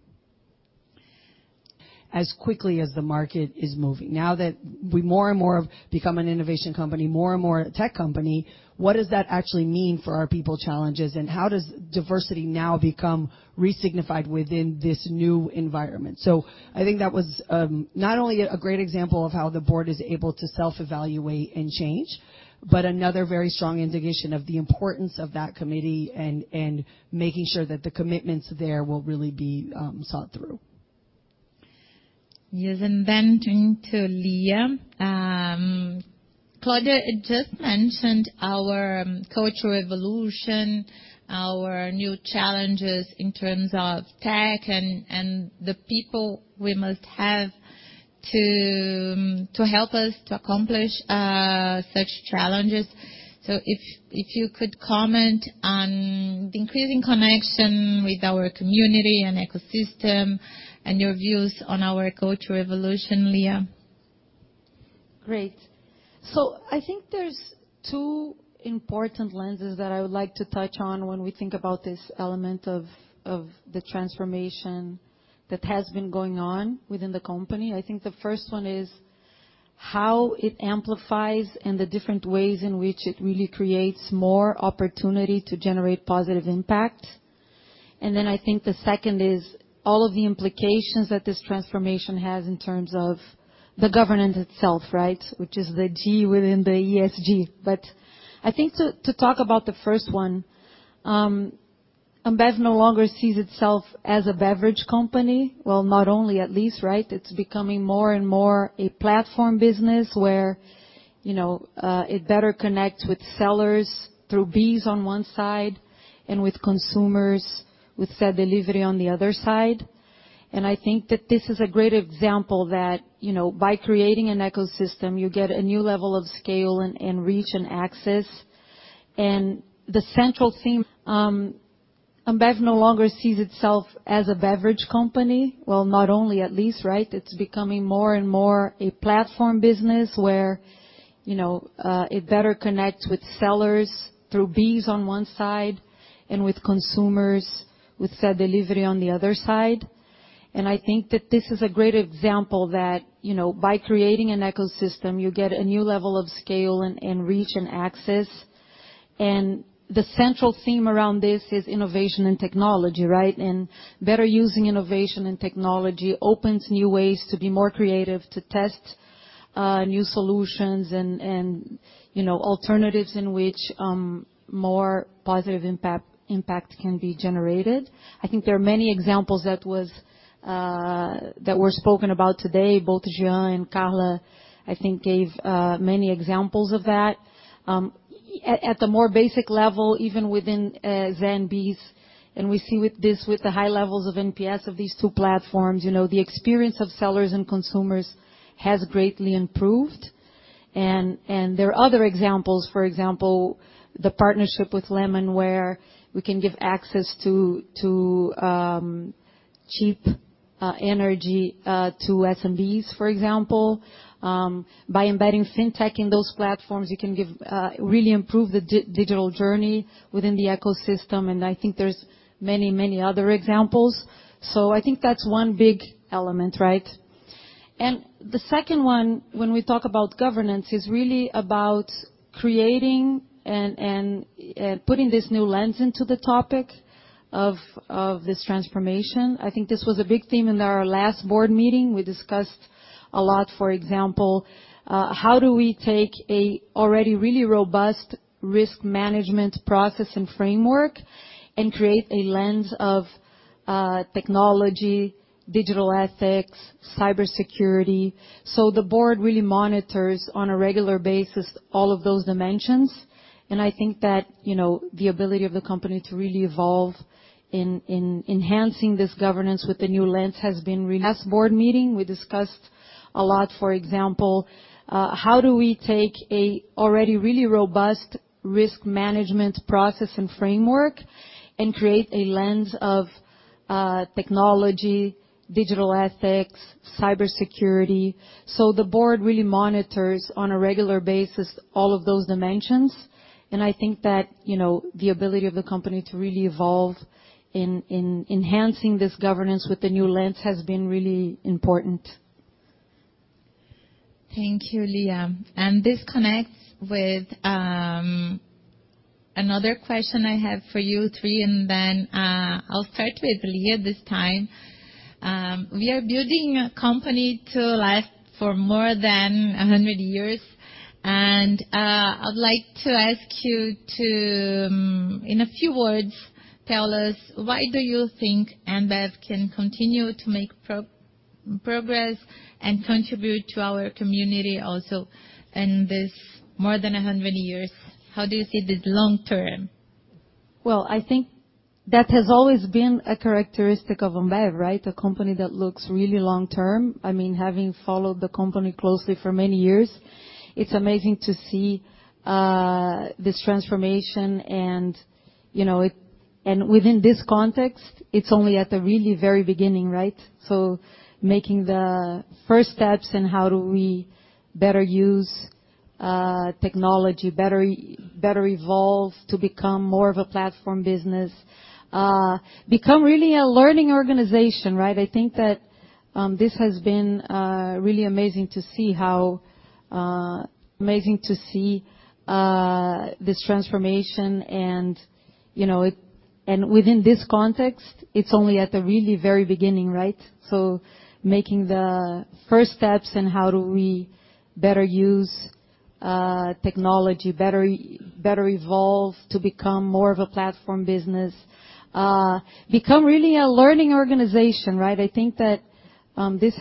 As quickly as the market is moving. Now that we more and more have become an innovation company, more and more a tech company, what does that actually mean for our people challenges, and how does diversity now become resignified within this new environment? I think that was not only a great example of how the board is able to self-evaluate and change, but another very strong indication of the importance of that committee and making sure that the commitments there will really be sought through. Yes. Turning to Lia. Claudia just mentioned our cultural evolution, our new challenges in terms of tech and the people we must have to help us to accomplish such challenges. If you could comment on the increasing connection with our community and ecosystem and your views on our cultural evolution, Lia. Great. I think there's two important lenses that I would like to touch on when we think about this element of the transformation that has been going on within the company. I think the first one is how it amplifies and the different ways in which it really creates more opportunity to generate positive impact. I think the second is all of the implications that this transformation has in terms of the governance itself, right, which is the G within the ESG. I think to talk about the first one, Ambev no longer sees itself as a beverage company. Well, not only at least, right? It's becoming more and more a platform business where, you know, it better connects with sellers through BEES on one side and with consumers with Zé Delivery on the other side. I think that this is a great example that, you know, by creating an ecosystem, you get a new level of scale and reach and access. The central theme, Ambev no longer sees itself as a beverage company. Well, not only at least, right? It's becoming more and more a platform business where, you know, it better connects with sellers through BEES on one side and with consumers with Zé Delivery on the other side. The central theme around this is innovation and technology, right? Better using innovation and technology opens new ways to be more creative, to test new solutions and, you know, alternatives in which more positive impact can be generated. I think there are many examples that were spoken about today, both Jean and Carla, I think, gave many examples of that. At the more basic level, even within BEES, and we see with this, with the high levels of NPS of these two platforms, you know, the experience of sellers and consumers has greatly improved. There are other examples. For example, the partnership with Lemon, where we can give access to cheap energy to SMBs, for example. By embedding Fintech in those platforms, you can really improve the digital journey within the ecosystem, and I think there's many, many other examples. I think that's one big element, right? The second one, when we talk about governance, is really about creating and putting this new lens into the topic of this transformation. I think this was a big theme in our last board meeting. We discussed a lot, for example, how do we take an already really robust risk management process and framework and create a lens of technology, digital ethics, cybersecurity. The board really monitors on a regular basis all of those dimensions. I think that, you know, the ability of the company to really evolve in enhancing this governance with the new lens has been really. Last board meeting, we discussed a lot, for example, how do we take a already really robust risk management process and framework and create a lens of technology, digital ethics, cybersecurity. The board really monitors on a regular basis all of those dimensions. I think that, you know, the ability of the company to really evolve in enhancing this governance with the new lens has been really important. Thank you, Lia. This connects with another question I have for you three, and then I'll start with Lia this time. We are building a company to last for more than 100 years. I'd like to ask you to, in a few words, tell us why do you think Ambev can continue to make progress and contribute to our community also in this more than 100 years? How do you see this long term? Well, I think that has always been a characteristic of Ambev, right? A company that looks really long term. I mean, having followed the company closely for many years, it's amazing to see this transformation, you know, and within this context, it's only at the really very beginning, right? Making the first steps in how do we better use technology, better evolve to become more of a platform business. Become really a learning organization, right? I think that this has been really amazing to see. I think that this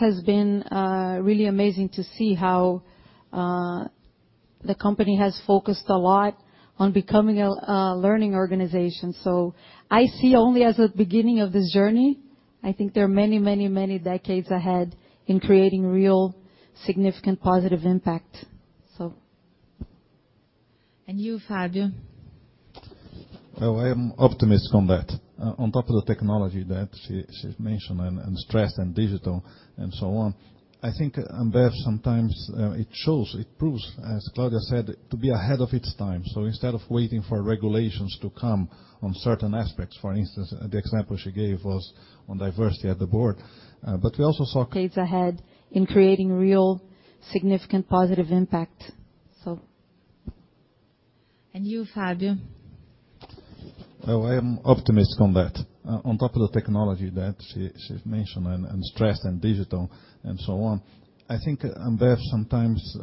has been really amazing to see how the company has focused a lot on becoming a learning organization. I see only as the beginning of this journey. I think there are many decades ahead in creating real, significant positive impact. You, Fábio? Oh, I am optimistic on that. On top of the technology that she's mentioned and stressed and digital and so on, I think Ambev sometimes it proves, as Claudia said, to be ahead of its time. Instead of waiting for regulations to come on certain aspects, for instance, the example she gave was on diversity at the board. But we also saw. Decades ahead in creating real, significant positive impact. You, Fábio? Oh, I am optimistic on that. On top of the technology that she's mentioned and stressed and digital and so on, I think Ambev sometimes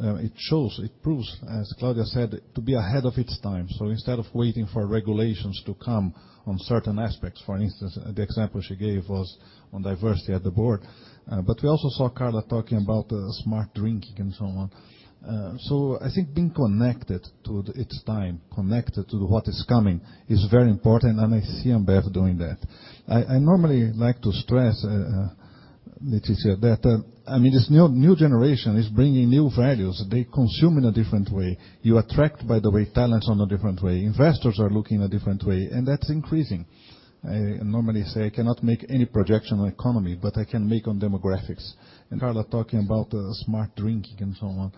proves, as Claudia said, to be ahead of its time. Instead of waiting for regulations to come on certain aspects, for instance, the example she gave was on diversity at the board. But we also saw Carla talking about Smart Drinking and so on. I think being connected to its time, connected to what is coming is very important, and I see Ambev doing that. I normally like to stress Letícia hat, I mean, this new generation is bringing new values. They consume in a different way. You attract, by the way, talents on a different way. Investors are looking a different way, and that's increasing. I normally say I cannot make any projection on economy, but I can make on demographics. Carla talking about Smart Drinking and so on.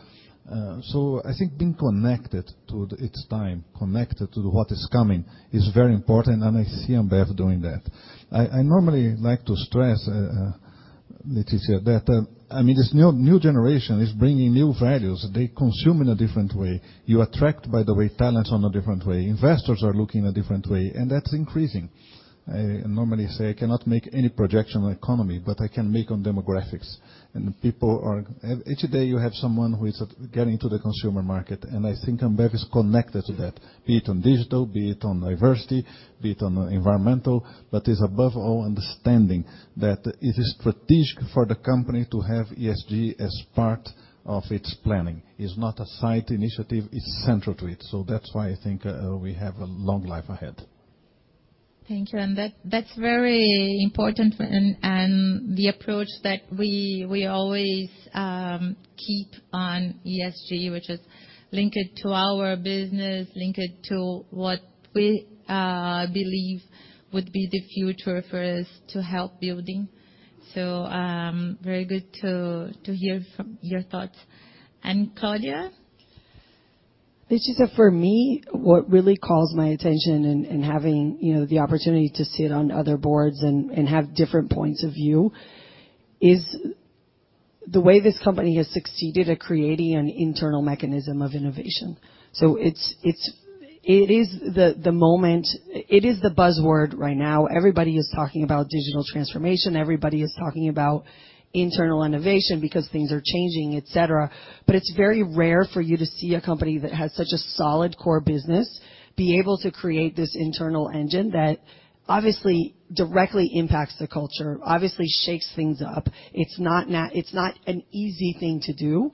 I think being connected to its time, connected to what is coming is very important, and I see Ambev doing that. I normally like to stress Letícia that I mean this new generation is bringing new values. They consume in a different way. You attract, by the way, talents on a different way. Investors are looking a different way, and that's increasing. I normally say I cannot make any projection on economy, but I can make on demographics. People are. Every day you have someone who is getting to the consumer market, and I think Ambev is connected to that, be it on digital, be it on diversity, be it on environmental, but is above all understanding that it is strategic for the company to have ESG as part of its planning. It is not a side initiative, it's central to it. That's why I think we have a long life ahead. Thank you. That's very important and the approach that we always keep on ESG, which is linked to our business, linked to what we believe would be the future for us to help building. Very good to hear from your thoughts. Claudia? Letícia, for me, what really calls my attention and having, you know, the opportunity to sit on other boards and have different points of view, is the way this company has succeeded at creating an internal mechanism of innovation. It's the buzzword right now. Everybody is talking about digital transformation. Everybody is talking about internal innovation because things are changing, et cetera. It's very rare for you to see a company that has such a solid core business be able to create this internal engine that obviously directly impacts the culture, obviously shakes things up. It's not an easy thing to do.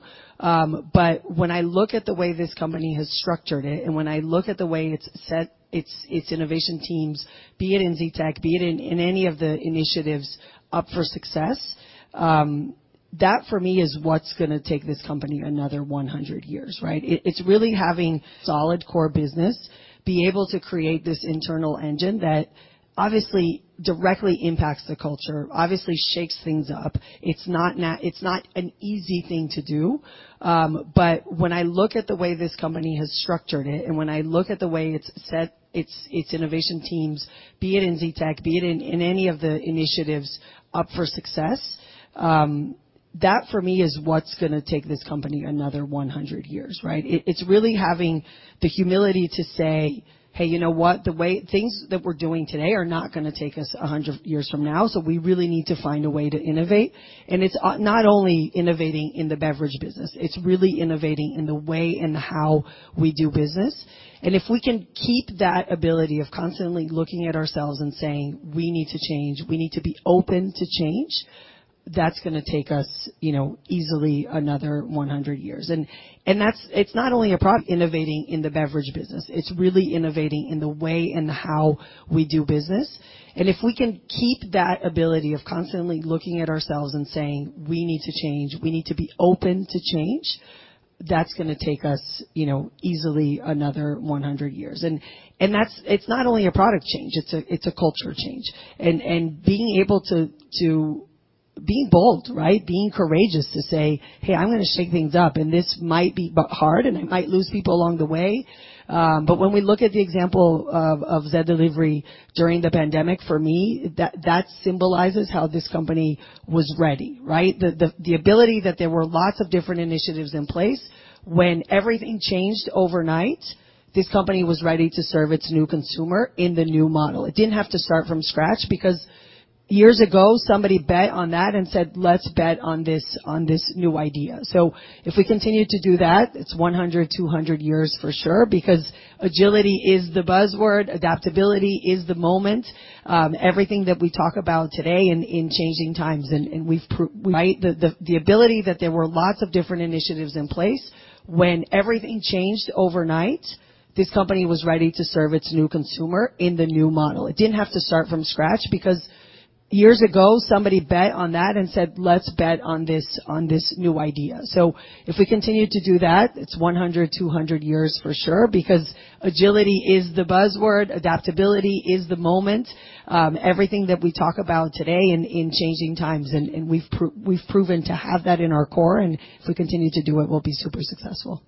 When I look at the way this company has structured it, and when I look at the way it's set its innovation teams, be it in Z-Tech, be it in any of the initiatives up for success, that for me is what's gonna take this company another 100 years, right? It's really having solid core business be able to create this internal engine that obviously directly impacts the culture, obviously shakes things up. It's not an easy thing to do. When I look at the way this company has structured it, and when I look at the way it's set its innovation teams, be it in Z-Tech, be it in any of the initiatives up for success, that for me is what's gonna take this company another 100 years, right? It's really having the humility to say, "Hey, you know what? The way things that we're doing today are not gonna take us 100 years from now, so we really need to find a way to innovate." It's not only innovating in the beverage business, it's really innovating in the way and how we do business. If we can keep that ability of constantly looking at ourselves and saying, "We need to change. We need to be open to change," that's gonna take us, you know, easily another 100 years. That's not only innovating in the beverage business, it's really innovating in the way and how we do business. If we can keep that ability of constantly looking at ourselves and saying, "We need to change. We need to be open to change," that's gonna take us, you know, easily another 100 years. That's not only a product change, it's a culture change. Being able to be bold, right? Being courageous to say, "Hey, I'm gonna shake things up, and this might be hard, and I might lose people along the way." But when we look at the example of Zé Delivery during the pandemic, for me, that symbolizes how this company was ready, right? The ability that there were lots of different initiatives in place. When everything changed overnight, this company was ready to serve its new consumer in the new model. It didn't have to start from scratch because years ago, somebody bet on that and said, "Let's bet on this new idea." If we continue to do that, it's 100, 200 years for sure, because agility is the buzzword, adaptability is the moment. Everything that we talk about today in changing times. Right? The ability that there were lots of different initiatives in place. When everything changed overnight, this company was ready to serve its new consumer in the new model. It didn't have to start from scratch because years ago, somebody bet on that and said, "Let's bet on this new idea." If we continue to do that, it's 100, 200 years for sure, because agility is the buzzword, adaptability is the moment. Everything that we talk about today in changing times and we've proven to have that in our core, and if we continue to do it, we'll be super successful.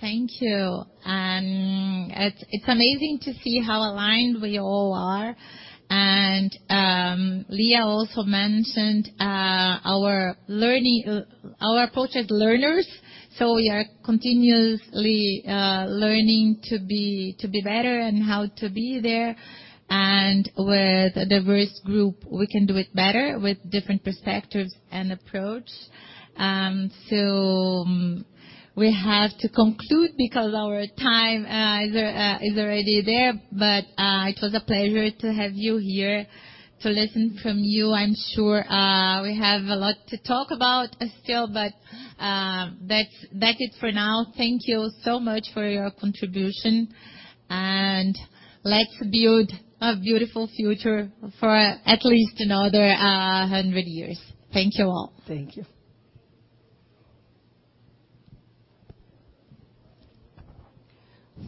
Thank you. It's amazing to see how aligned we all are. Lia also mentioned our learning approach as learners, so we are continuously learning to be better and how to be there. With a diverse group, we can do it better with different perspectives and approach. We have to conclude because our time is already there. It was a pleasure to have you here, to listen from you. I'm sure we have a lot to talk about still. That's it for now. Thank you so much for your contribution. Let's build a beautiful future for at least another hundred years. Thank you all. Thank you.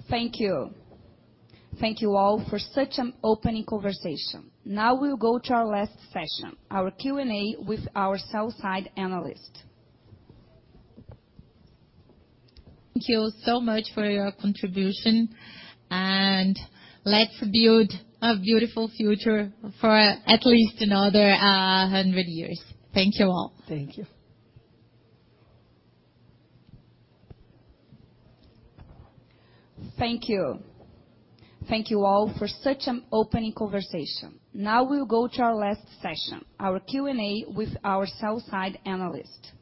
Thank you. Thank you all for such an opening conversation. Now we'll go to our last session, our Q&A with our sell-side analyst. Thank you so much for your contribution, and let's build a beautiful future for at least another hundred years. Thank you all. Thank you. Thank you. Thank you all for such an opening conversation. Now we'll go to our last session, our Q&A with our sell-side analyst.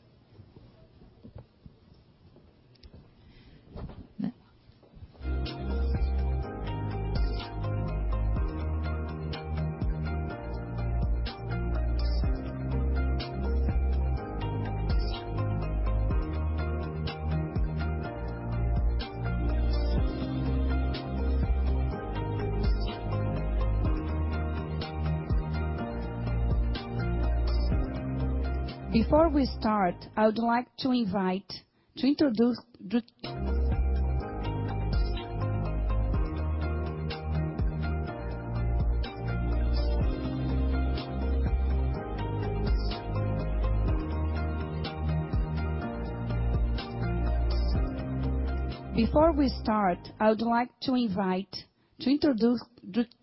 Before we start, I would like to invite to introduce the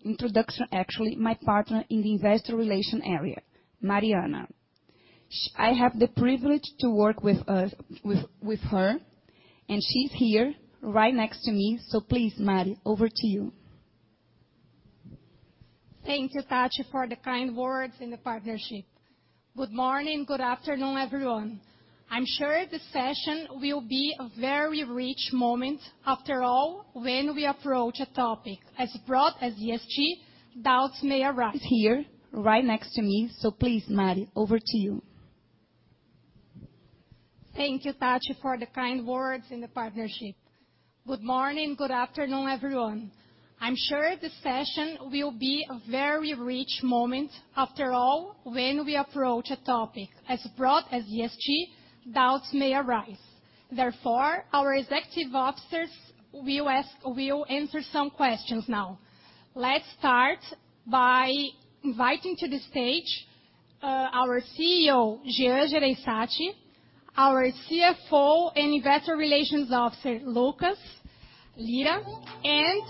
introduction, actually, my partner in the Investor Relations area, Mariana. I have the privilege to work with her, and she's here right next to me. Please, Mari, over to you. Thank you, Tati, for the kind words and the partnership. Good morning, good afternoon, everyone. I'm sure this session will be a very rich moment. After all, when we approach a topic as broad as ESG, doubts may arise. Is here right next to me. Please, Mari, over to you. Thank you, Tati, for the kind words and the partnership. Good morning, good afternoon, everyone. I'm sure this session will be a very rich moment. After all, when we approach a topic as broad as ESG, doubts may arise. Therefore, our executive officers will answer some questions now. Let's start by inviting to the stage our CEO, Jean Jereissati, our CFO and Investor Relations Officer, Lucas Lira, and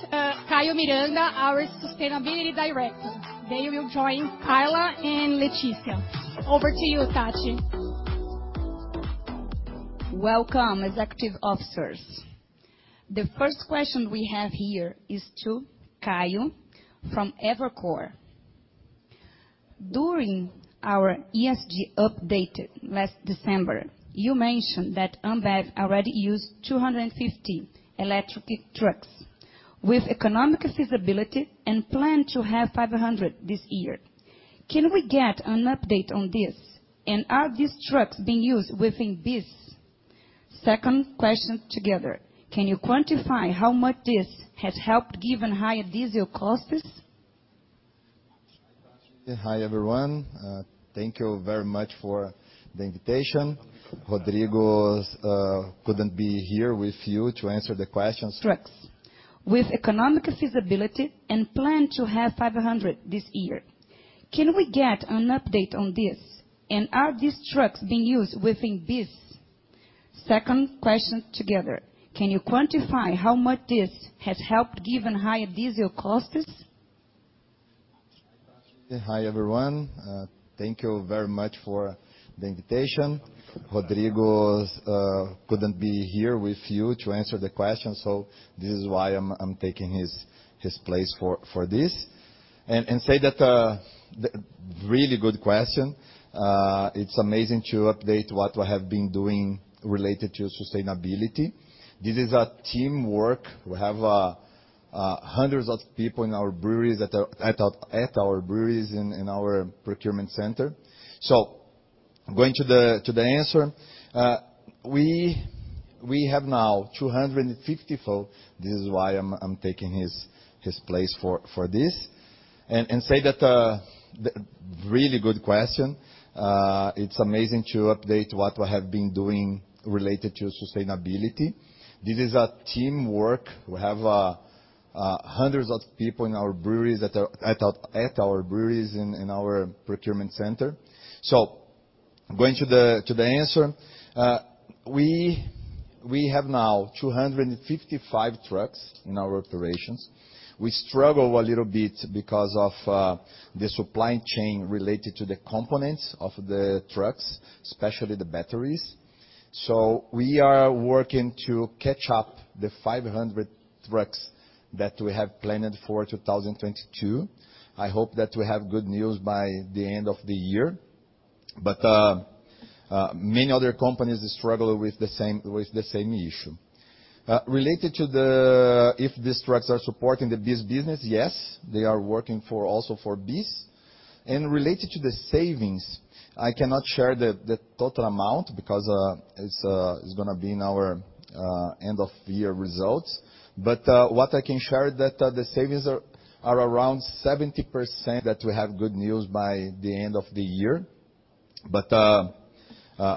Caio Miranda, our Sustainability Director. They will join Carla and Letícia. Over to you, Tati. Welcome, executive officers. The first question we have here is to Caio from Evercore. During our ESG update last December, you mentioned that Ambev already used 250 electric trucks with economic feasibility and plan to have 500 this year. Can we get an update on this? Are these trucks being used within this? Second question together, can you quantify how much this has helped given higher diesel costs? Hi, everyone. Thank you very much for the invitation. Rodrigo couldn't be here with you to answer the questions. Trucks With economic feasibility and plan to have 500 this year. Can we get an update on this? Are these trucks being used within BEES? Second question together. Can you quantify how much this has helped given higher diesel costs? Hi, everyone. Thank you very much for the invitation. Rodrigo couldn't be here with you to answer the questions, so this is why I'm taking his place for this. Say that really good question. It's amazing to update what we have been doing related to sustainability. This is a teamwork. We have hundreds of people in our breweries that are at our breweries in our procurement center. So going to the answer, we have now 254. We have hundreds of people in our breweries at our breweries in our procurement center. Going to the answer, we have now 255 trucks in our operations. We struggle a little bit because of the supply chain related to the components of the trucks, especially the batteries. We are working to catch up to the 500 trucks that we have planned for 2022. I hope that we have good news by the end of the year. Many other companies struggle with the same issue. Related to if these trucks are supporting the BEES business, yes, they are also working for BEES. Related to the savings, I cannot share the total amount because it's gonna be in our end of year results. What I can share that the savings are around 70%. That we have good news by the end of the year.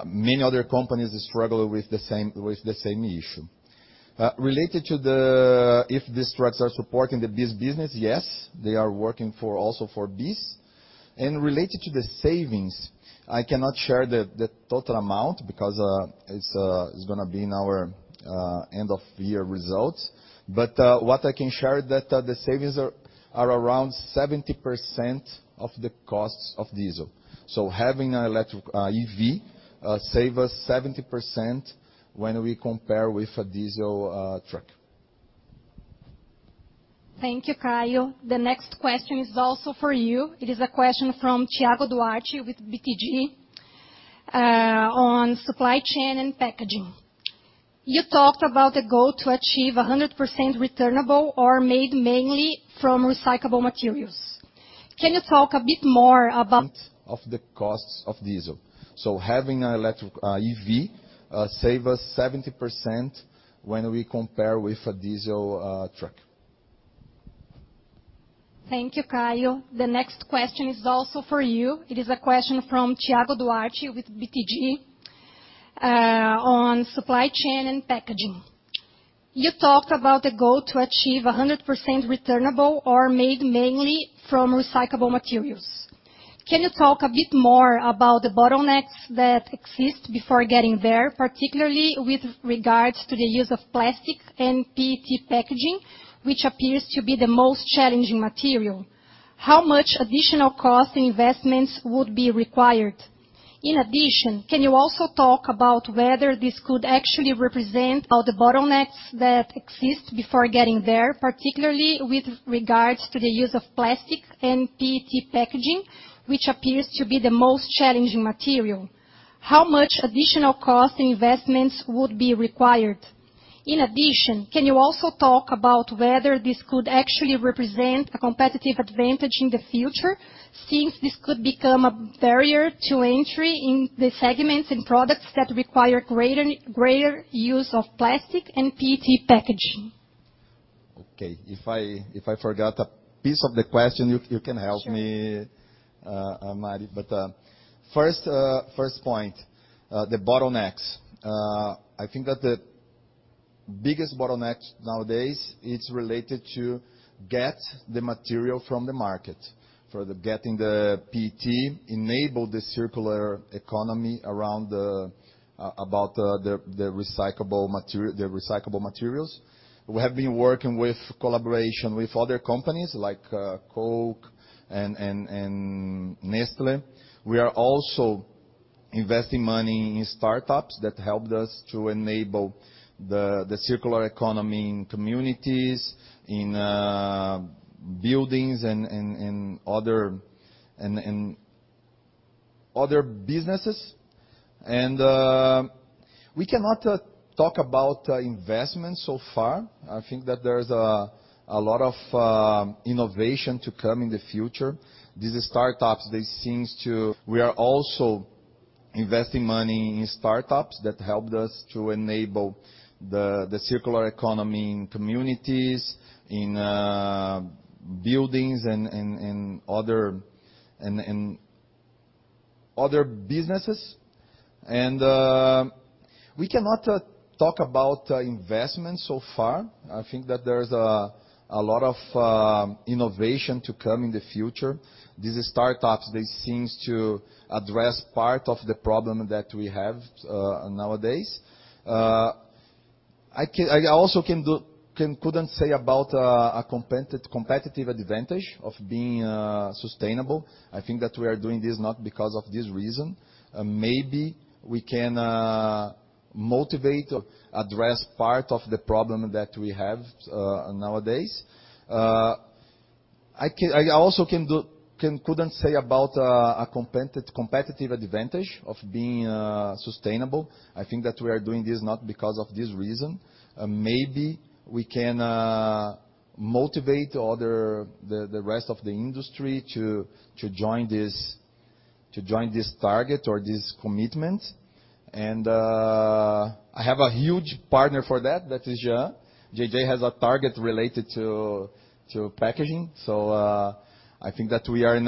Many other companies struggle with the same issue. Related to if these trucks are supporting the BEES business, yes, they are working also for BEES. Related to the savings, I cannot share the total amount because it's gonna be in our end of year results. What I can share that the savings are around 70% of the costs of diesel. Having an electric EV save us 70% when we compare with a diesel truck. Thank you, Caio. The next question is also for you. It is a question from Thiago Duarte with BTG on supply chain and packaging. You talked about the goal to achieve 100% returnable or made mainly from recyclable materials. Can you talk a bit more about? Of the costs of diesel. Having an electric EV save us 70% when we compare with a diesel truck. Thank you, Caio. The next question is also for you. It is a question from Thiago Duarte with BTG on supply chain and packaging. You talked about the goal to achieve 100% returnable or made mainly from recyclable materials. Can you talk a bit more about the bottlenecks that exist before getting there, particularly with regards to the use of plastic and PET packaging, which appears to be the most challenging material? How much additional cost and investments would be required? In addition, can you also talk about whether this could actually represent a competitive advantage in the future, since this could become a barrier to entry in the segments and products that require greater use of plastic and PET packaging? Okay. If I forgot a piece of the question, you can help me. Sure Mari. First point, the bottlenecks. I think that the biggest bottleneck nowadays is related to get the material from the market. For the getting the PET enable the circular economy around, about, the recyclable materials. We have been working with collaboration with other companies like, Coke and, Nestlé. We are also investing money in startups that helped us to enable the circular economy in communities, in buildings and, other businesses. We cannot talk about investment so far. I think that there is a lot of innovation to come in the future. These startups, they seems to We are also investing money in startups that helped us to enable the circular economy in communities, in buildings and other businesses. We cannot talk about investment so far. I think that there's a lot of innovation to come in the future. These startups, they seems to address part of the problem that we have nowadays. I also couldn't say about a competitive advantage of being sustainable. I think that we are doing this not because of this reason. Maybe we can motivate or address part of the problem that we have nowadays. I also couldn't say about a competitive advantage of being sustainable. I think that we are doing this not because of this reason. Maybe we can motivate the rest of the industry to join this target or this commitment. I have a huge partner for that is Jean. JJ has a target related to packaging. I think that we are in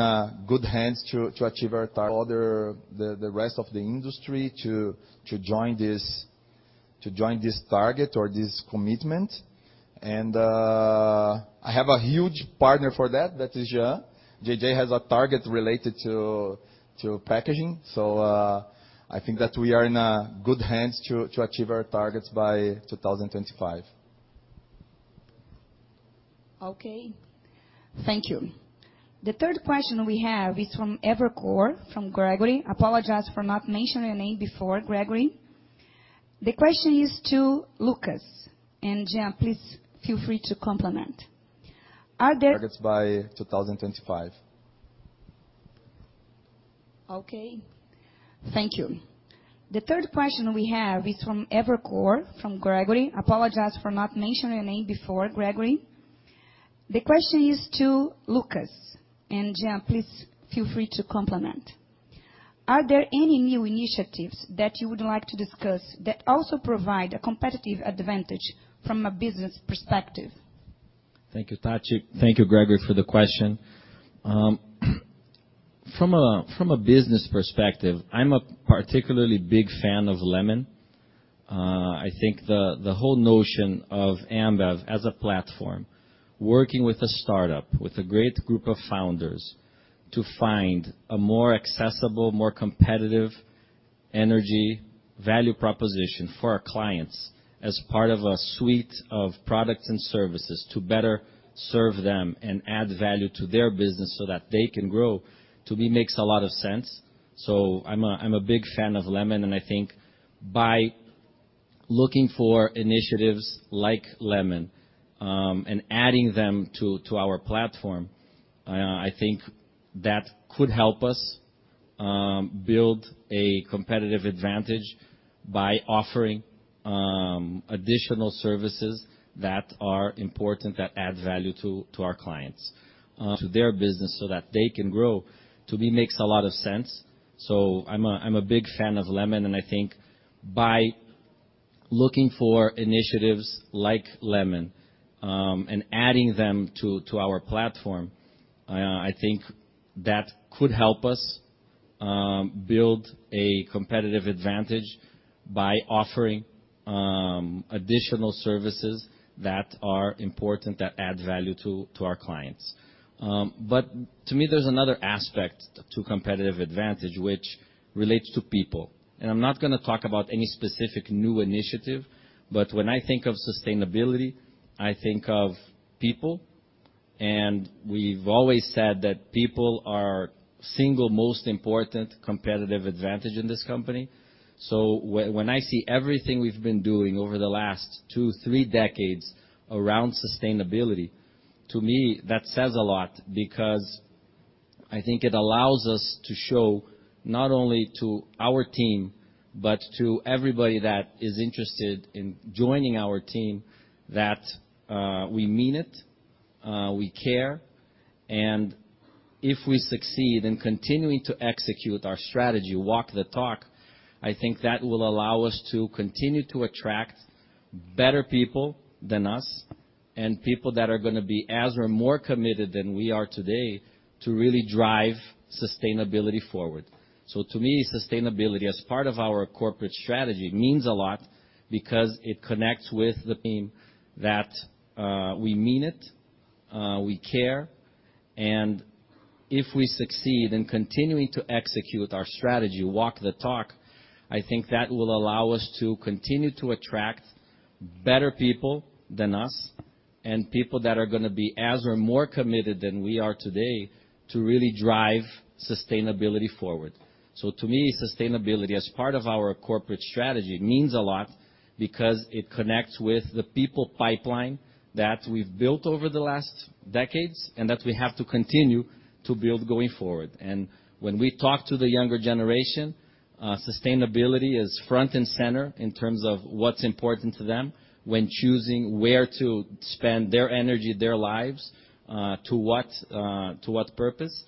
good hands to achieve our targets by 2025. Okay. Thank you. The third question we have is from Evercore, from Gregory. Apologize for not mentioning your name before, Gregory. The question is to Lucas and Jean, please feel free to complement. Are there- Targets by 2025. Okay. Thank you. The third question we have is from Evercore, from Gregory. Apologize for not mentioning your name before, Gregory. The question is to Lucas and Jean, please feel free to complement. Are there any new initiatives that you would like to discuss that also provide a competitive advantage from a business perspective? Thank you, Tati. Thank you, Gregory, for the question. From a business perspective, I'm a particularly big fan of Lemon. I think the whole notion of Ambev as a platform, working with a startup, with a great group of founders to find a more accessible, more competitive energy value proposition for our clients as part of a suite of products and services to better serve them and add value to their business so that they can grow, to me makes a lot of sense. I'm a big fan of Lemon, and I think by looking for initiatives like Lemon, and adding them to our platform, I think that could help us build a competitive advantage by offering additional services that are important that add value to our clients. To their business so that they can grow, to me makes a lot of sense. I'm a big fan of Lemon, and I think by looking for initiatives like Lemon, and adding them to our platform, I think that could help us build a competitive advantage by offering additional services that are important that add value to our clients. To me, there's another aspect to competitive advantage which relates to people. I'm not gonna talk about any specific new initiative, but when I think of sustainability, I think of people. We've always said that people are single most important competitive advantage in this company. When I see everything we've been doing over the last two, three decades around sustainability, to me, that says a lot because I think it allows us to show not only to our team, but to everybody that is interested in joining our team, that we mean it, we care, and if we succeed in continuing to execute our strategy, walk the talk, I think that will allow us to continue to attract better people than us and people that are gonna be as or more committed than we are today to really drive sustainability forward. To me, sustainability as part of our corporate strategy means a lot because it connects with the team that we mean it, we care, and if we succeed in continuing to execute our strategy, walk the talk, I think that will allow us to continue to attract better people than us and people that are gonna be as or more committed than we are today to really drive sustainability forward. To me, sustainability as part of our corporate strategy means a lot because it connects with the people pipeline that we've built over the last decades and that we have to continue to build going forward. When we talk to the younger generation, sustainability is front and center in terms of what's important to them when choosing where to spend their energy, their lives, to what purpose.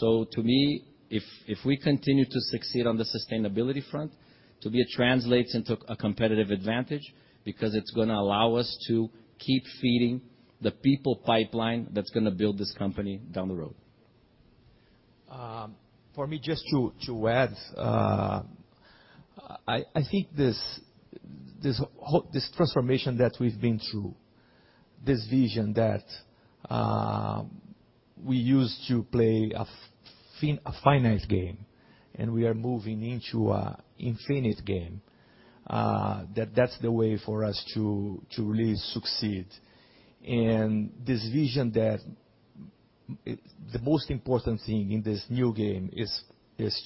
To me, if we continue to succeed on the sustainability front, to me it translates into a competitive advantage because it's gonna allow us to keep feeding the people pipeline that's gonna build this company down the road. For me just to add, I think this transformation that we've been through, this vision that we used to play a finite game, and we are moving into an infinite game, that's the way for us to really succeed. This vision that the most important thing in this new game is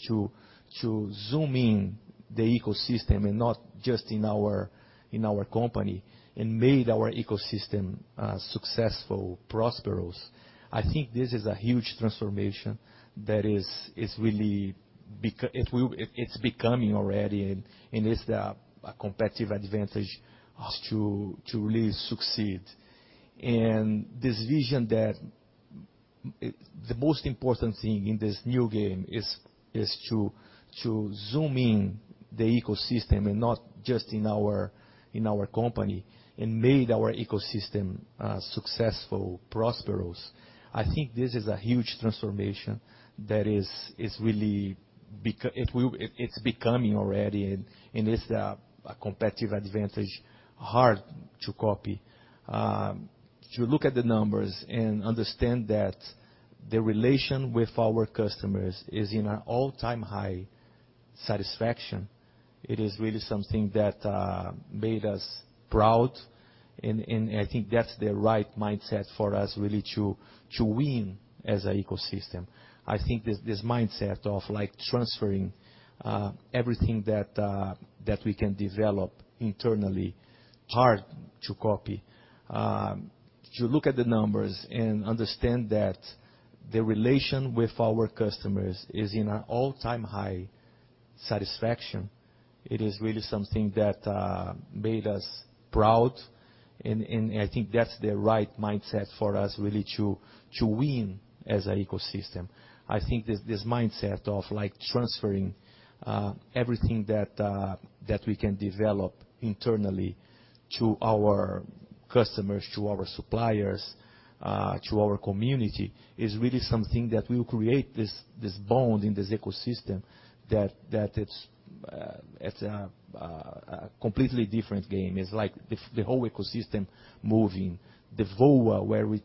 to zoom in the ecosystem and not just in our company, and make our ecosystem successful, prosperous. I think this is a huge transformation that is really it's becoming already and is a competitive advantage us to really succeed. This vision that the most important thing in this new game is to zoom in the ecosystem and not just in our company, and made our ecosystem successful, prosperous. I think this is a huge transformation that is really it's becoming already and is a competitive advantage hard to copy. If you look at the numbers and understand that the relation with our customers is in an all-time high satisfaction, it is really something that made us proud and I think that's the right mindset for us really to win as a ecosystem. I think this mindset of like transferring everything that we can develop internally, hard to copy. If you look at the numbers and understand that the relation with our customers is in an all-time high satisfaction, it is really something that made us proud and I think that's the right mindset for us really to win as a ecosystem. I think this mindset of like transferring everything that we can develop internally to our customers, to our suppliers, to our community is really something that will create this bond in this ecosystem that it's a completely different game. It's like the whole ecosystem moving. The VOA where we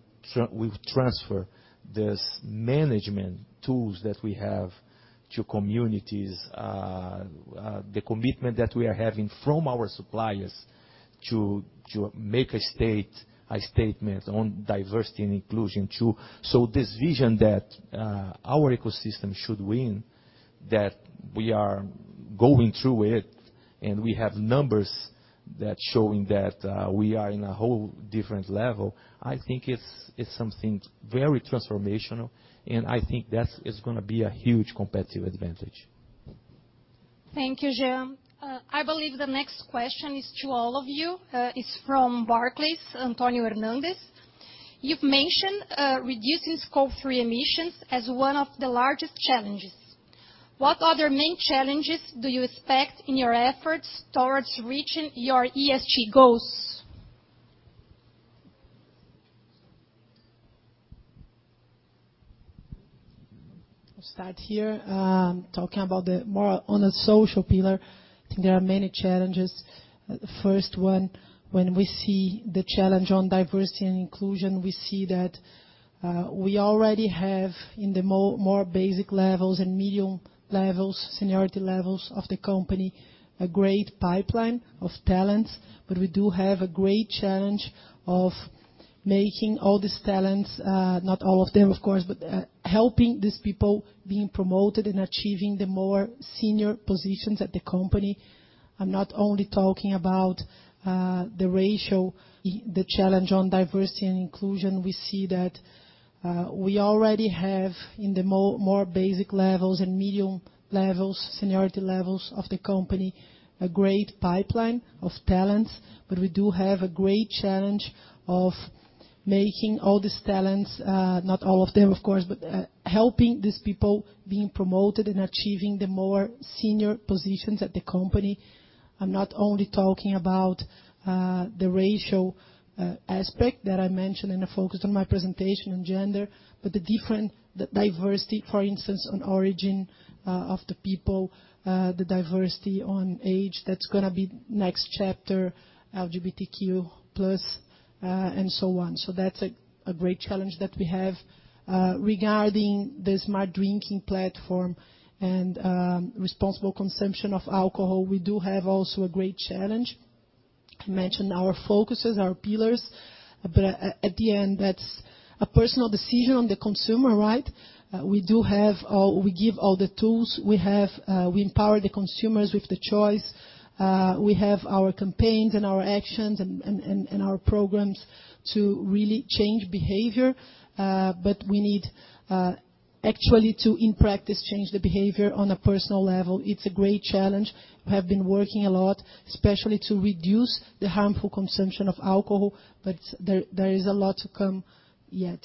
transfer this management tools that we have to communities. The commitment that we are having from our suppliers to make a statement on diversity and inclusion too. This vision that our ecosystem should win, that we are going through it, and we have numbers that's showing that we are in a whole different level. I think it's something very transformational, and I think that's gonna be a huge competitive advantage. Thank you, Jean. I believe the next question is to all of you. It's from Barclays, Antonio Hernandez. You've mentioned reducing Scope 3 emissions as one of the largest challenges. What other main challenges do you expect in your efforts towards reaching your ESG goals? I'll start here, talking about the more on the social pillar. I think there are many challenges. The first one, when we see the challenge on diversity and inclusion, we see that, we already have in the more basic levels and medium levels, seniority levels of the company, a great pipeline of talents, but we do have a great challenge of making all these talents, not all of them of course, but, helping these people being promoted and achieving the more senior positions at the company. I'm not only talking about the ratio. The challenge on diversity and inclusion, we see that we already have in the more basic levels and medium levels, seniority levels of the company, a great pipeline of talents, but we do have a great challenge of making all these talents, not all of them of course, but helping these people being promoted and achieving the more senior positions at the company. I'm not only talking about the ratio aspect that I mentioned and I focused on my presentation on gender, but the diversity, for instance, on origin of the people, the diversity on age, that's gonna be next chapter, LGBTQ+, and so on. That's a great challenge that we have. Regarding the Smart Drinking platform and responsible consumption of alcohol, we do have also a great challenge. I mentioned our focuses, our pillars, but at the end, that's a personal decision on the consumer, right? We give all the tools. We have we empower the consumers with the choice. We have our campaigns and our actions and our programs to really change behavior, but we need actually to in practice change the behavior on a personal level. It's a great challenge. We have been working a lot, especially to reduce the harmful consumption of alcohol, but there is a lot to come yet.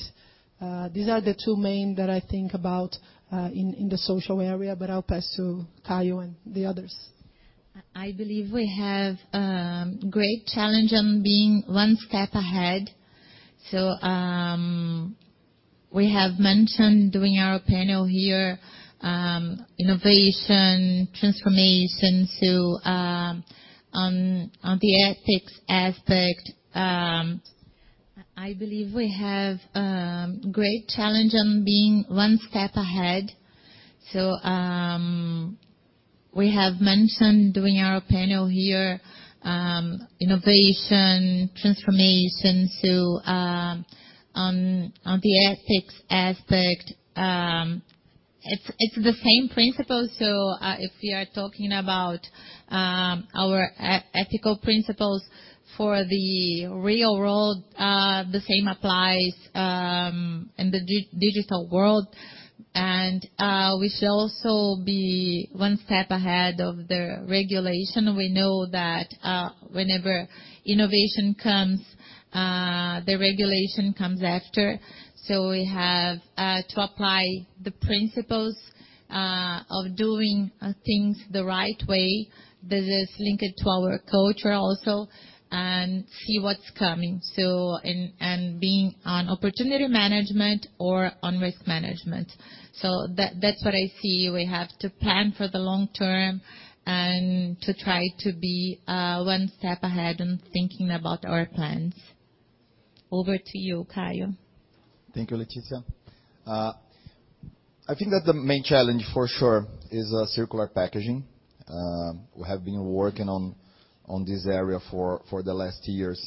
These are the two main that I think about in the social area, but I'll pass to Caio and the others. I believe we have great challenge on being one step ahead. We have mentioned during our panel here innovation, transformation. On the ethics aspect, it's the same principle. If we are talking about our ethical principles for the real world, the same applies in the digital world. We should also be one step ahead of the regulation. We know that whenever innovation comes, the regulation comes after. We have to apply the principles of doing things the right way. This is linked to our culture also, and see what's coming. being on opportunity management or on risk management. That's what I see we have to plan for the long term and to try to be one step ahead in thinking about our plans. Over to you, Caio. Thank you, Letícia. I think that the main challenge for sure is circular packaging. We have been working on this area for the last years.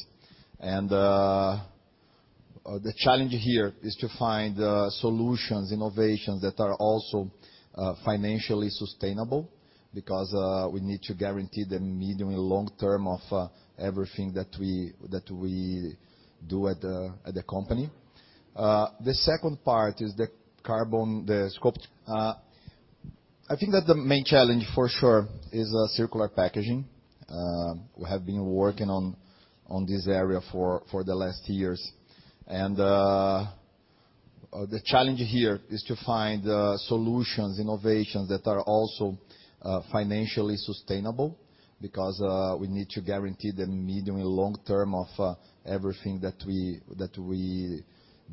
The challenge here is to find solutions, innovations that are also financially sustainable because we need to guarantee the medium and long term of everything that we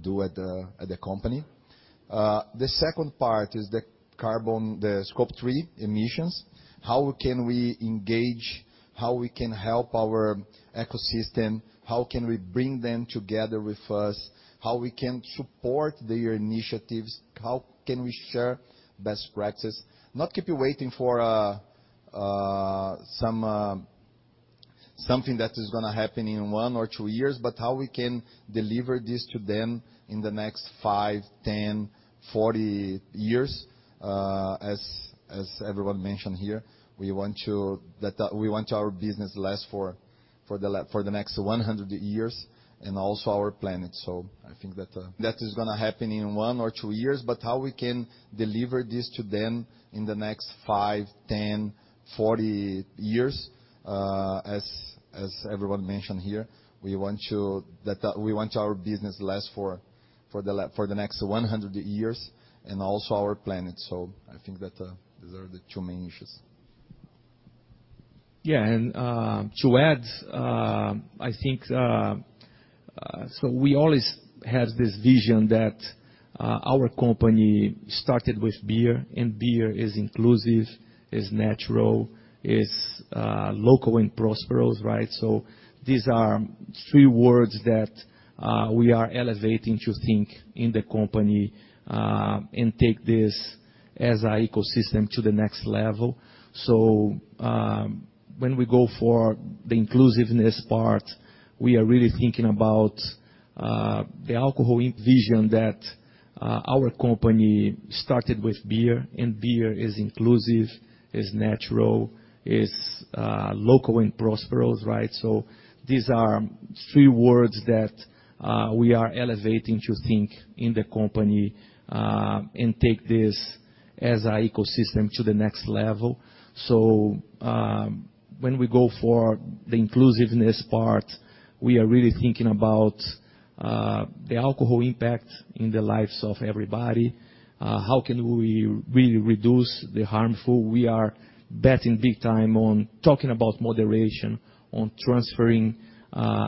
do at the company. The second part is the carbon, the scope. The second part is the carbon, the Scope 3 emissions. How can we engage? How we can help our ecosystem? How can we bring them together with us? How can we support their initiatives? How can we share best practices? Not keep you waiting for something that is gonna happen in one or two years, but how we can deliver this to them in the next five, 10, 40 years. As everyone mentioned here, we want our business last for the next 100 years, and also our planet. I think that is gonna happen in one or two years, but how we can deliver this to them in the next five, 10, 40 years. As everyone mentioned here, we want our business last for the next 100 years, and also our planet. I think that those are the two main issues. Yeah. To add, I think we always have this vision that our company started with beer, and beer is inclusive, is natural, is local and prosperous, right? These are three words that we are elevating to think in the company, and take this as our ecosystem to the next level. When we go for the inclusiveness part, we are really thinking about the alcohol im- vision that our company started with beer, and beer is inclusive, is natural, is local and prosperous, right? These are three words that we are elevating to think in the company and take this as our ecosystem to the next level. When we go for the inclusiveness part, we are really thinking about the alcohol impact in the lives of everybody. How can we really reduce the harmful? We are betting big time on talking about moderation, on transferring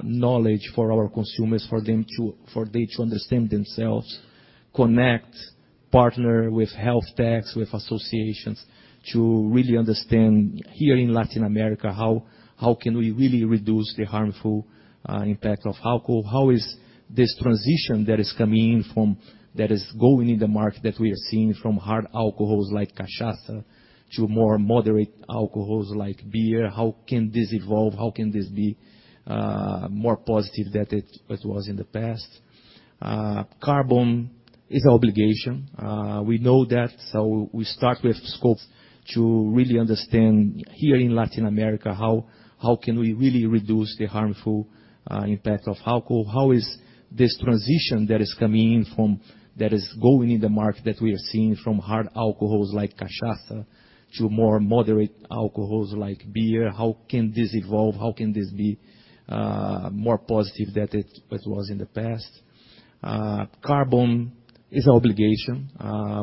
knowledge for our consumers, for them to understand themselves. Connect, partner with health techs, with associations to really understand here in Latin America, how can we really reduce the harmful impact of alcohol? How is this transition that is going in the market that we are seeing from hard alcohols like cachaça to more moderate alcohols like beer, how can this evolve? How can this be more positive than it was in the past? Carbon is our obligation. We know that, so we start with Scope 2 to really understand here in Latin America, how can we really reduce the harmful impact of alcohol? How is this transition that is coming in that is going in the market that we are seeing from hard alcohols like cachaça to more moderate alcohols like beer, how can this evolve? How can this be more positive than it was in the past? Carbon It's our obligation.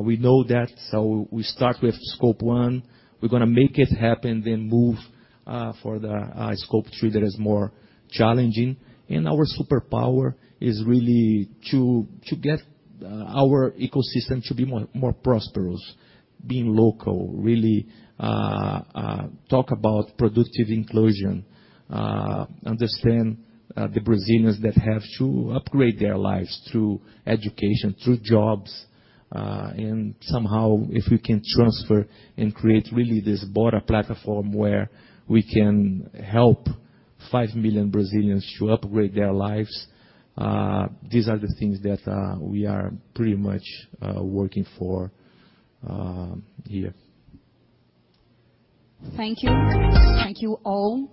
We know that, so we start with Scope 1. We're gonna make it happen, then move for the Scope 3 that is more challenging. Our superpower is really to get our ecosystem to be more prosperous, being local, really. Talk about productive inclusion. Understand the Brazilians that have to upgrade their lives through education, through jobs. Somehow, if we can transfer and create really this Bora platform where we can help 5 million Brazilians to upgrade their lives, these are the things that we are pretty much working for here. Thank you. Thank you all.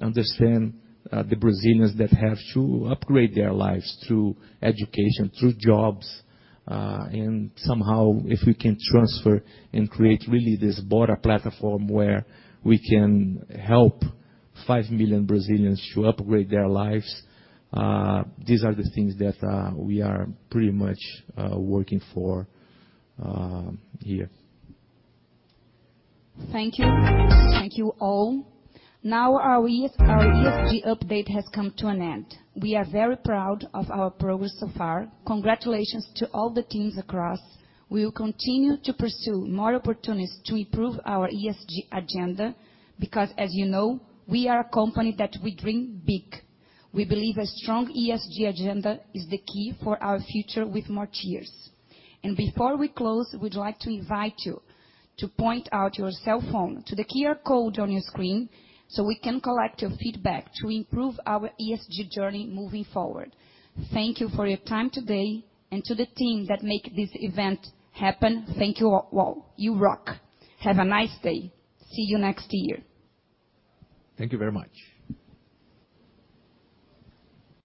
Understand the Brazilians that have to upgrade their lives through education, through jobs. Somehow, if we can transfer and create really this Bora platform where we can help 5 million Brazilians to upgrade their lives, these are the things that we are pretty much working for here. Thank you. Thank you all. Now our ESG update has come to an end. We are very proud of our progress so far. Congratulations to all the teams across. We will continue to pursue more opportunities to improve our ESG agenda because, as you know, we are a company that we dream big. We believe a strong ESG agenda is the key for our future with more cheers. Before we close, we'd like to invite you to point out your cell phone to the QR code on your screen, so we can collect your feedback to improve our ESG journey moving forward. Thank you for your time today. To the team that make this event happen, thank you all. You rock. Have a nice day. See you next year. Thank you very much.